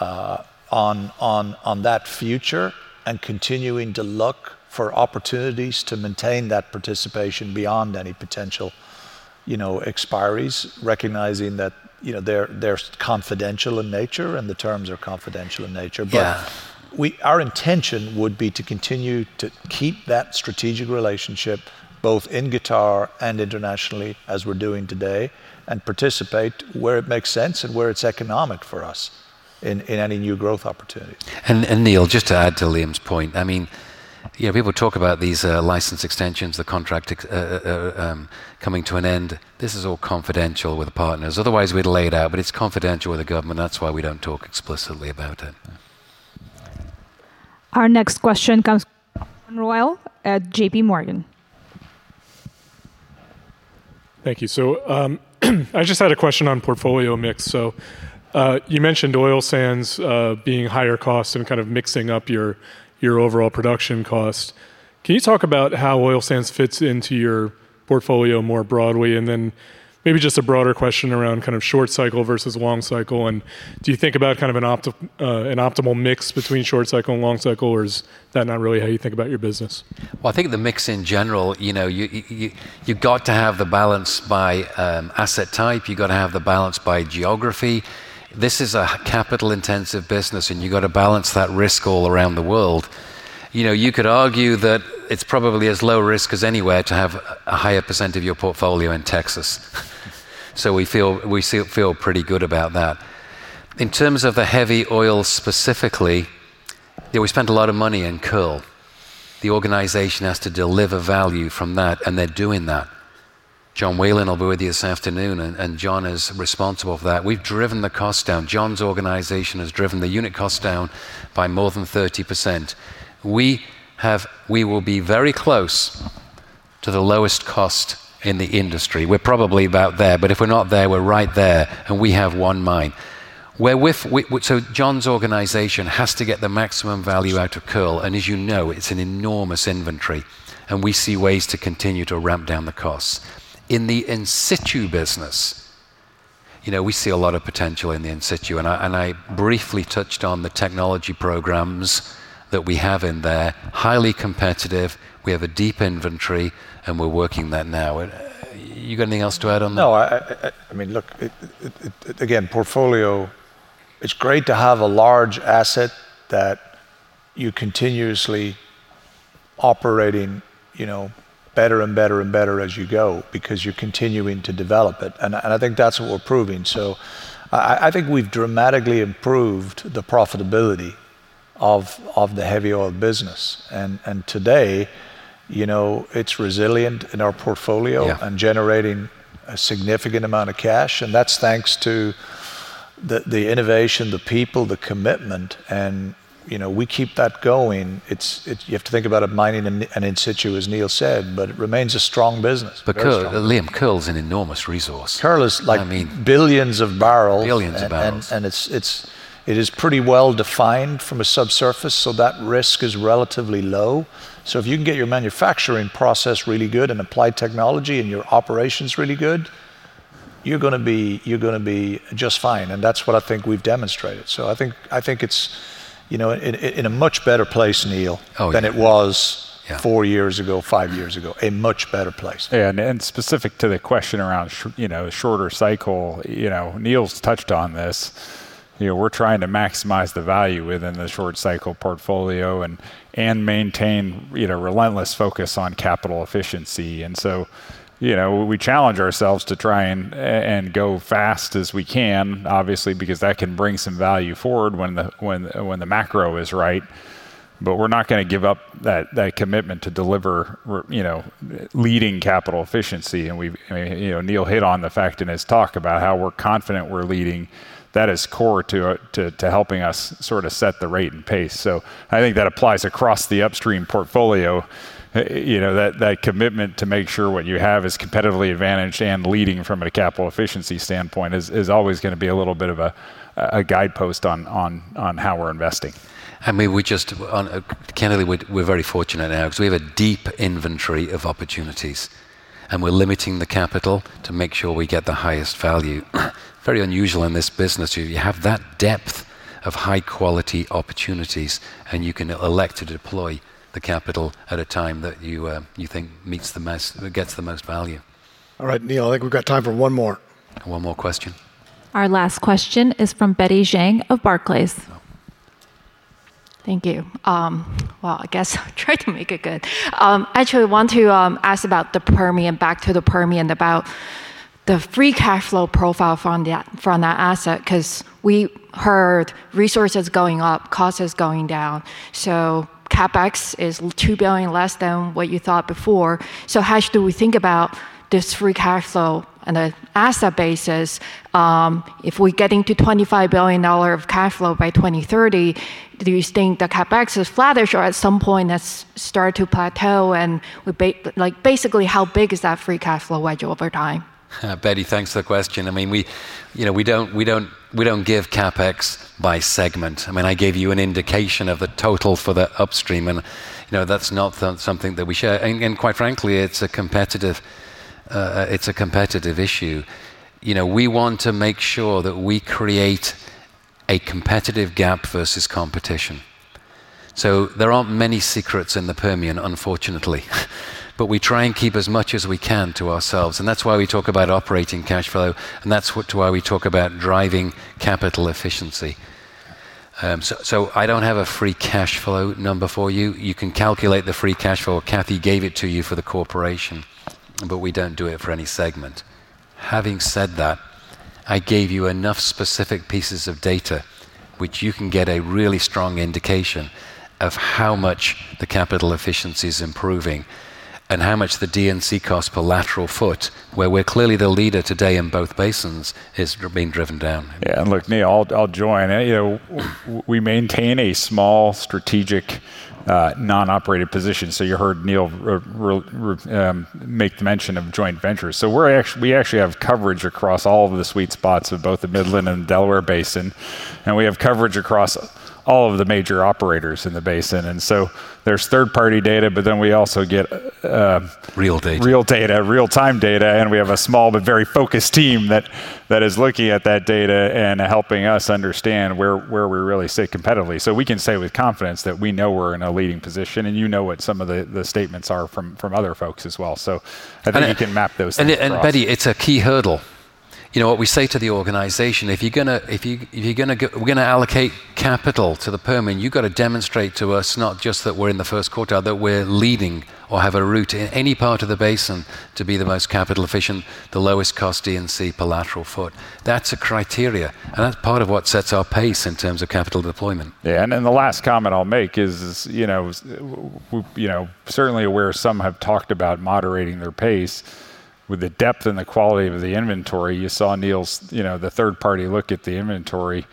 on that future and continuing to look for opportunities to maintain that participation beyond any potential expiries, recognizing that they're confidential in nature and the terms are confidential in nature. But our intention would be to continue to keep that strategic relationship both in Qatar and internationally, as we're doing today, and participate where it makes sense and where it's economic for us in any new growth opportunity. And, Neil, just to add to Liam's point, I mean, yeah, people talk about these license extensions, the contract coming to an end. This is all confidential with the partners. Otherwise, we'd lay it out, but it's confidential with the government. That's why we don't talk explicitly about it. Our next question comes from John Royall at JPMorgan. Thank you. So I just had a question on portfolio mix. So you mentioned oil sands being higher cost and kind of mixing up your overall production cost. Can you talk about how oil sands fits into your portfolio more broadly? And then maybe just a broader question around kind of short cycle versus long cycle. And do you think about kind of an optimal mix between short cycle and long cycle, or is that not really how you think about your business? I think the mix in general, you've got to have the balance by asset type. You've got to have the balance by geography. This is a capital-intensive business, and you've got to balance that risk all around the world. You could argue that it's probably as low risk as anywhere to have a higher percent of your portfolio in Texas. So we feel pretty good about that. In terms of the heavy oil specifically, we spent a lot of money in Kearl. The organization has to deliver value from that, and they're doing that. John Whelan will be with you this afternoon, and John is responsible for that. We've driven the cost down. John's organization has driven the unit cost down by more than 30%. We will be very close to the lowest cost in the industry. We're probably about there, but if we're not there, we're right there, and we have one mind. So John's organization has to get the maximum value out of Kearl. And as you know, it's an enormous inventory, and we see ways to continue to ramp down the costs. In the in-situ business, we see a lot of potential in the in-situ. And I briefly touched on the technology programs that we have in there, highly competitive. We have a deep inventory, and we're working that now. You got anything else to add on that? No, I mean, look, again, portfolio. It's great to have a large asset that you're continuously operating better and better and better as you go because you're continuing to develop it. And I think that's what we're proving. So I think we've dramatically improved the profitability of the heavy oil business. And today, it's resilient in our portfolio and generating a significant amount of cash. And that's thanks to the innovation, the people, the commitment. And we keep that going. You have to think about it mining and in-situ, as Neil said, but it remains a strong business. But Liam, Kearl is an enormous resource. Kearl is like billions of barrels. Billions of barrels. And it is pretty well defined from a subsurface, so that risk is relatively low. So if you can get your manufacturing process really good and applied technology and your operations really good, you're going to be just fine. And that's what I think we've demonstrated. So I think it's in a much better place, Neil, than it was four years ago, five years ago, a much better place. Yeah, and specific to the question around shorter cycle, Neil's touched on this. We're trying to maximize the value within the short cycle portfolio and maintain relentless focus on capital efficiency. And so we challenge ourselves to try and go fast as we can, obviously, because that can bring some value forward when the macro is right. But we're not going to give up that commitment to deliver leading capital efficiency. And Neil hit on the fact in his talk about how we're confident we're leading. That is core to helping us sort of set the rate and pace. So I think that applies across the upstream portfolio. That commitment to make sure what you have is competitively advantaged and leading from a capital efficiency standpoint is always going to be a little bit of a guidepost on how we're investing. I mean. Luckily, we're very fortunate now because we have a deep inventory of opportunities, and we're limiting the capital to make sure we get the highest value. Very unusual in this business. You have that depth of high-quality opportunities, and you can elect to deploy the capital at a time that you think gets the most value. All right, Neil, I think we've got time for one more. One more question. Our last question is from Betty Jiang of Barclays. Thank you. Well, I guess I'll try to make it good. Actually, I want to ask about the Permian back to the Permian about the free cash flow profile from that asset because we heard resources going up, costs going down. So CapEx is $2 billion less than what you thought before. So how do we think about this free cash flow on an asset basis? If we get into $25 billion of cash flow by 2030, do you think the CapEx is flattish or at some point that's start to plateau? And basically, how big is that free cash flow wedge over time? Betty, thanks for the question. I mean, we don't give CapEx by segment. I mean, I gave you an indication of the total for the upstream, and that's not something that we share, and quite frankly, it's a competitive issue. We want to make sure that we create a competitive gap versus competition. So there aren't many secrets in the Permian, unfortunately, but we try and keep as much as we can to ourselves, and that's why we talk about operating cash flow, and that's why we talk about driving capital efficiency. So I don't have a free cash flow number for you. You can calculate the free cash flow. Kathy gave it to you for the corporation, but we don't do it for any segment. Having said that, I gave you enough specific pieces of data which you can get a really strong indication of how much the capital efficiency is improving and how much the D&C cost per lateral foot, where we're clearly the leader today in both basins, is being driven down. Yeah, and look, Neil, I'll join. We maintain a small strategic non-operated position. So you heard Neil make the mention of joint ventures. So we actually have coverage across all of the sweet spots of both the Midland Basin and Delaware Basin, and we have coverage across all of the major operators in the basin. And so there's third-party data, but then we also get. Real data. Real data, real-time data. We have a small but very focused team that is looking at that data and helping us understand where we really sit competitively. We can say with confidence that we know we're in a leading position, and you know what some of the statements are from other folks as well. I think you can map those things out. And Betty, it's a key hurdle. You know what we say to the organization. If you're going to allocate capital to the Permian, you've got to demonstrate to us not just that we're in the first quartile, that we're leading or have a shot in any part of the basin to be the most capital efficient, the lowest cost D&C per lateral foot. That's a criterion, and that's part of what sets our pace in terms of capital deployment. Yeah, and then the last comment I'll make is certainly where some have talked about moderating their pace with the depth and the quality of the inventory. You saw Neil's third-party look at the inventory.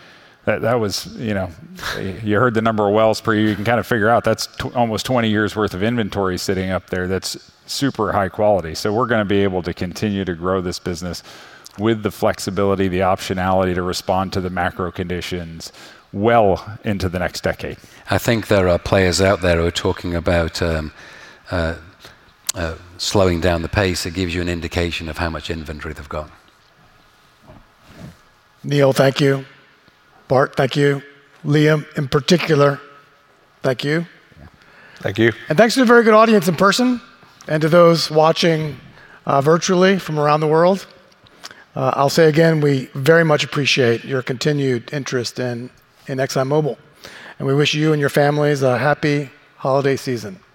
You heard the number of wells per year. You can kind of figure out that's almost 20 years' worth of inventory sitting up there that's super high quality. So we're going to be able to continue to grow this business with the flexibility, the optionality to respond to the macro conditions well into the next decade. I think there are players out there who are talking about slowing down the pace. It gives you an indication of how much inventory they've got. Neil, thank you. Bart, thank you. Liam, in particular, thank you. Thank you. Thanks to the very good audience in person and to those watching virtually from around the world. I'll say again, we very much appreciate your continued interest in ExxonMobil, and we wish you and your families a happy holiday season.